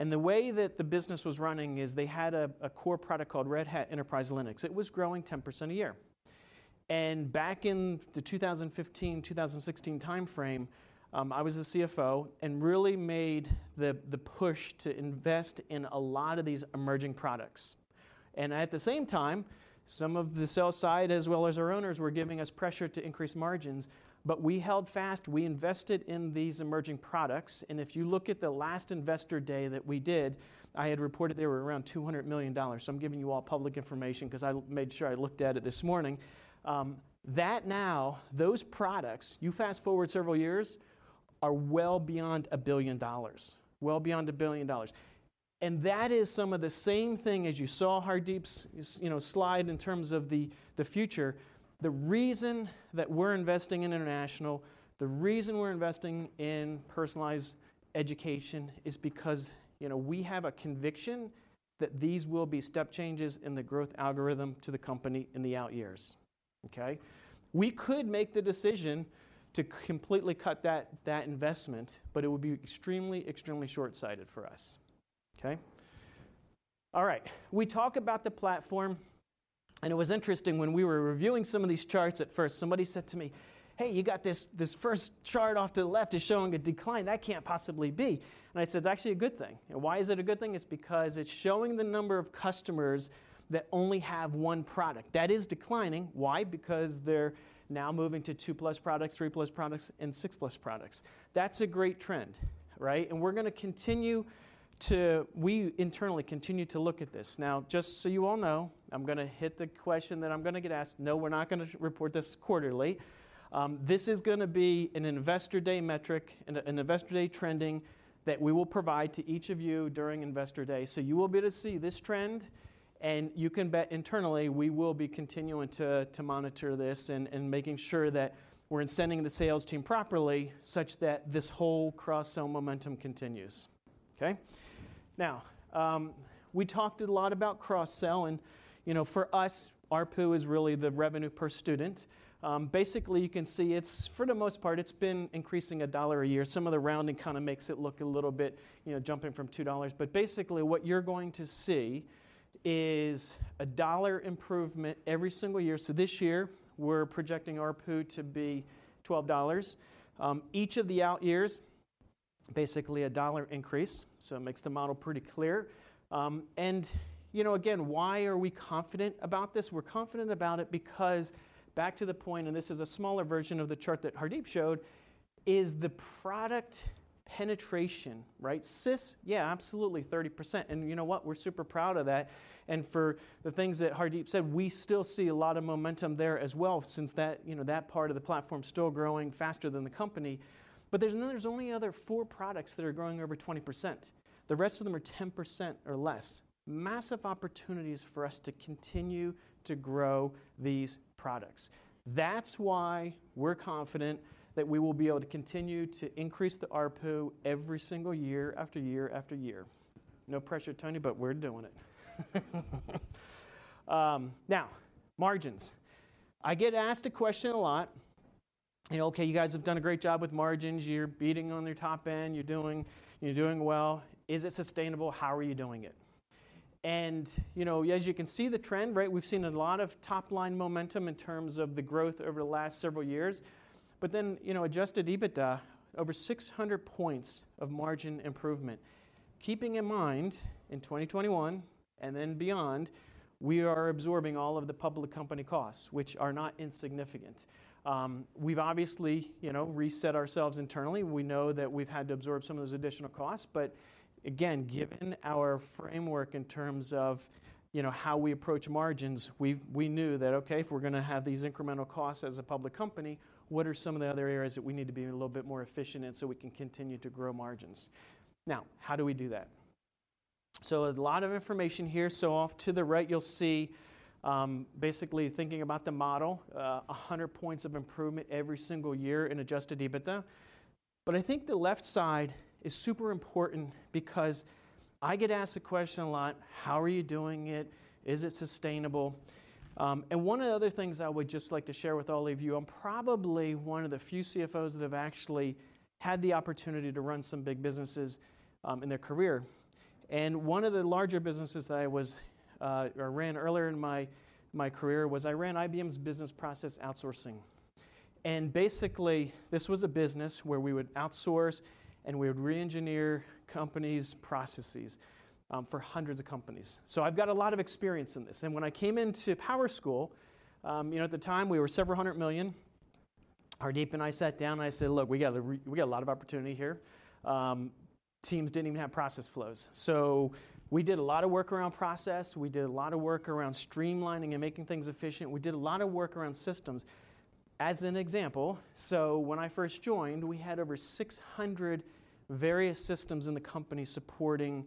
And the way that the business was running is they had a core product called Red Hat Enterprise Linux. It was growing 10% a year. And back in the 2015, 2016 timeframe, I was the CFO and really made the push to invest in a lot of these emerging products. At the same time, some of the sales side, as well as our owners, were giving us pressure to increase margins, but we held fast. We invested in these emerging products, and if you look at the last Investor Day that we did, I had reported they were around $200 million. So I'm giving you all public information 'cause I made sure I looked at it this morning. That now, those products, you fast-forward several years, are well beyond $1 billion. Well beyond $1 billion. And that is some of the same thing as you saw Hardeep's, you know, slide in terms of the, the future. The reason that we're investing in international, the reason we're investing in personalized education, is because, you know, we have a conviction that these will be step changes in the growth algorithm to the company in the out years. Okay? We could make the decision to completely cut that, that investment, but it would be extremely, extremely short-sighted for us. Okay? All right. We talk about the platform, and it was interesting when we were reviewing some of these charts at first. Somebody said to me, "Hey, you got this, this first chart off to the left is showing a decline. That can't possibly be." And I said, "It's actually a good thing." And why is it a good thing? It's because it's showing the number of customers that only have one product. That is declining. Why? Because they're now moving to two-plus products, three-plus products, and six-plus products. That's a great trend, right? And we're gonna continue to, we internally continue to look at this. Now, just so you all know, I'm gonna hit the question that I'm gonna get asked: No, we're not gonna report this quarterly. This is gonna be an Investor Day metric and an Investor Day trending that we will provide to each of you during Investor Day. So you will be able to see this trend, and you can bet internally, we will be continuing to monitor this and making sure that we're incenting the sales team properly, such that this whole cross-sell momentum continues. Okay? Now, we talked a lot about cross-sell, and, you know, for us, ARPU is really the revenue per student. Basically, you can see it's, for the most part, it's been increasing $1 a year. Some of the rounding kind of makes it look a little bit, you know, jumping from $2. But basically, what you're going to see is a $1 improvement every single year. So this year, we're projecting ARPU to be $12. Each of the out years, basically a $1 increase, so it makes the model pretty clear. And, you know, again, why are we confident about this? We're confident about it because back to the point, and this is a smaller version of the chart that Hardeep showed, is the product penetration, right? SIS, yeah, absolutely, 30%. And you know what? We're super proud of that, and for the things that Hardeep said, we still see a lot of momentum there as well, since that, you know, that part of the platform is still growing faster than the company. But there's no, there's only other four products that are growing over 20%. The rest of them are 10% or less. Massive opportunities for us to continue to grow these products. That's why we're confident that we will be able to continue to increase the ARPU every single year after year after year. No pressure, Tony, but we're doing it. Now, margins. I get asked a question a lot, you know, "Okay, you guys have done a great job with margins. You're beating on your top end. You're doing, you're doing well. Is it sustainable? How are you doing it?" And, you know, as you can see the trend, right, we've seen a lot of top-line momentum in terms of the growth over the last several years. But then, you know, adjusted EBITDA, over 600 points of margin improvement. Keeping in mind, in 2021 and then beyond, we are absorbing all of the public company costs, which are not insignificant. We've obviously, you know, reset ourselves internally. We know that we've had to absorb some of those additional costs, but again, given our framework in terms of, you know, how we approach margins, we've we knew that, okay, if we're gonna have these incremental costs as a public company, what are some of the other areas that we need to be a little bit more efficient in, so we can continue to grow margins? Now, how do we do that? So a lot of information here. So off to the right, you'll see, basically thinking about the model, 100 points of improvement every single year in adjusted EBITDA. But I think the left side is super important because I get asked the question a lot: How are you doing it? Is it sustainable? And one of the other things I would just like to share with all of you, I'm probably one of the few CFOs that have actually had the opportunity to run some big businesses in their career. And one of the larger businesses that I ran earlier in my career was IBM's business process outsourcing. And basically, this was a business where we would outsource, and we would reengineer companies' processes for hundreds of companies. So I've got a lot of experience in this. And when I came into PowerSchool, you know, at the time, we were several hundred million. Hardeep and I sat down, and I said, "Look, we got a lot of opportunity here." Teams didn't even have process flows. So we did a lot of work around process. We did a lot of work around streamlining and making things efficient. We did a lot of work around systems. As an example, so when I first joined, we had over 600 various systems in the company supporting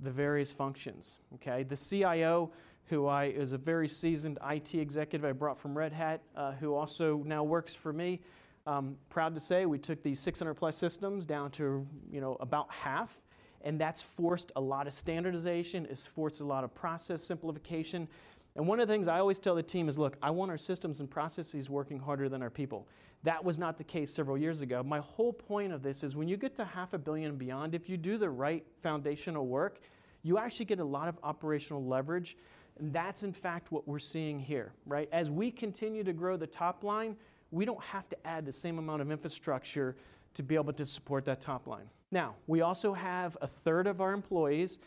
the various functions, okay? The CIO, who is a very seasoned IT executive I brought from Red Hat, who also now works for me. I'm proud to say we took these 600+ systems down to, you know, about half, and that's forced a lot of standardization, it's forced a lot of process simplification. And one of the things I always tell the team is, "Look, I want our systems and processes working harder than our people." That was not the case several years ago. My whole point of this is when you get to $500 million and beyond, if you do the right foundational work, you actually get a lot of operational leverage. And that's, in fact, what we're seeing here, right? As we continue to grow the top line, we don't have to add the same amount of infrastructure to be able to support that top line. Now, we also have a third of our employees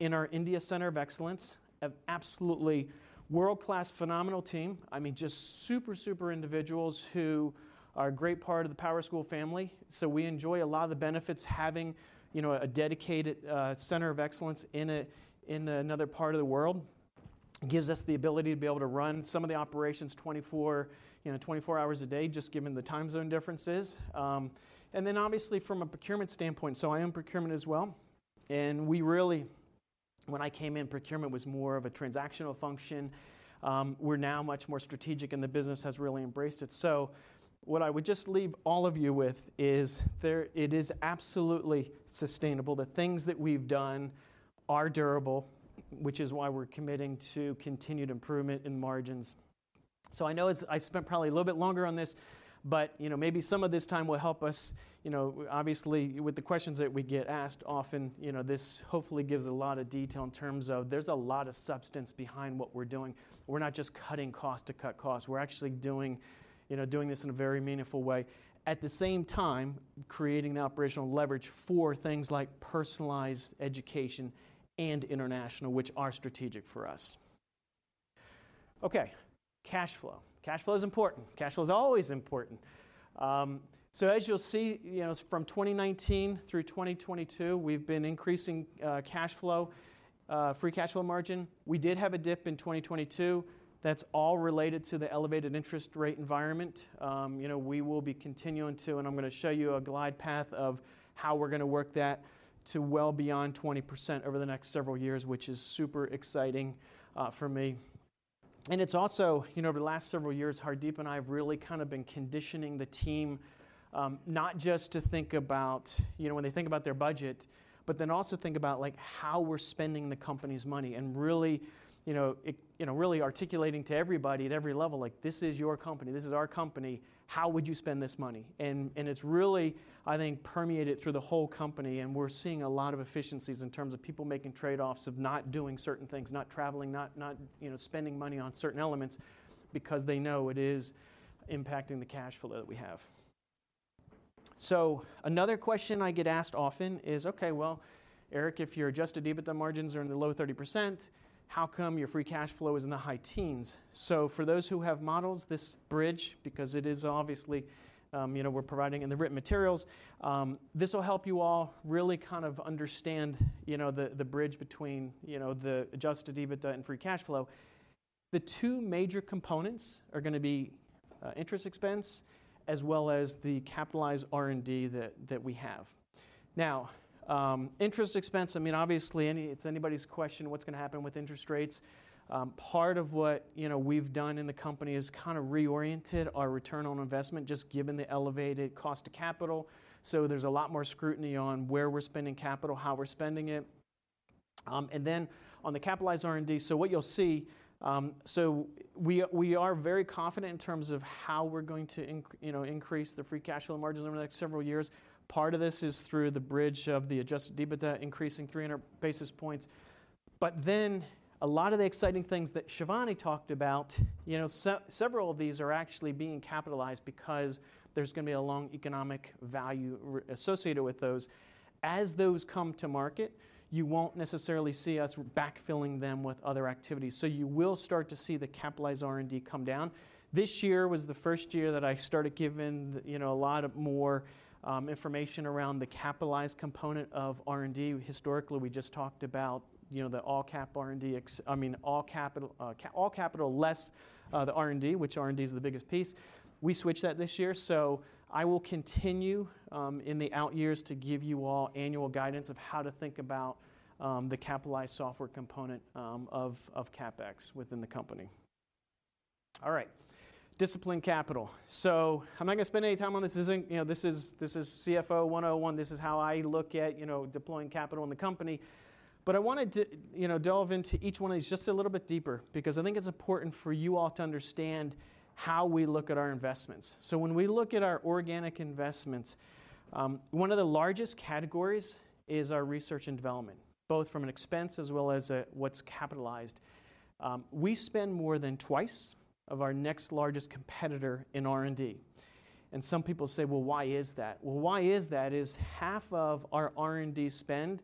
in our India Center of Excellence, an absolutely world-class, phenomenal team. I mean, just super, super individuals who are a great part of the PowerSchool family. So we enjoy a lot of the benefits having, you know, a dedicated center of excellence in another part of the world. It gives us the ability to be able to run some of the operations 24, you know, 24 hours a day, just given the time zone differences. And then obviously, from a procurement standpoint, so I am procurement as well, and we really, when I came in, procurement was more of a transactional function. We're now much more strategic, and the business has really embraced it. So what I would just leave all of you with is, there, it is absolutely sustainable. The things that we've done are durable, which is why we're committing to continued improvement in margins. So I know it's I spent probably a little bit longer on this, but, you know, maybe some of this time will help us, you know, obviously, with the questions that we get asked often, you know, this hopefully gives a lot of detail in terms of there's a lot of substance behind what we're doing. We're not just cutting cost to cut costs. We're actually doing, you know, doing this in a very meaningful way. At the same time, creating the operational leverage for things like personalized education and international, which are strategic for us. Okay, cash flow. Cash flow is important. Cash flow is always important. So as you'll see, you know, from 2019 through 2022, we've been increasing cash flow free cash flow margin. We did have a dip in 2022. That's all related to the elevated interest rate environment. You know, we will be continuing to, and I'm going to show you a glide path of how we're going to work that to well beyond 20% over the next several years, which is super exciting for me. And it's also, you know, over the last several years, Hardeep and I have really kind of been conditioning the team, not just to think about, you know, when they think about their budget, but then also think about, like, how we're spending the company's money and really, you know, really articulating to everybody at every level, like, "This is your company. This is our company. How would you spend this money?" And it's really, I think, permeated through the whole company, and we're seeing a lot of efficiencies in terms of people making trade-offs, of not doing certain things, not traveling, not, you know, spending money on certain elements because they know it is impacting the cash flow that we have. So another question I get asked often is, "Okay, well, Eric, if your adjusted EBITDA margins are in the low 30%, how come your free cash flow is in the high teens?" So for those who have models, this bridge, because it is obviously, you know, we're providing in the written materials, this will help you all really kind of understand, you know, the bridge between, you know, the adjusted EBITDA and free cash flow. The two major components are going to be interest expense, as well as the capitalized R&D that we have. Now, interest expense, I mean, obviously, it's anybody's question, what's going to happen with interest rates? Part of what, you know, we've done in the company is kind of reoriented our return on investment, just given the elevated cost to capital. So there's a lot more scrutiny on where we're spending capital, how we're spending it. And then on the capitalized R&D, so what you'll see. So we are very confident in terms of how we're going to increase the free cash flow margins over the next several years. Part of this is through the bridge of the adjusted EBITDA, increasing 300 basis points. But then, a lot of the exciting things that Shivani talked about, you know, several of these are actually being capitalized because there's going to be a long economic value associated with those. As those come to market, you won't necessarily see us backfilling them with other activities. So you will start to see the capitalized R&D come down. This year was the first year that I started giving, you know, a lot more information around the capitalized component of R&D. Historically, we just talked about, you know, the all-cap R&D. I mean, all capital less the R&D, which R&D is the biggest piece. We switched that this year, so I will continue in the out years to give you all annual guidance of how to think about the capitalized software component of CapEx within the company. All right, disciplined capital. So I'm not gonna spend any time on this. This isn't, you know, this is CFO 101. This is how I look at, you know, deploying capital in the company. But I wanted to, you know, delve into each one of these just a little bit deeper, because I think it's important for you all to understand how we look at our investments. So when we look at our organic investments, one of the largest categories is our research and development, both from an expense as well as what's capitalized. We spend more than twice of our next largest competitor in R&D. Some people say, "Well, why is that?" Well, why is that, is half of our R&D spend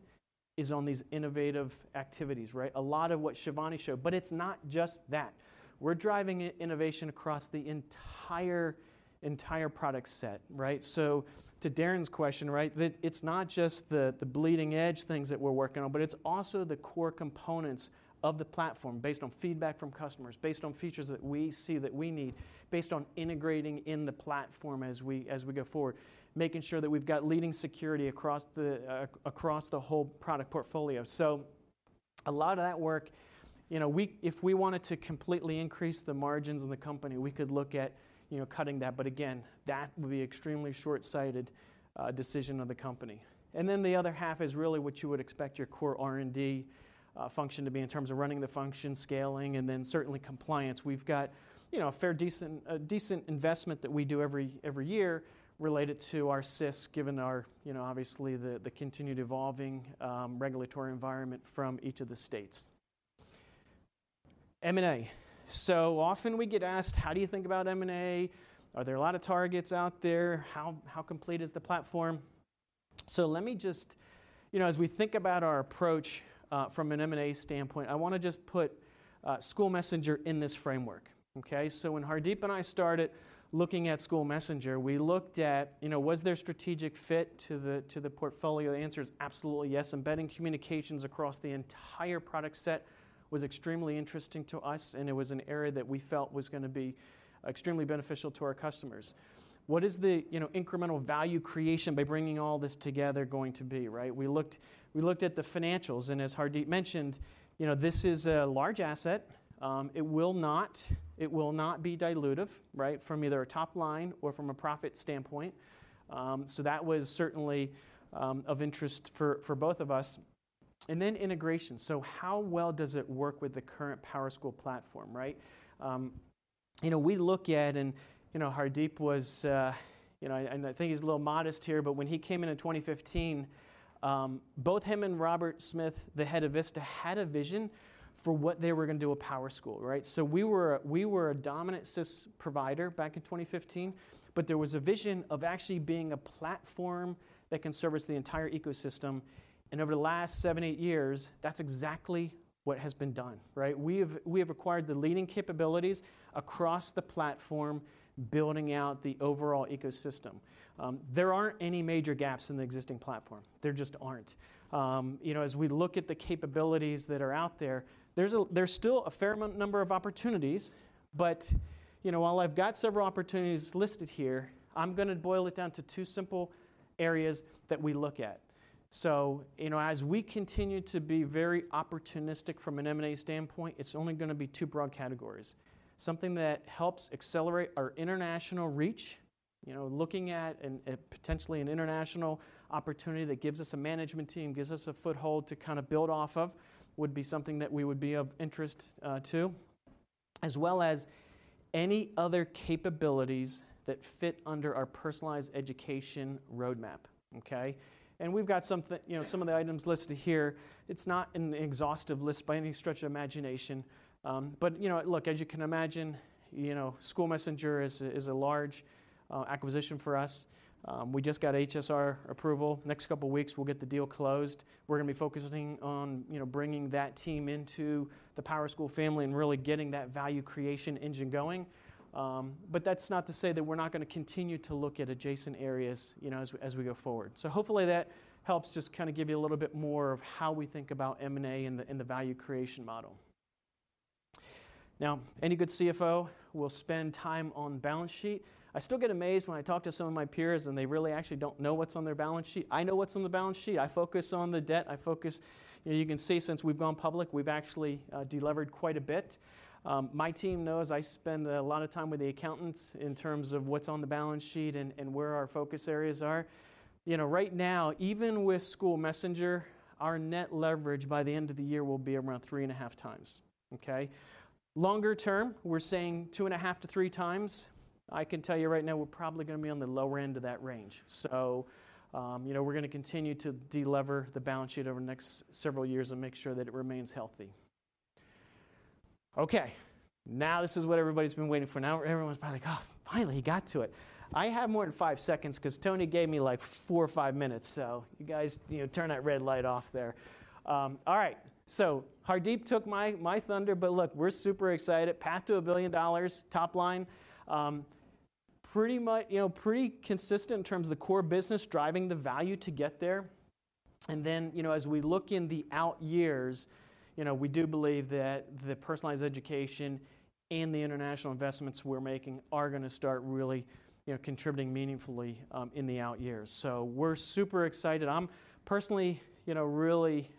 is on these innovative activities, right? A lot of what Shivani showed, but it's not just that. We're driving innovation across the entire, entire product set, right? So to Darren's question, right, it's not just the, the bleeding edge things that we're working on, but it's also the core components of the platform, based on feedback from customers, based on features that we see that we need, based on integrating in the platform as we, as we go forward, making sure that we've got leading security across the whole product portfolio. So a lot of that work, you know, we, if we wanted to completely increase the margins in the company, we could look at, you know, cutting that, but again, that would be extremely short-sighted decision of the company. And then the other half is really what you would expect your core R&D function to be, in terms of running the function, scaling, and then certainly compliance. We've got, you know, a decent investment that we do every year related to our SIS, given our, you know, obviously the continued evolving regulatory environment from each of the states. M&A. So often we get asked: How do you think about M&A? Are there a lot of targets out there? How complete is the platform? So let me just... You know, as we think about our approach from an M&A standpoint, I wanna just put SchoolMessenger in this framework, okay? So when Hardeep and I started looking at SchoolMessenger, we looked at, you know, was there strategic fit to the, to the portfolio? The answer is absolutely yes. Embedding communications across the entire product set was extremely interesting to us, and it was an area that we felt was gonna be extremely beneficial to our customers. What is the, you know, incremental value creation by bringing all this together going to be, right? We looked, we looked at the financials, and as Hardeep mentioned, you know, this is a large asset. It will not, it will not be dilutive, right, from either a top line or from a profit standpoint. So that was certainly of interest for, for both of us. Then integration. So how well does it work with the current PowerSchool platform, right? You know, we look at, and, you know, Hardeep was, you know. And I think he's a little modest here, but when he came in in 2015, both him and Robert Smith, the head of Vista, had a vision for what they were gonna do with PowerSchool, right? So we were, we were a dominant SIS provider back in 2015, but there was a vision of actually being a platform that can service the entire ecosystem, and over the last seven to eight years, that's exactly what has been done, right? We have, we have acquired the leading capabilities across the platform, building out the overall ecosystem. There aren't any major gaps in the existing platform. There just aren't. You know, as we look at the capabilities that are out there, there's still a fair amount-number of opportunities, but, you know, while I've got several opportunities listed here, I'm gonna boil it down to two simple areas that we look at. So, you know, as we continue to be very opportunistic from an M&A standpoint, it's only gonna be two broad categories: something that helps accelerate our international reach, you know, looking at and, and potentially an international opportunity that gives us a management team, gives us a foothold to kind of build off of, would be something that we would be of interest to, as well as any other capabilities that fit under our personalized education roadmap, okay? And we've got something, you know, some of the items listed here. It's not an exhaustive list by any stretch of imagination, but, you know, look, as you can imagine, you know, SchoolMessenger is a large acquisition for us. We just got HSR approval. Next couple weeks, we'll get the deal closed. We're gonna be focusing on, you know, bringing that team into the PowerSchool family and really getting that value creation engine going. But that's not to say that we're not gonna continue to look at adjacent areas, you know, as we, as we go forward. So hopefully that helps just kind of give you a little bit more of how we think about M&A and the value creation model. Now, any good CFO will spend time on balance sheet. I still get amazed when I talk to some of my peers, and they really actually don't know what's on their balance sheet. I know what's on the balance sheet. I focus on the debt. I focus... You know, you can see since we've gone public, we've actually de-levered quite a bit. My team knows I spend a lot of time with the accountants, in terms of what's on the balance sheet and where our focus areas are. You know, right now, even with SchoolMessenger, our net leverage by the end of the year will be around 3.5x, okay? Longer term, we're saying 2.5x-3x. I can tell you right now, we're probably gonna be on the lower end of that range. So, you know, we're gonna continue to de-lever the balance sheet over the next several years and make sure that it remains healthy. Okay, now this is what everybody's been waiting for. Now everyone's probably like, "Oh, finally, he got to it!" I have more than five seconds, 'cause Tony gave me, like, four or five minutes, so you guys, you know, turn that red light off there. All right. So Hardeep took my thunder, but look, we're super excited. Path to $1 billion, top line. Pretty much, you know, pretty consistent in terms of the core business driving the value to get there.... And then, you know, as we look in the out years, you know, we do believe that the personalized education and the international investments we're making are gonna start really, you know, contributing meaningfully, in the out years. So we're super excited. I'm personally, you know, really,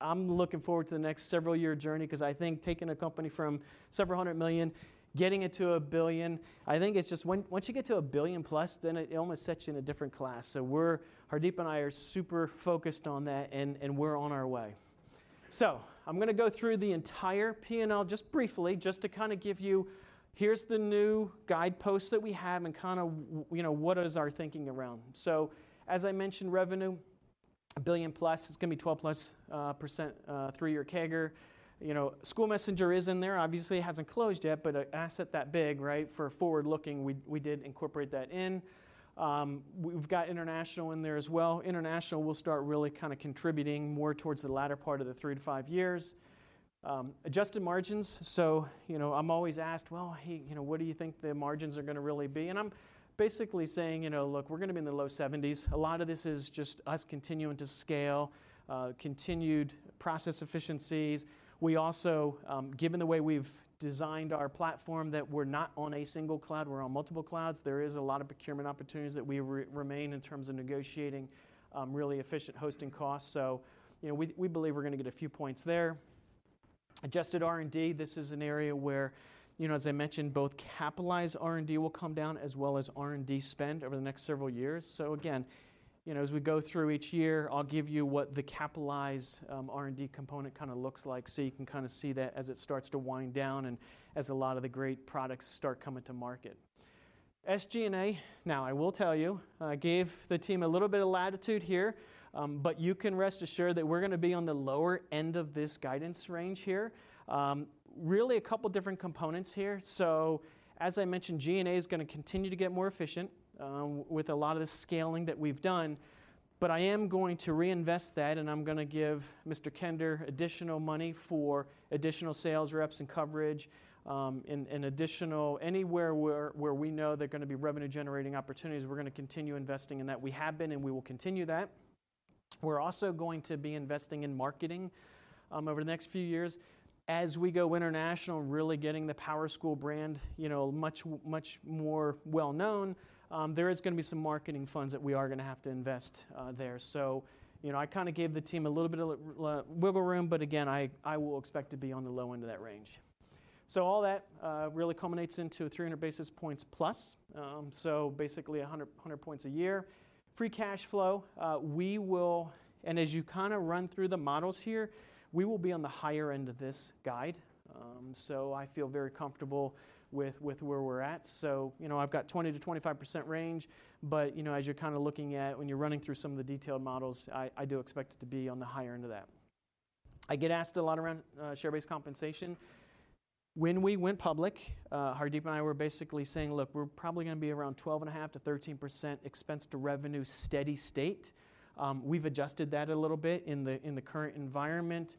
I'm looking forward to the next several year journey, 'cause I think taking a company from several hundred million, getting it to a $1 billion, I think it's just once, once you get to a $1 billion+, then it almost sets you in a different class. So we're, Hardeep and I are super focused on that, and, and we're on our way. So I'm gonna go through the entire P&L just briefly, just to kinda give you, here's the new guideposts that we have and kinda you know, what is our thinking around. So as I mentioned, revenue, $1 billion+. It's gonna be 12%+, three-year CAGR. You know, SchoolMessenger is in there. Obviously, it hasn't closed yet, but an asset that big, right, for forward-looking, we, we did incorporate that in. We've got international in there as well. International will start really kinda contributing more towards the latter part of the three to five years. Adjusted margins, so, you know, I'm always asked, "Well, hey, you know, what do you think the margins are gonna really be?" And I'm basically saying, "You know, look, we're gonna be in the low 70s." A lot of this is just us continuing to scale, continued process efficiencies. We also, given the way we've designed our platform, that we're not on a single cloud, we're on multiple clouds, there is a lot of procurement opportunities that we remain in terms of negotiating, really efficient hosting costs. So, you know, we, we believe we're gonna get a few points there. Adjusted R&D, this is an area where, you know, as I mentioned, both capitalized R&D will come down as well as R&D spend over the next several years. So again, you know, as we go through each year, I'll give you what the capitalized, R&D component kinda looks like, so you can kinda see that as it starts to wind down and as a lot of the great products start coming to market. SG&A, now, I will tell you, I gave the team a little bit of latitude here, but you can rest assured that we're gonna be on the lower end of this guidance range here. Really a couple different components here. So as I mentioned, G&A is gonna continue to get more efficient, with a lot of the scaling that we've done, but I am going to reinvest that, and I'm gonna give Mr. Kender additional money for additional sales reps and coverage, and additional anywhere where we know there are gonna be revenue-generating opportunities, we're gonna continue investing in that. We have been, and we will continue that. We're also going to be investing in marketing over the next few years. As we go international, really getting the PowerSchool brand, you know, much more well known, there is gonna be some marketing funds that we are gonna have to invest there. So, you know, I kinda gave the team a little bit of wiggle room, but again, I will expect to be on the low end of that range. So all that really culminates into 300 basis points plus, so basically 100 points a year. Free cash flow, we will... As you kinda run through the models here, we will be on the higher end of this guide. So I feel very comfortable with where we're at. So, you know, I've got 20%-25% range, but, you know, as you're kinda looking at when you're running through some of the detailed models, I do expect it to be on the higher end of that. I get asked a lot around share-based compensation. When we went public, Hardeep and I were basically saying, "Look, we're probably gonna be around 12.5%-13% expense to revenue, steady state." We've adjusted that a little bit in the current environment.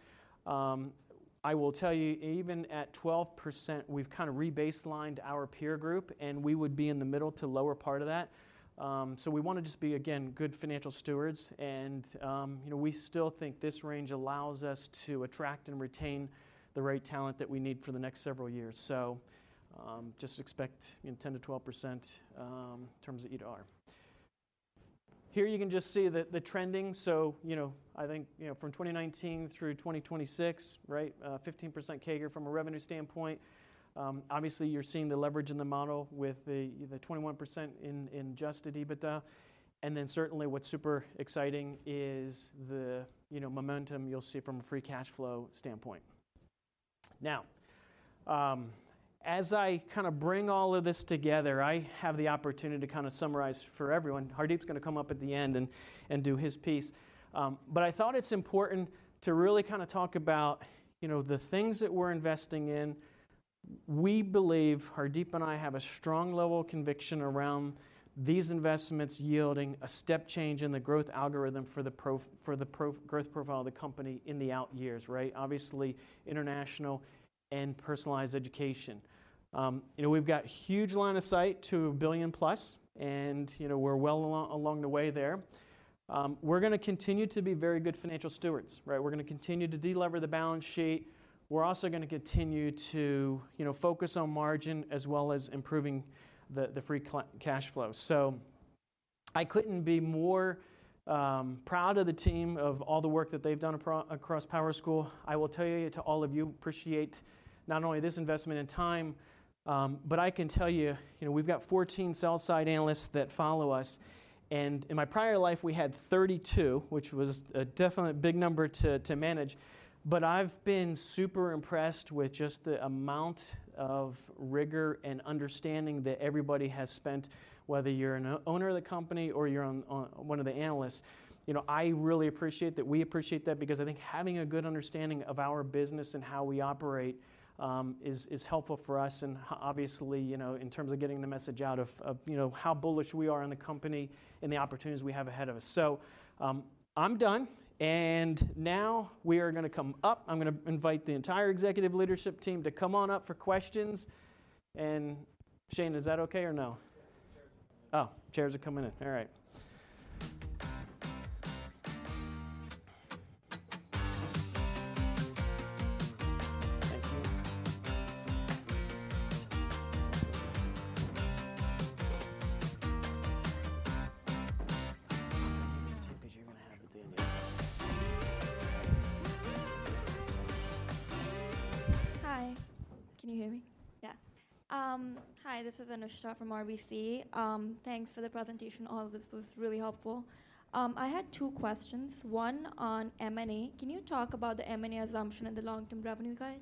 I will tell you, even at 12%, we've kinda re-baselined our peer group, and we would be in the middle to lower part of that. So we wanna just be, again, good financial stewards, and, you know, we still think this range allows us to attract and retain the right talent that we need for the next several years. So, just expect, you know, 10%-12% in terms of EBITDA. Here you can just see the, the trending. So, you know, I think, you know, from 2019 through 2026, right, 15% CAGR from a revenue standpoint. Obviously you're seeing the leverage in the model with the, the 21% in adjusted EBITDA. And then certainly what's super exciting is the, you know, momentum you'll see from a free cash flow standpoint. Now, as I kinda bring all of this together, I have the opportunity to kinda summarize for everyone. Hardeep's gonna come up at the end and do his piece. But I thought it's important to really kinda talk about, you know, the things that we're investing in. We believe, Hardeep and I have a strong level of conviction around these investments yielding a step change in the growth algorithm for the growth profile of the company in the out years, right? Obviously, international and personalized education. You know, we've got huge line of sight to $1 billion+, and, you know, we're well along the way there. We're gonna continue to be very good financial stewards, right? We're gonna continue to de-lever the balance sheet. We're also gonna continue to, you know, focus on margin as well as improving the free cash flow. So I couldn't be more proud of the team, of all the work that they've done across PowerSchool. I will tell you, to all of you, appreciate not only this investment and time, but I can tell you, you know, we've got 14 sell-side analysts that follow us, and in my prior life, we had 32, which was a definite big number to manage. But I've been super impressed with just the amount of rigor and understanding that everybody has spent, whether you're an owner of the company or you're one of the analysts. You know, I really appreciate that. We appreciate that because I think having a good understanding of our business and how we operate is helpful for us and obviously, you know, in terms of getting the message out of how bullish we are on the company and the opportunities we have ahead of us. So, I'm done, and now we are gonna come up. I'm gonna invite the entire executive leadership team to come on up for questions. And Shane, is that okay or no?... Oh, chairs are coming in. All right. Thank you.
Hi, can you hear me? Yeah. Hi, this is Anusha from RBC. Thanks for the presentation. All of this was really helpful. I had two questions, one on M&A. Can you talk about the M&A assumption and the long-term revenue guide?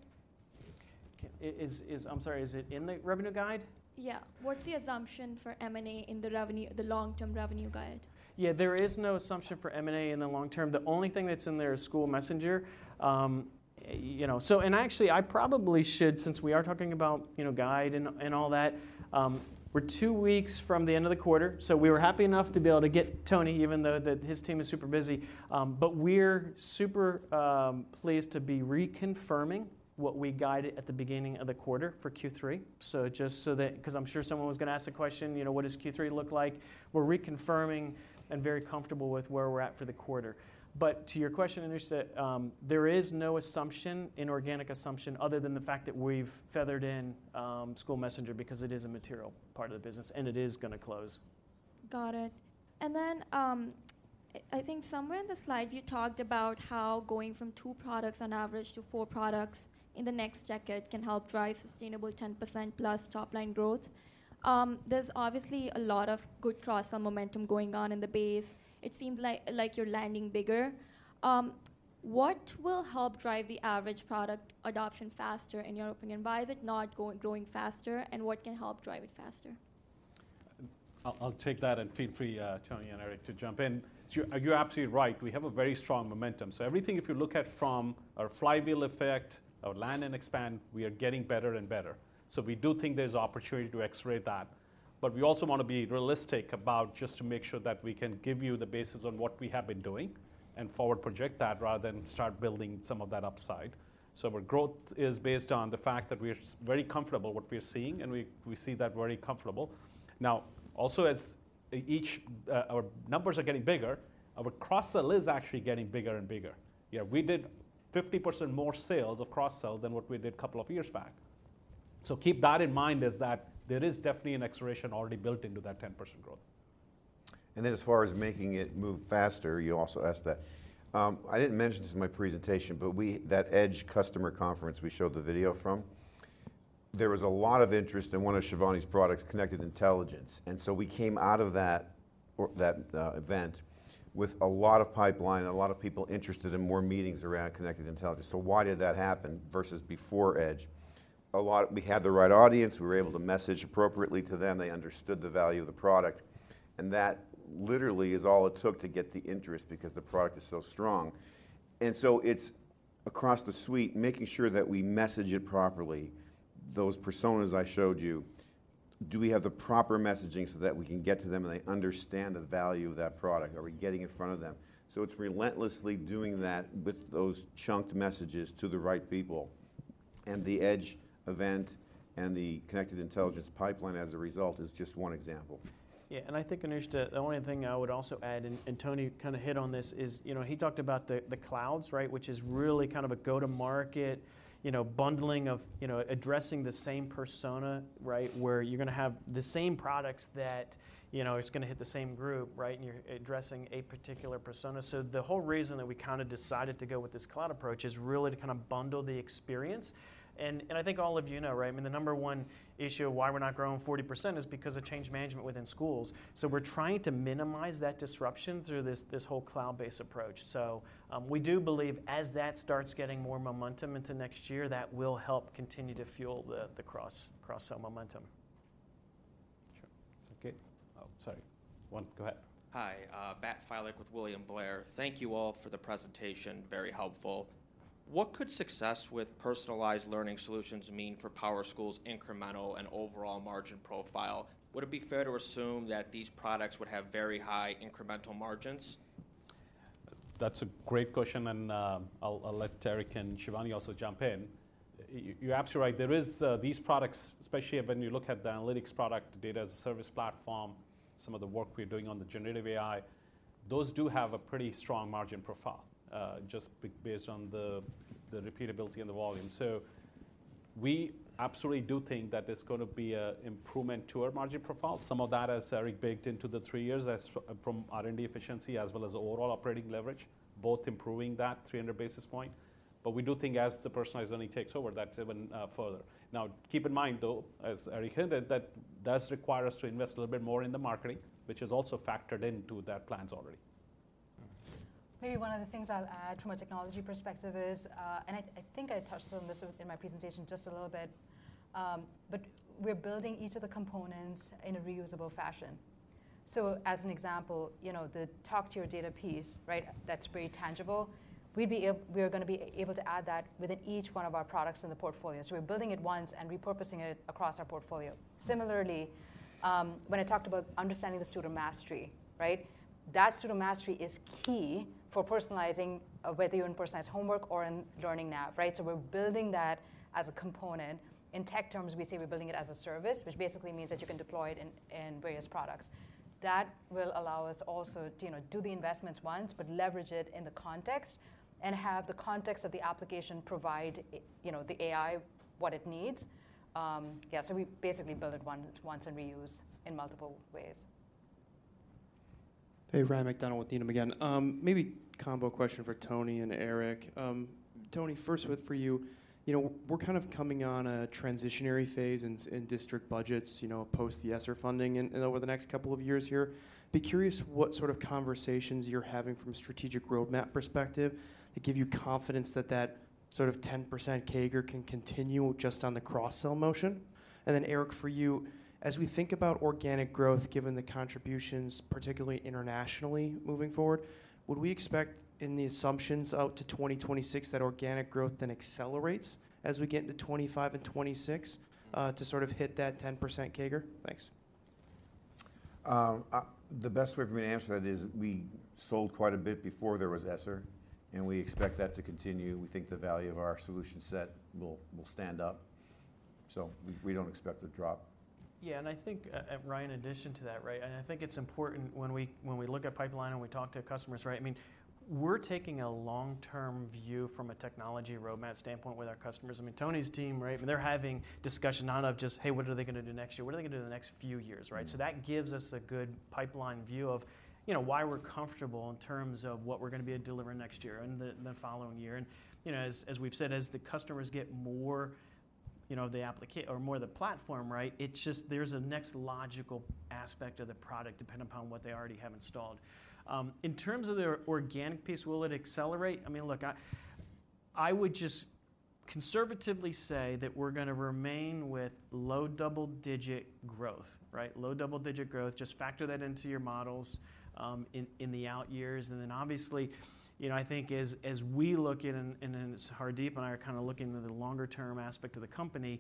Okay. I'm sorry, is it in the revenue guide?
Yeah. What's the assumption for M&A in the revenue, the long-term revenue guide?
Yeah, there is no assumption for M&A in the long term. The only thing that's in there is SchoolMessenger. You know, so and actually, I probably should, since we are talking about, you know, guide and all that, we're two weeks from the end of the quarter, so we were happy enough to be able to get Tony, even though that his team is super busy. But we're super pleased to be reconfirming what we guided at the beginning of the quarter for Q3. So just so that—'cause I'm sure someone was gonna ask the question, you know, "What does Q3 look like?" We're reconfirming and very comfortable with where we're at for the quarter. But to your question, Anusha, there is no assumption, inorganic assumption, other than the fact that we've feathered in SchoolMessenger because it is a material part of the business, and it is gonna close.
Got it. Then, I think somewhere in the slides you talked about how going from two products on average to four products in the next decade can help drive sustainable 10%+ top-line growth. There's obviously a lot of good cross and momentum going on in the base. It seems like you're landing bigger. What will help drive the average product adoption faster, in your opinion? Why is it not growing faster, and what can help drive it faster?
I'll take that, and feel free, Tony and Eric, to jump in. So you're absolutely right. We have a very strong momentum. So everything, if you look at from our flywheel effect, our land and expand, we are getting better and better. So we do think there's opportunity to x-ray that, but we also want to be realistic about just to make sure that we can give you the basis on what we have been doing and forward project that, rather than start building some of that upside. So our growth is based on the fact that we're very comfortable with what we're seeing, and we see that very comfortable. Now, also as each our numbers are getting bigger, our cross-sell is actually getting bigger and bigger. Yeah, we did 50% more sales of cross-sell than what we did couple of years back. Keep that in mind, that there is definitely an acceleration already built into that 10% growth.
Then as far as making it move faster, you also asked that. I didn't mention this in my presentation, but we, that EDGE customer conference we showed the video from, there was a lot of interest in one of Shivani's products, Connected Intelligence, and so we came out of that event with a lot of pipeline and a lot of people interested in more meetings around Connected Intelligence. So why did that happen versus before EDGE? A lot—we had the right audience, we were able to message appropriately to them, they understood the value of the product, and that literally is all it took to get the interest because the product is so strong. So it's across the suite, making sure that we message it properly. Those personas I showed you, do we have the proper messaging so that we can get to them, and they understand the value of that product? Are we getting in front of them? So it's relentlessly doing that with those chunked messages to the right people. And the EDGE event and the Connected Intelligence pipeline as a result is just one example.
Yeah, and I think, Anusha, the only thing I would also add, and Tony kinda hit on this, is, you know, he talked about the clouds, right? Which is really kind of a go-to-market, you know, bundling of, you know, addressing the same persona, right? Where you're gonna have the same products that, you know, it's gonna hit the same group, right? And you're addressing a particular persona. So the whole reason that we kinda decided to go with this cloud approach is really to kind of bundle the experience. And, and I think all of you know, right, I mean, the number one issue of why we're not growing 40% is because of change management within schools. So we're trying to minimize that disruption through this, this whole cloud-based approach. We do believe as that starts getting more momentum into next year, that will help continue to fuel the cross-sell momentum.
Sure. It's okay. Oh, sorry. One, go ahead.
Hi, Matt Filek with William Blair. Thank you all for the presentation, very helpful. What could success with personalized learning solutions mean for PowerSchool's incremental and overall margin profile? Would it be fair to assume that these products would have very high incremental margins?
That's a great question, and I'll let Eric and Shivani also jump in. You're absolutely right. There is these products, especially when you look at the analytics product, data-as-a servic- platform, some of the work we're doing on the generative AI, those do have a pretty strong margin profile, just based on the repeatability and the volume. So we absolutely do think that there's going to be a improvement to our margin profile. Some of that, as Eric baked into the three years, from R&D efficiency, as well as overall operating leverage, both improving that 300 basis point. But we do think as the personalized learning takes over, that's even further. Now, keep in mind, though, as Eric hinted, that does require us to invest a little bit more in the marketing, which is also factored into that plans already.
Maybe one of the things I'll add from a technology perspective is, and I think I touched on this in my presentation just a little bit, but we're building each of the components in a reusable fashion. So as an example, you know, the talk to your data piece, right? That's pretty tangible. We'd be able-- We are gonna be able to add that within each one of our products in the portfolio. So we're building it once and repurposing it across our portfolio. Similarly, when I talked about understanding the student mastery, right? That student mastery is key for personalizing, whether you're in personalized homework or in Learning Nav, right? So we're building that as a component. In tech terms, we say we're building it as a service, which basically means that you can deploy it in various products. That will allow us also to, you know, do the investments once, but leverage it in the context, and have the context of the application provide it, you know, the AI, what it needs. Yeah, so we basically build it once, once and reuse in multiple ways.
Hey, Ryan MacDonald with Needham again. Maybe combo question for Tony and Eric. Tony, first with, for you. You know, we're kind of coming on a transitionary phase in district budgets, you know, post the ESSER funding and over the next couple of years here. Be curious what sort of conversations you're having from a strategic roadmap perspective, that give you confidence that that sort of 10% CAGR can continue just on the cross-sell motion. And then Eric, for you, as we think about organic growth, given the contributions, particularly internationally moving forward, would we expect in the assumptions out to 2026, that organic growth then accelerates as we get into 2025 and 2026, to sort of hit that 10% CAGR? Thanks.
The best way for me to answer that is we sold quite a bit before there was ESSER, and we expect that to continue. We think the value of our solution set will stand up. So we don't expect a drop.
Yeah, and I think in addition to that, right? And I think it's important when we look at pipeline and we talk to customers, right? I mean, we’re taking a long term view from a technology standpoint. Tony's team, right? They're having discussion not of just: "Hey, what are they gonna do next year? What are they gonna do the next few years," right?
Mm.
So that gives us a good pipeline view of, you know, why we're comfortable in terms of what we're gonna be delivering next year and the following year. And, you know, as we've said, as the customers get more, you know, the application or more the platform, right? It's just, there's a next logical aspect of the product, depending upon what they already have installed. In terms of their organic piece, will it accelerate? I mean, look, I would just conservatively say that we're gonna remain with low double-digit growth, right? Low double-digit growth. Just factor that into your models, in the out years. Then obviously, you know, I think as we look in, and then Hardeep and I are kinda looking at the longer term aspect of the company.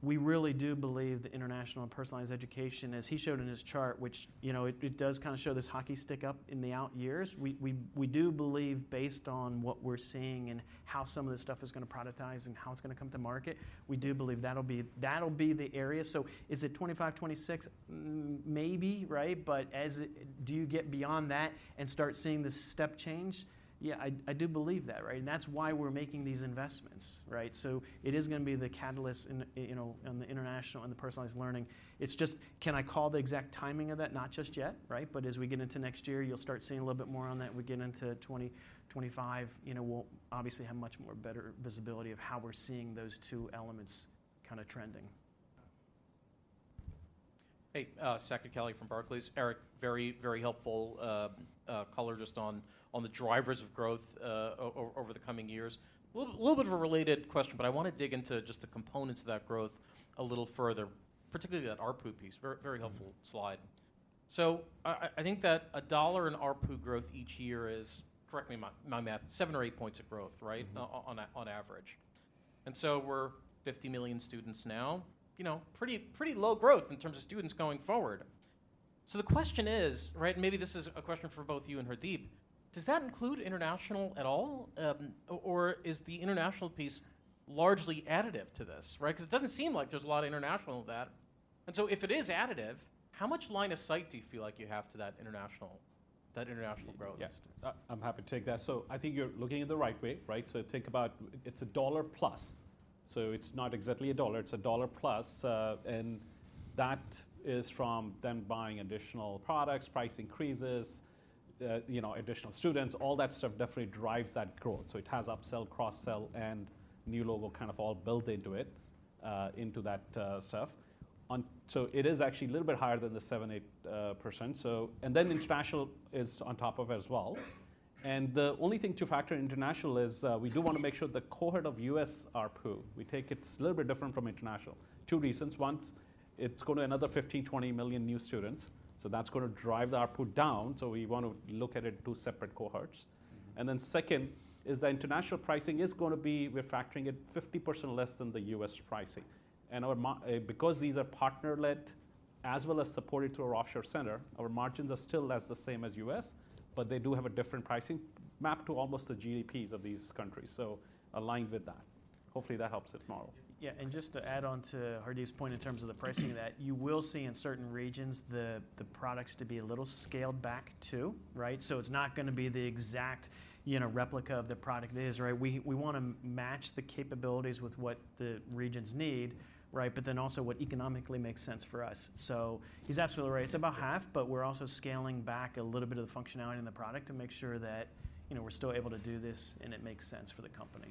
We really do believe that international and personalized education, as he showed in his chart, which, you know, it does kinda show this hockey stick up in the out years. We do believe based on what we're seeing and how some of this stuff is gonna productize and how it's gonna come to market, we do believe that'll be, that'll be the area. So is it 2025, 2026? Maybe, right? But as it—do you get beyond that and start seeing this step change? Yeah, I do believe that, right? And that's why we're making these investments, right? So it is gonna be the catalyst in, you know, on the international and the personalized learning. It's just, can I call the exact timing of that? Not just yet, right? But as we get into next year, you'll start seeing a little bit more on that. We get into 2025, you know, we'll obviously have much more better visibility of how we're seeing those two elements kinda trending.
Hey, Saket Kalia from Barclays. Eric, very, very helpful color just on the drivers of growth over the coming years. Little, little bit of a related question, but I wanna dig into just the components of that growth a little further, particularly that ARPU piece. Very, very helpful slide.
Mm-hmm.
So I think that $1 in ARPU growth each year is, correct me my math, seven or eight points of growth, right?
Mm-hmm.
On average. And so we're 50 million students now, you know, pretty, pretty low growth in terms of students going forward. So the question is, right, maybe this is a question for both you and Hardeep: Does that include international at all? Or is the international piece largely additive to this, right? 'Cause it doesn't seem like there's a lot of international with that. And so if it is additive, how much line of sight do you feel like you have to that international, that international growth?
Yes.
I'm happy to take that. So I think you're looking at the right way, right? So think about, it's a $1+, so it's not exactly a $1, it's a $1+. And that is from them buying additional products, price increases, you know, additional students, all that stuff definitely drives that growth. So it has upsell, cross-sell, and new logo kind of all built into it, into that, stuff. So it is actually a little bit higher than the 7-8%, so... And then international is on top of it as well. And the only thing to factor in international is, we do want to make sure the cohort of U.S. ARPU, we take it's a little bit different from international. Two reasons: One, it's going to another 15–20 million new students, so that's going to drive the ARPU down, so we want to look at it two separate cohorts.
Mm.
And then second, the international pricing is going to be, we're factoring it 50% less than the U.S. pricing. And our margins, because these are partner-led as well as supported through our offshore center, our margins are still less, the same as U.S., but they do have a different pricing mapped to almost the GDPs of these countries, so aligned with that. Hopefully, that helps with the model.
Yeah, and just to add on to Hardeep's point in terms of the pricing, that you will see in certain regions the products to be a little scaled back, too, right? So it's not gonna be the exact, you know, replica of the product it is, right? We, we wanna match the capabilities with what the regions need, right? But then also what economically makes sense for us. So he's absolutely right. It's about half, but we're also scaling back a little bit of the functionality in the product to make sure that, you know, we're still able to do this, and it makes sense for the company.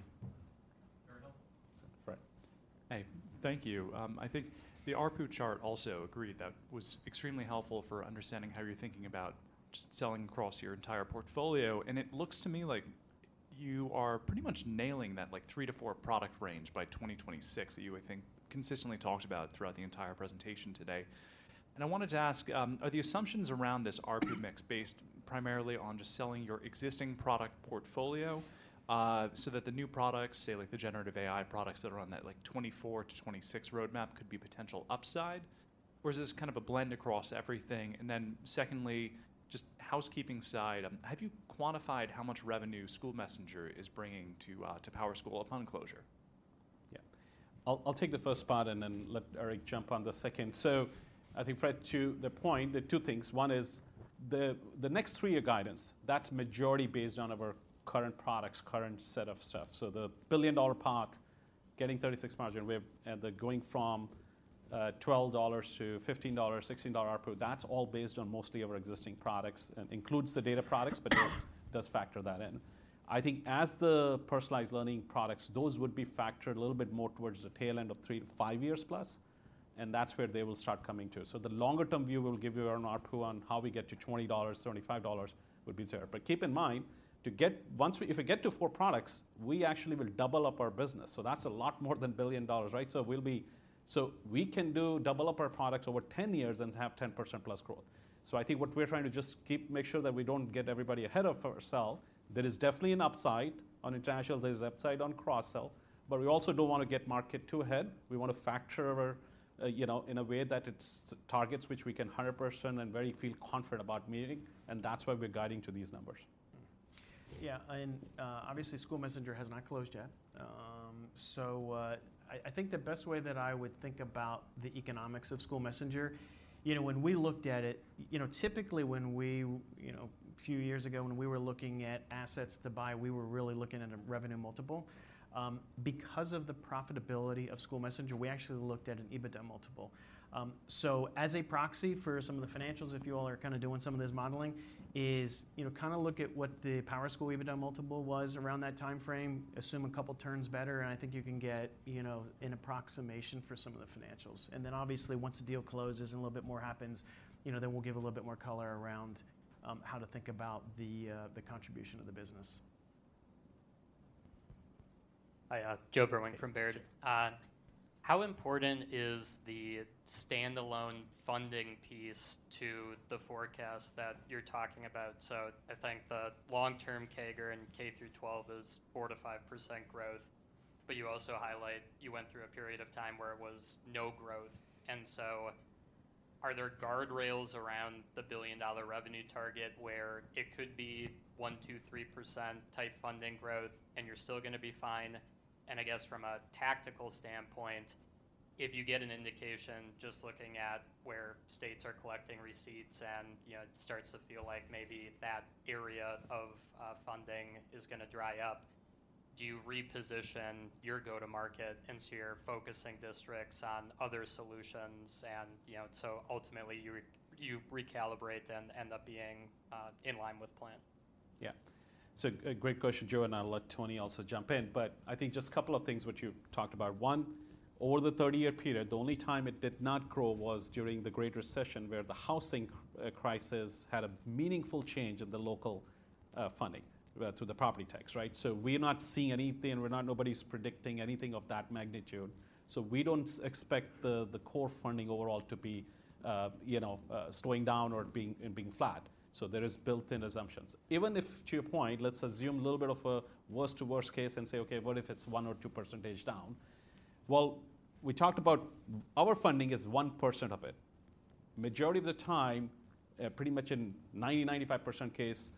Very helpful.
Right.
Hey, thank you. I think the ARPU chart also agreed that was extremely helpful for understanding how you're thinking about just selling across your entire portfolio, and it looks to me like you are pretty much nailing that, like, three to four product range by 2026, that you, I think, consistently talked about throughout the entire presentation today. And I wanted to ask, are the assumptions around this ARPU mix based primarily on just selling your existing product portfolio, so that the new products, say, like the generative AI products that are on that, like, 2024–2026 roadmap, could be potential upside? Or is this kind of a blend across everything? And then secondly, just housekeeping side, have you quantified how much revenue SchoolMessenger is bringing to PowerSchool upon closure?
Yeah. I'll, I'll take the first part and then let Eric jump on the second. So I think, Fred, to the point, there are two things. One is the, the next three-year guidance, that's majority based on our current products, current set of stuff. So the billion-dollar path, getting 36 margin, we're-- and the-- going from $12-$15, $16 ARPU, that's all based on mostly our existing products, and includes the data products, but does, does factor that in. I think as the personalized learning products, those would be factored a little bit more towards the tail end of three to five years plus, and that's where they will start coming to. So the longer-term view will give you an ARPU on how we get to $20, $25 would be there. But keep in mind, to get. Once we. If we get to four products, we actually will double up our business, so that's a lot more than $1 billion, right? So we'll be. So we can do, double up our products over 10 years and have 10%+ growth. So I think what we're trying to just keep, make sure that we don't get everybody ahead of ourself. There is definitely an upside on international, there is upside on cross-sell, but we also don't want to get market too ahead. We want to factor our, you know, in a way that it's targets which we can 100% and very feel confident about meeting, and that's why we're guiding to these numbers.
Yeah, and, obviously, SchoolMessenger has not closed yet. So, I think the best way that I would think about the economics of SchoolMessenger, you know, when we looked at it, you know, typically, when we, you know... A few years ago, when we were looking at assets to buy, we were really looking at a revenue multiple. Because of the profitability of SchoolMessenger, we actually looked at an EBITDA multiple. So as a proxy for some of the financials, if you all are kinda doing some of this modeling, is, you know, kinda look at what the PowerSchool EBITDA multiple was around that timeframe, assume a couple turns better, and I think you can get, you know, an approximation for some of the financials. Then, obviously, once the deal closes and a little bit more happens, you know, then we'll give a little bit more color around how to think about the contribution of the business.
Hi, Joe Vruwink from Baird. How important is the standalone funding piece to the forecast that you're talking about? So I think the long-term CAGR in K-12 is 4%-5% growth, but you also highlight you went through a period of time where it was no growth. And so are there guardrails around the $1 billion revenue target, where it could be 1%, 2%, 3% percent-type funding growth, and you're still gonna be fine? And I guess from a tactical standpoint, if you get an indication, just looking at where states are collecting receipts and, you know, it starts to feel like maybe that area of funding is gonna dry up, do you reposition your go-to-market and so you're focusing districts on other solutions and, you know, so ultimately, you, you recalibrate and end up being in line with plan?
Yeah. So, a great question, Joe, and I'll let Tony also jump in, but I think just a couple of things which you talked about. One, over the 30-year period, the only time it did not grow was during the Great Recession, where the housing crisis had a meaningful change in the local funding through the property tax, right? So we are not seeing anything, we're not—nobody's predicting anything of that magnitude. So we don't expect the core funding overall to be, you know, slowing down or it being flat. So there is built-in assumptions. Even if, to your point, let's assume a little bit of a worst to worst case and say, "Okay, what if it's one or two percentage down?" Well, we talked about, our funding is 1% of it. Majority of the time, pretty much in 90%-95% case,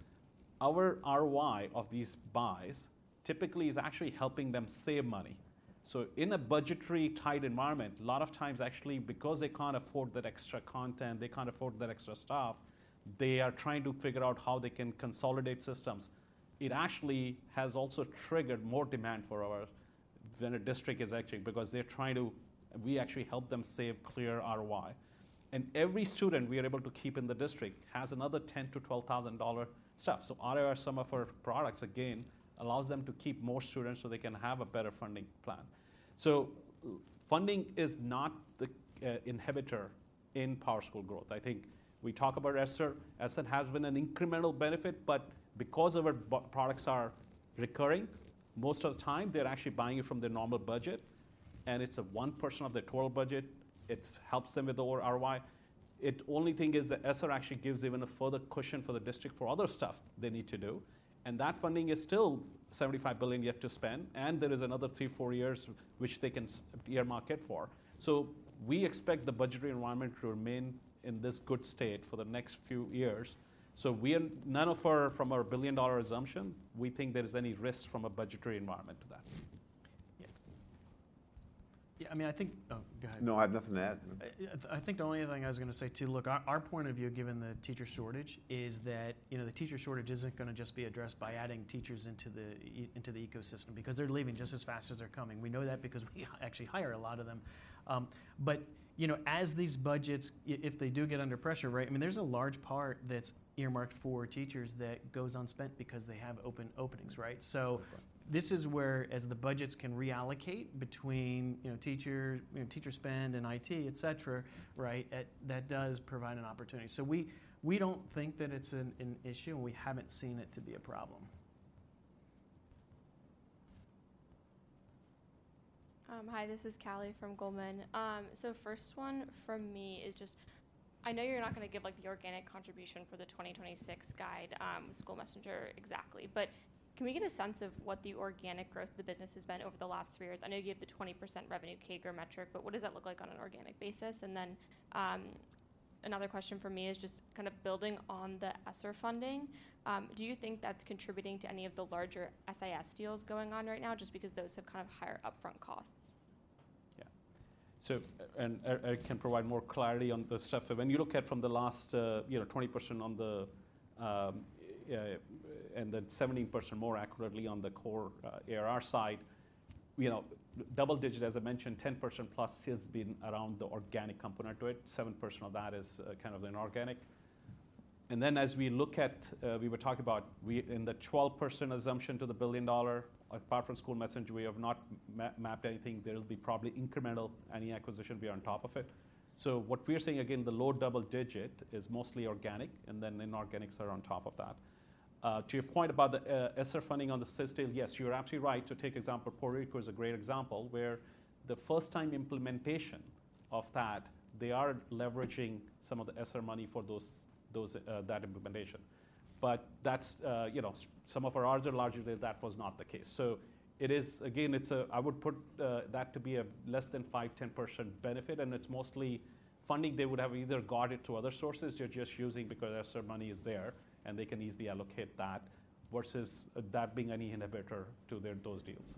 our ROI of these buys typically is actually helping them save money. So in a budgetary-tight environment, a lot of times, actually, because they can't afford that extra content, they can't afford that extra staff, they are trying to figure out how they can consolidate systems. It actually has also triggered more demand for our... than a district is actually, because they're trying to-- we actually help them save clear ROI. And every student we are able to keep in the district has another $10,000-$12,000 stuff. So other some of our products, again, allows them to keep more students, so they can have a better funding plan. So funding is not the, inhibitor in PowerSchool growth. I think we talk about ESSER. ESSER has been an incremental benefit, but because our products are recurring, most of the time, they're actually buying it from their normal budget, and it's 1% of their total budget. It helps them with the overall ROI. The only thing is that ESSER actually gives even a further cushion for the district for other stuff they need to do, and that funding is still $75 billion yet to spend, and there is another three to four years which they can earmark it for. So we expect the budgetary environment to remain in this good state for the next few years. So none of our, from our $1 billion assumption, we think there is any risk from a budgetary environment to that.
Yeah. Yeah, I mean, I think... Oh, go ahead.
No, I have nothing to add.
I think the only other thing I was gonna say, too, look, our point of view, given the teacher shortage, is that, you know, the teacher shortage isn't gonna just be addressed by adding teachers into the ecosystem, because they're leaving just as fast as they're coming. We know that, because we actually hire a lot of them. But, you know, as these budgets, if they do get under pressure, right, I mean, there's a large part that's earmarked for teachers that goes unspent because they have openings, right? So this is where, as the budgets can reallocate between, you know, teacher, you know, teacher spend and IT, et cetera, right? At that does provide an opportunity. So we don't think that it's an issue, and we haven't seen it to be a problem.
Hi, this is Callie from Goldman. So first one from me is just, I know you're not going to give, like, the organic contribution for the 2026 guide, SchoolMessenger, exactly. But can we get a sense of what the organic growth of the business has been over the last three years? I know you gave the 20% revenue CAGR metric, but what does that look like on an organic basis? And then, another question from me is just kind of building on the ESSER funding. Do you think that's contributing to any of the larger SIS deals going on right now, just because those have kind of higher upfront costs?
Yeah. So and I can provide more clarity on this stuff. When you look at from the last, you know, 20% on the, and then 17% more accurately on the core, ARR side, you know, double digit, as I mentioned, 10%+ has been around the organic component to it. 7% of that is kind of inorganic. And then, as we look at, In the 12% assumption to the $1 billion, apart from SchoolMessenger, we have not mapped anything. There will be probably incremental, any acquisition, we are on top of it. So what we are saying, again, the low double digit is mostly organic, and then inorganics are on top of that. To your point about the ESSER funding on the SIS deal, yes, you're absolutely right. To take example, Puerto Rico is a great example, where the first time implementation of that, they are leveraging some of the ESSER money for those that implementation. But that's, you know, some of our other larger deals, that was not the case. So it is. Again, it's a I would put that to be a less than 5%-10% benefit, and it's mostly funding they would have either got it to other sources, they're just using because ESSER money is there, and they can easily allocate that, versus that being any inhibitor to their those deals.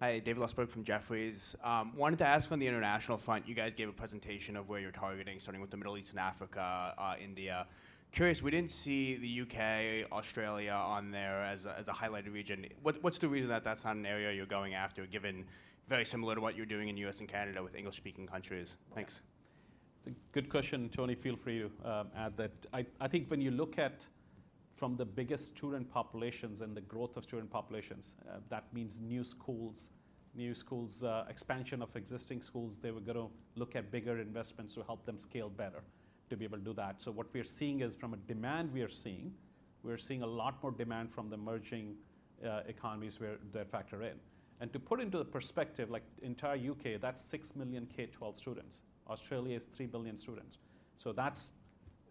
Hi, David Lustberg from Jefferies. Wanted to ask on the international front, you guys gave a presentation of where you're targeting, starting with the Middle East and Africa, India. Curious, we didn't see the U.K., Australia on there as a, as a highlighted region. What's, what's the reason that that's not an area you're going after, given very similar to what you're doing in U.S. and Canada with English-speaking countries? Thanks.
It's a good question. Tony, feel free to add that. I think when you look at from the biggest student populations and the growth of student populations, that means new schools, new schools, expansion of existing schools, they were going to look at bigger investments to help them scale better, to be able to do that. So what we are seeing is, from a demand we are seeing, we are seeing a lot more demand from the emerging economies where they factor in. And to put into the perspective, like entire U.K., that's six million K-12 students. Australia is three billion students. So that's,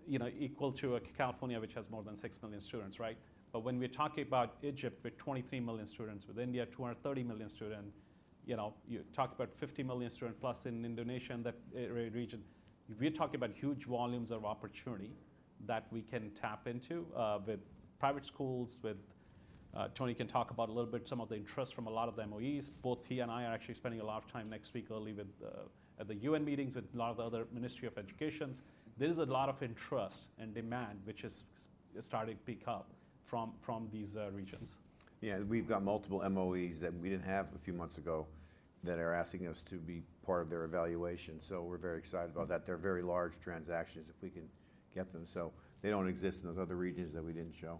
you know, equal to a California, which has more than six million students, right? But when we're talking about Egypt, with 23 million students, with India, 230 million student, you know, you talk about 50 million student plus in Indonesia, in that region. We're talking about huge volumes of opportunity that we can tap into with private schools... Tony can talk about a little bit, some of the interest from a lot of the MOEs. Both he and I are actually spending a lot of time next week early with at the U.N. meetings, with a lot of the other Ministry of Educations. There is a lot of interest and demand, which is starting to pick up from these regions.
Yeah, we've got multiple MOEs that we didn't have a few months ago, that are asking us to be part of their evaluation. So we're very excited about that. They're very large transactions, if we can get them. So they don't exist in those other regions that we didn't show.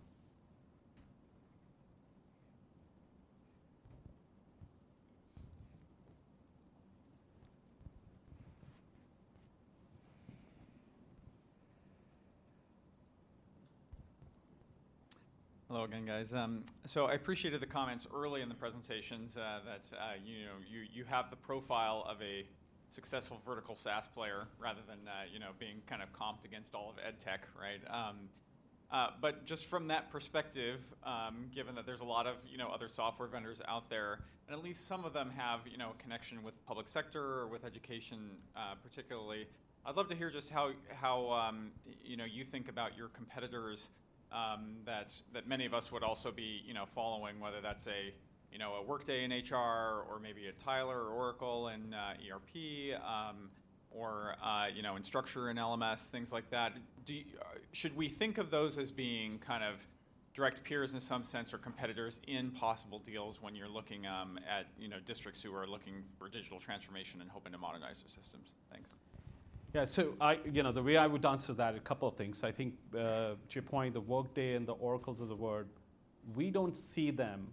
Hello again, guys. So I appreciated the comments early in the presentations that you know, you have the profile of a successful vertical SaaS player, rather than you know, being kind of comped against all of EdTech, right? But just from that perspective, given that there's a lot of you know, other software vendors out there, and at least some of them have you know, a connection with public sector or with education, particularly, I'd love to hear just how you know, you think about your competitors that many of us would also be you know, following, whether that's a you know, a Workday in HR or maybe a Tyler or Oracle in ERP, or you know, Instructure in LMS, things like that. Should we think of those as being kind of direct peers in some sense or competitors in possible deals when you're looking at, you know, districts who are looking for digital transformation and hoping to modernize their systems? Thanks.
Yeah, so you know, the way I would answer that, a couple of things. I think, to your point, the Workday and the Oracles of the world, we don't see them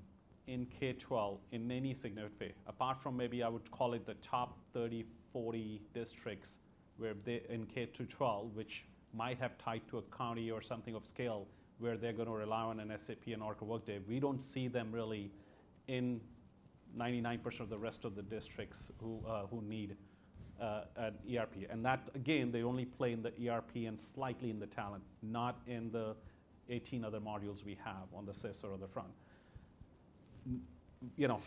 in K-12 in any significant way, apart from maybe I would call it the top 30, 40 districts where they in K-12, which might have tied to a county or something of scale, where they're going to rely on an SAP and Oracle Workday. We don't see them really in 99% of the rest of the districts who, who need an ERP. And that, again, they only play in the ERP and slightly in the talent, not in the 18 other modules we have on the SIS or other front. You know,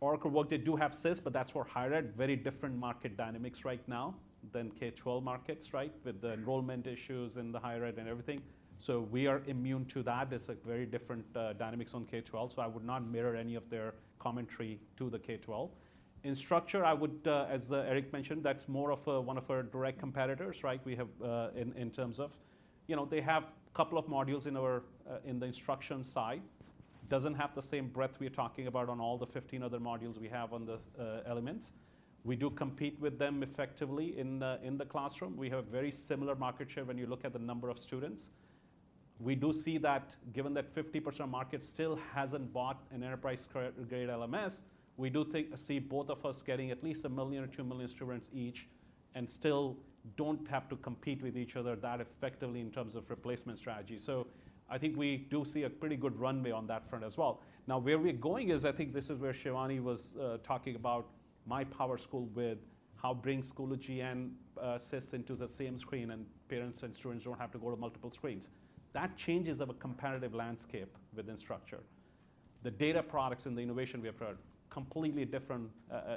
Oracle Workday do have SIS, but that's for higher ed. Very different market dynamics right now than K-12 markets, right? With the enrollment issues and the higher ed and everything. So we are immune to that. There's a very different dynamics on K-12, so I would not mirror any of their commentary to the K-12. Instructure, I would, as Eric mentioned, that's more of a one of our direct competitors, right? We have, in, in terms of... You know, they have a couple of modules in our in the instruction side... doesn't have the same breadth we're talking about on all the 15 other modules we have on the elements. We do compete with them effectively in the in the classroom. We have very similar market share when you look at the number of students. We do see that given that 50% of market still hasn't bought an enterprise-grade LMS, we do think we see both of us getting at least one million or two million students each, and still don't have to compete with each other that effectively in terms of replacement strategy. So I think we do see a pretty good runway on that front as well. Now, where we're going is, I think this is where Shivani was talking about MyPowerSchool with how bringing Schoology and SIS into the same screen and parents and students don't have to go to multiple screens. That changes the competitive landscape within Instructure. The data products and the innovation we offer, completely different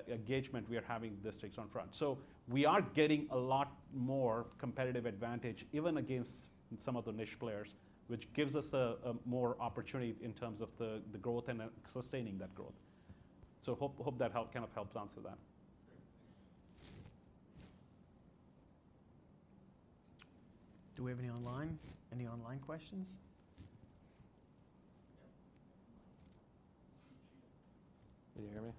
engagement we are having districts on front. We are getting a lot more competitive advantage, even against some of the niche players, which gives us a more opportunity in terms of the growth and sustaining that growth. Hope that helped, kind of helped answer that.
Great, thank you.
Do we have any online, any online questions?
Can you hear me?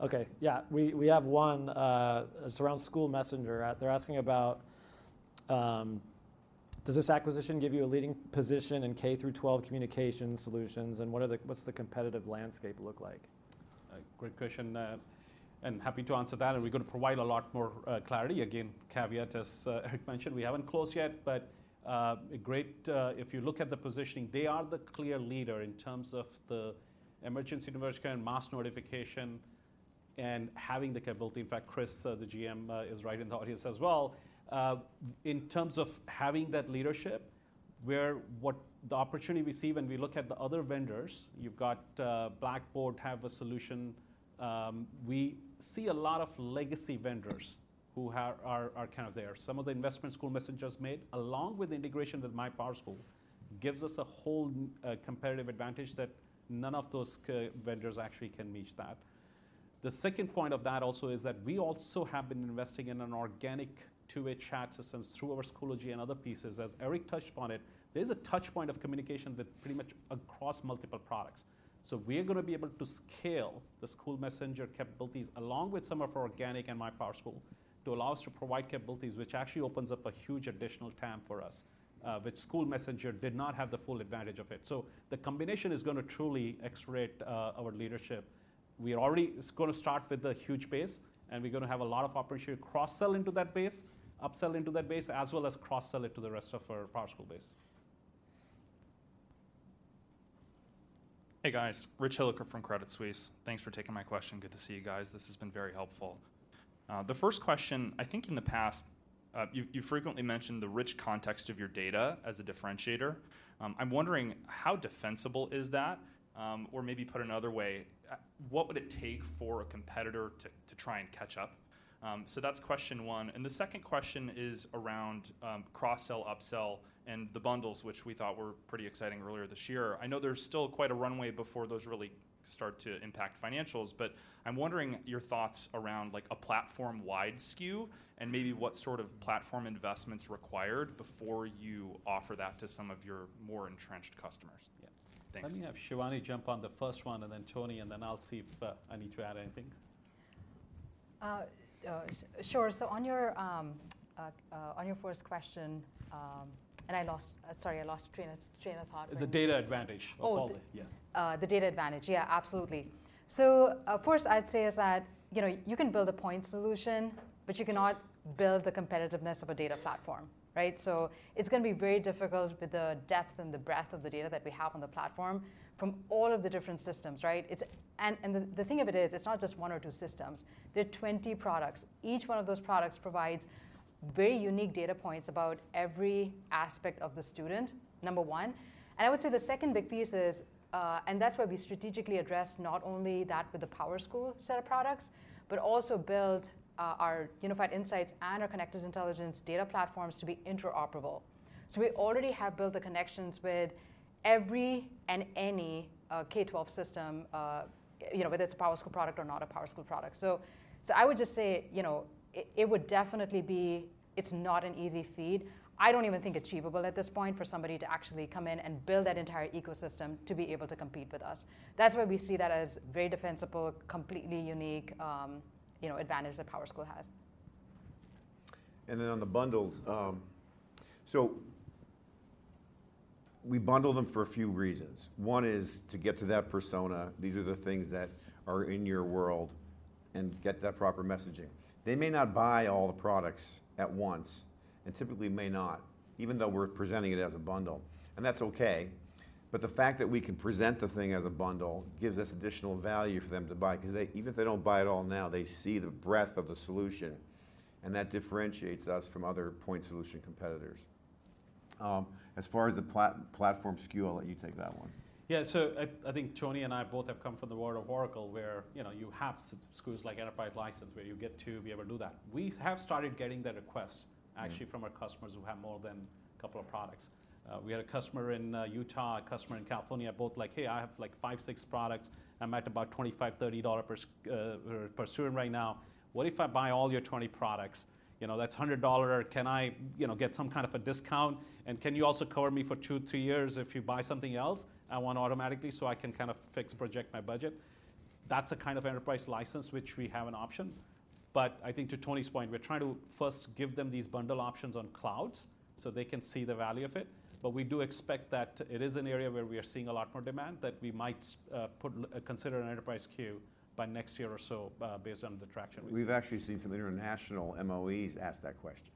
Okay, yeah, we, we have one, it's around SchoolMessenger. They're asking about: Does this acquisition give you a leading position in K-12 communication solutions, and what are the-- what's the competitive landscape look like?
A great question, and happy to answer that, and we're going to provide a lot more clarity. Again, caveat, as Eric mentioned, we haven't closed yet, but a great... If you look at the positioning, they are the clear leader in terms of the emergency notification and mass notification and having the capability. In fact, Chris, the GM, is right in the audience as well. In terms of having that leadership, we're-- what the opportunity we see when we look at the other vendors, you've got Blackboard have a solution. We see a lot of legacy vendors who are kind of there. Some of the investments SchoolMessenger has made, along with the integration with MyPowerSchool, gives us a whole competitive advantage that none of those K-12 vendors actually can reach that. The second point of that also is that we also have been investing in an organic two-way chat systems through our Schoology and other pieces. As Eric touched upon it, there's a touch point of communication that pretty much across multiple products. So we're going to be able to scale the SchoolMessenger capabilities, along with some of our organic and MyPowerSchool, to allow us to provide capabilities, which actually opens up a huge additional TAM for us, which SchoolMessenger did not have the full advantage of it. So the combination is going to truly accelerate our leadership. We are already. It's going to start with a huge base, and we're going to have a lot of opportunity to cross-sell into that base, upsell into that base, as well as cross-sell it to the rest of our PowerSchool base.
Hey, guys. Rich Hilliker from Credit Suisse. Thanks for taking my question. Good to see you guys. This has been very helpful. The first question, I think in the past, you frequently mentioned the rich context of your data as a differentiator. I'm wondering: How defensible is that? Or maybe put another way, what would it take for a competitor to try and catch up? So that's question one, and the second question is around cross-sell, upsell, and the bundles, which we thought were pretty exciting earlier this year. I know there's still quite a runway before those really start to impact financials, but I'm wondering your thoughts around like a platform-wide SKU and maybe what sort of platform investment's required before you offer that to some of your more entrenched customers.
Yeah.
Thanks.
Let me have Shivani jump on the first one and then Tony, and then I'll see if I need to add anything.
Sure. So on your first question... Sorry, I lost train of thought.
The data advantage.
Oh.
We called it. Yes.
The data advantage. Yeah, absolutely. So, first I'd say is that, you know, you can build a point solution, but you cannot build the competitiveness of a data platform, right? So it's going to be very difficult with the depth and the breadth of the data that we have on the platform from all of the different systems, right? It's and the thing of it is, it's not just one or two systems. There are 20 products. Each one of those products provides very unique data points about every aspect of the student, number one. And I would say the second big piece is, and that's where we strategically address not only that with the PowerSchool set of products, but also build our Unified Insights and our Connected Intelligence data platforms to be interoperable. So we already have built the connections with every and any, K-12 system, you know, whether it's a PowerSchool product or not a PowerSchool product. So, so I would just say, you know, it, it would definitely be... It's not an easy feat. I don't even think achievable at this point for somebody to actually come in and build that entire ecosystem to be able to compete with us. That's why we see that as very defensible, completely unique, you know, advantage that PowerSchool has.
Then on the bundles, so we bundle them for a few reasons. One is to get to that persona. These are the things that are in your world and get that proper messaging. They may not buy all the products at once, and typically may not, even though we're presenting it as a bundle, and that's okay. But the fact that we can present the thing as a bundle gives us additional value for them to buy, 'cause they, even if they don't buy it all now, they see the breadth of the solution, and that differentiates us from other point solution competitors. As far as the platform SKU, I'll let you take that one.
Yeah. So I think Tony and I both have come from the world of Oracle, where, you know, you have schools, like, enterprise license, where you get to be able to do that. We have started getting that request actually from our customers who have more than a couple of products. We had a customer in Utah, a customer in California, both like, "Hey, I have, like, five to six products. I'm at about $25-$30 per student right now. What if I buy all your 20 products? You know, that's $100. Can I, you know, get some kind of a discount? And can you also cover me for two to three years if you buy something else? I want automatically, so I can kind of fix, project my budget."... That's a kind of enterprise license, which we have an option. But I think to Tony's point, we're trying to first give them these bundle options on clouds so they can see the value of it. But we do expect that it is an area where we are seeing a lot more demand, that we might consider an enterprise SKU by next year or so, based on the traction we've seen.
We've actually seen some international MOEs ask that question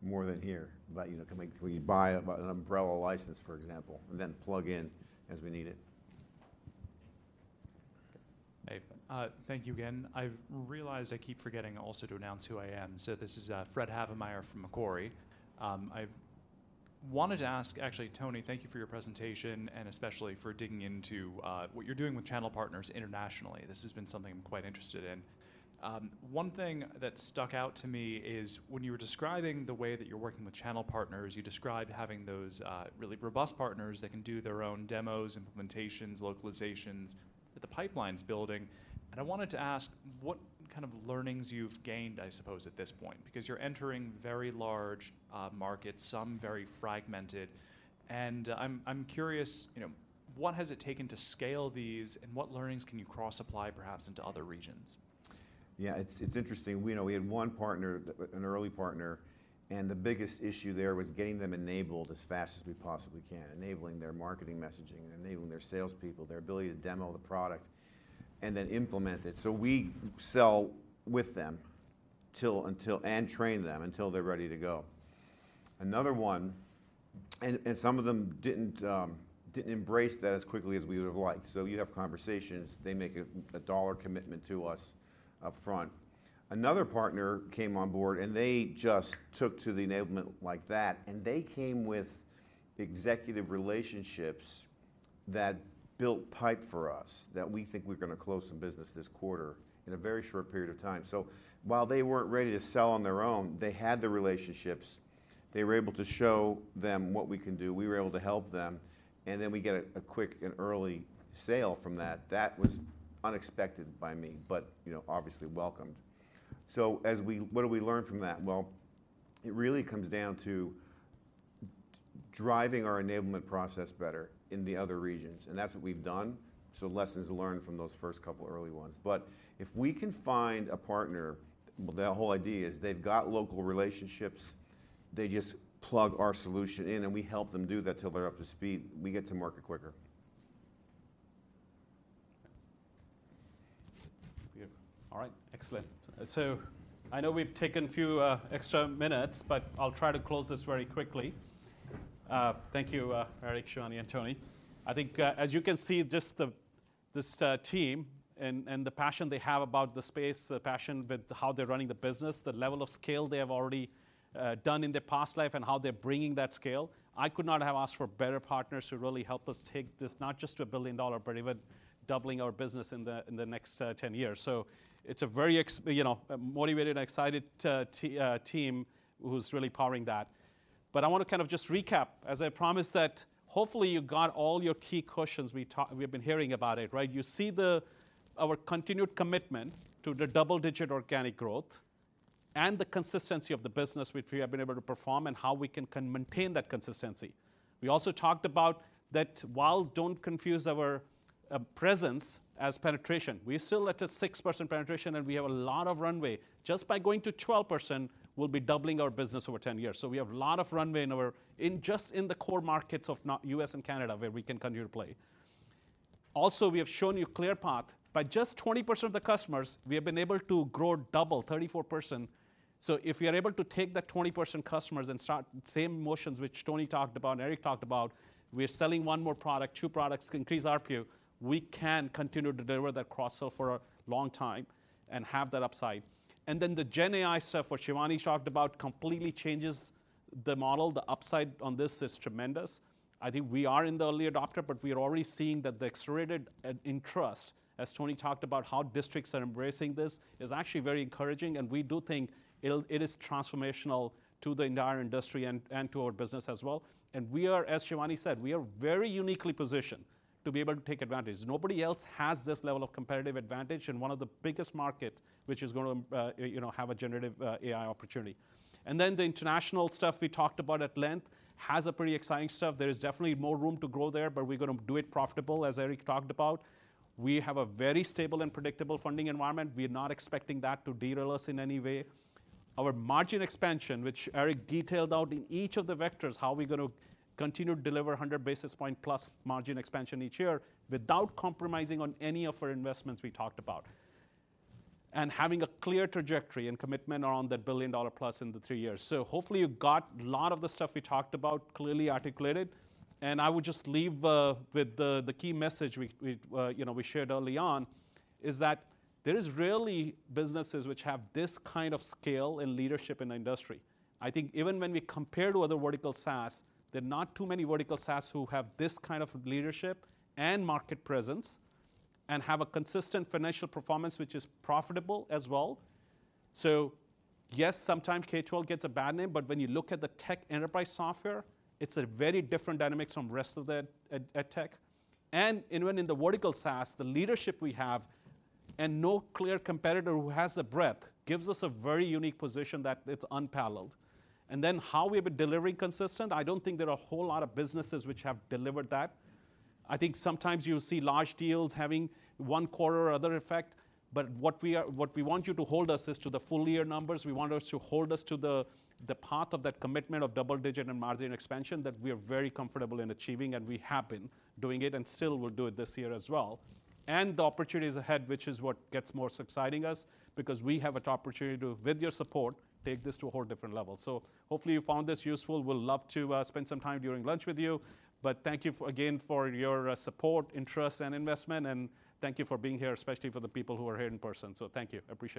more than here, about, you know, "Can we, can we buy but an umbrella license, for example, and then plug in as we need it?
Hey, thank you again. I've realized I keep forgetting also to announce who I am, so this is, Fred Havemeyer from Macquarie. I've wanted to ask. Actually, Tony, thank you for your presentation and especially for digging into, what you're doing with channel partners internationally. This has been something I'm quite interested in. One thing that stuck out to me is when you were describing the way that you're working with channel partners, you described having those, really robust partners that can do their own demos, implementations, localizations, that the pipeline's building. And I wanted to ask what kind of learnings you've gained, I suppose, at this point, because you're entering very large, markets, some very fragmented. And I'm curious, you know, what has it taken to scale these, and what learnings can you cross-apply perhaps into other regions?
Yeah, it's interesting. We know we had one partner, an early partner, and the biggest issue there was getting them enabled as fast as we possibly can, enabling their marketing messaging, enabling their salespeople, their ability to demo the product and then implement it. So we sell with them until... and train them until they're ready to go. Another one, and some of them didn't embrace that as quickly as we would have liked. So you'd have conversations, they make a dollar commitment to us upfront. Another partner came on board, and they just took to the enablement like that, and they came with executive relationships that built pipe for us, that we think we're gonna close some business this quarter in a very short period of time. So while they weren't ready to sell on their own, they had the relationships, they were able to show them what we can do, we were able to help them, and then we get a quick and early sale from that. That was unexpected by me, but, you know, obviously welcomed. So, what did we learn from that? Well, it really comes down to driving our enablement process better in the other regions, and that's what we've done, so lessons learned from those first couple early ones. But if we can find a partner, well, their whole idea is they've got local relationships, they just plug our solution in, and we help them do that till they're up to speed. We get to market quicker.
Yeah. All right. Excellent. So I know we've taken a few extra minutes, but I'll try to close this very quickly. Thank you, Eric, Shivani, and Tony. I think, as you can see, just this team and the passion they have about the space, the passion with how they're running the business, the level of scale they have already done in their past life and how they're bringing that scale. I could not have asked for better partners who really help us take this, not just to a billion-dollar, but even doubling our business in the next 10 years. So it's a very, you know, motivated and excited team who's really powering that. But I want to kind of just recap, as I promised, that hopefully you got all your key questions we talk-- we've been hearing about it, right? You see the, our continued commitment to the double-digit organic growth and the consistency of the business which we have been able to perform and how we can, can maintain that consistency. We also talked about that while don't confuse our, presence as penetration, we're still at a 6% penetration, and we have a lot of runway. Just by going to 12%, we'll be doubling our business over 10 years. So we have a lot of runway in our, in just in the core markets of not-- U.S. and Canada, where we can continue to play. Also, we have shown you clear path. By just 20% of the customers, we have been able to grow double, 34%. So if we are able to take that 20% customers and start same motions which Tony talked about and Eric talked about, we are selling one more product, two products, increase ARPU, we can continue to deliver that cross-sell for a long time and have that upside. And then the Gen AI stuff, which Shivani talked about, completely changes the model. The upside on this is tremendous. I think we are in the early adopter, but we are already seeing that the accelerated interest, as Tony talked about, how districts are embracing this, is actually very encouraging, and we do think it'll, it is transformational to the entire industry and to our business as well. And we are, as Shivani said, we are very uniquely positioned to be able to take advantage. Nobody else has this level of competitive advantage in one of the biggest market, which is gonna, you know, have a generative AI opportunity. And then the international stuff we talked about at length has a pretty exciting stuff. There is definitely more room to grow there, but we're gonna do it profitable, as Eric talked about. We have a very stable and predictable funding environment. We are not expecting that to derail us in any way. Our margin expansion, which Eric detailed out in each of the vectors, how we're gonna continue to deliver 100 basis points plus margin expansion each year without compromising on any of our investments we talked about. And having a clear trajectory and commitment on that $1 billion in the three years. So hopefully, you've got a lot of the stuff we talked about clearly articulated, and I would just leave with the key message, you know, we shared early on, is that there is really businesses which have this kind of scale and leadership in the industry. I think even when we compare to other vertical SaaS, there are not too many vertical SaaS who have this kind of leadership and market presence and have a consistent financial performance, which is profitable as well. So yes, sometimes K-12 gets a bad name, but when you look at the tech enterprise software, it's a very different dynamics from rest of the EdTech. And even in the vertical SaaS, the leadership we have, and no clear competitor who has the breadth, gives us a very unique position that it's unparalleled. And then, how we've been delivering consistent, I don't think there are a whole lot of businesses which have delivered that. I think sometimes you'll see large deals having one quarter or other effect, but what we are—what we want you to hold us to is the full year numbers. We want you to hold us to the path of that commitment of double digit and margin expansion, that we are very comfortable in achieving, and we have been doing it and still will do it this year as well. And the opportunities ahead, which is what gets more exciting us, because we have a opportunity to, with your support, take this to a whole different level. So hopefully you found this useful. We'll love to spend some time during lunch with you, but thank you again for your support, interest, and investment, and thank you for being here, especially for the people who are here in person. So thank you. I appreciate it.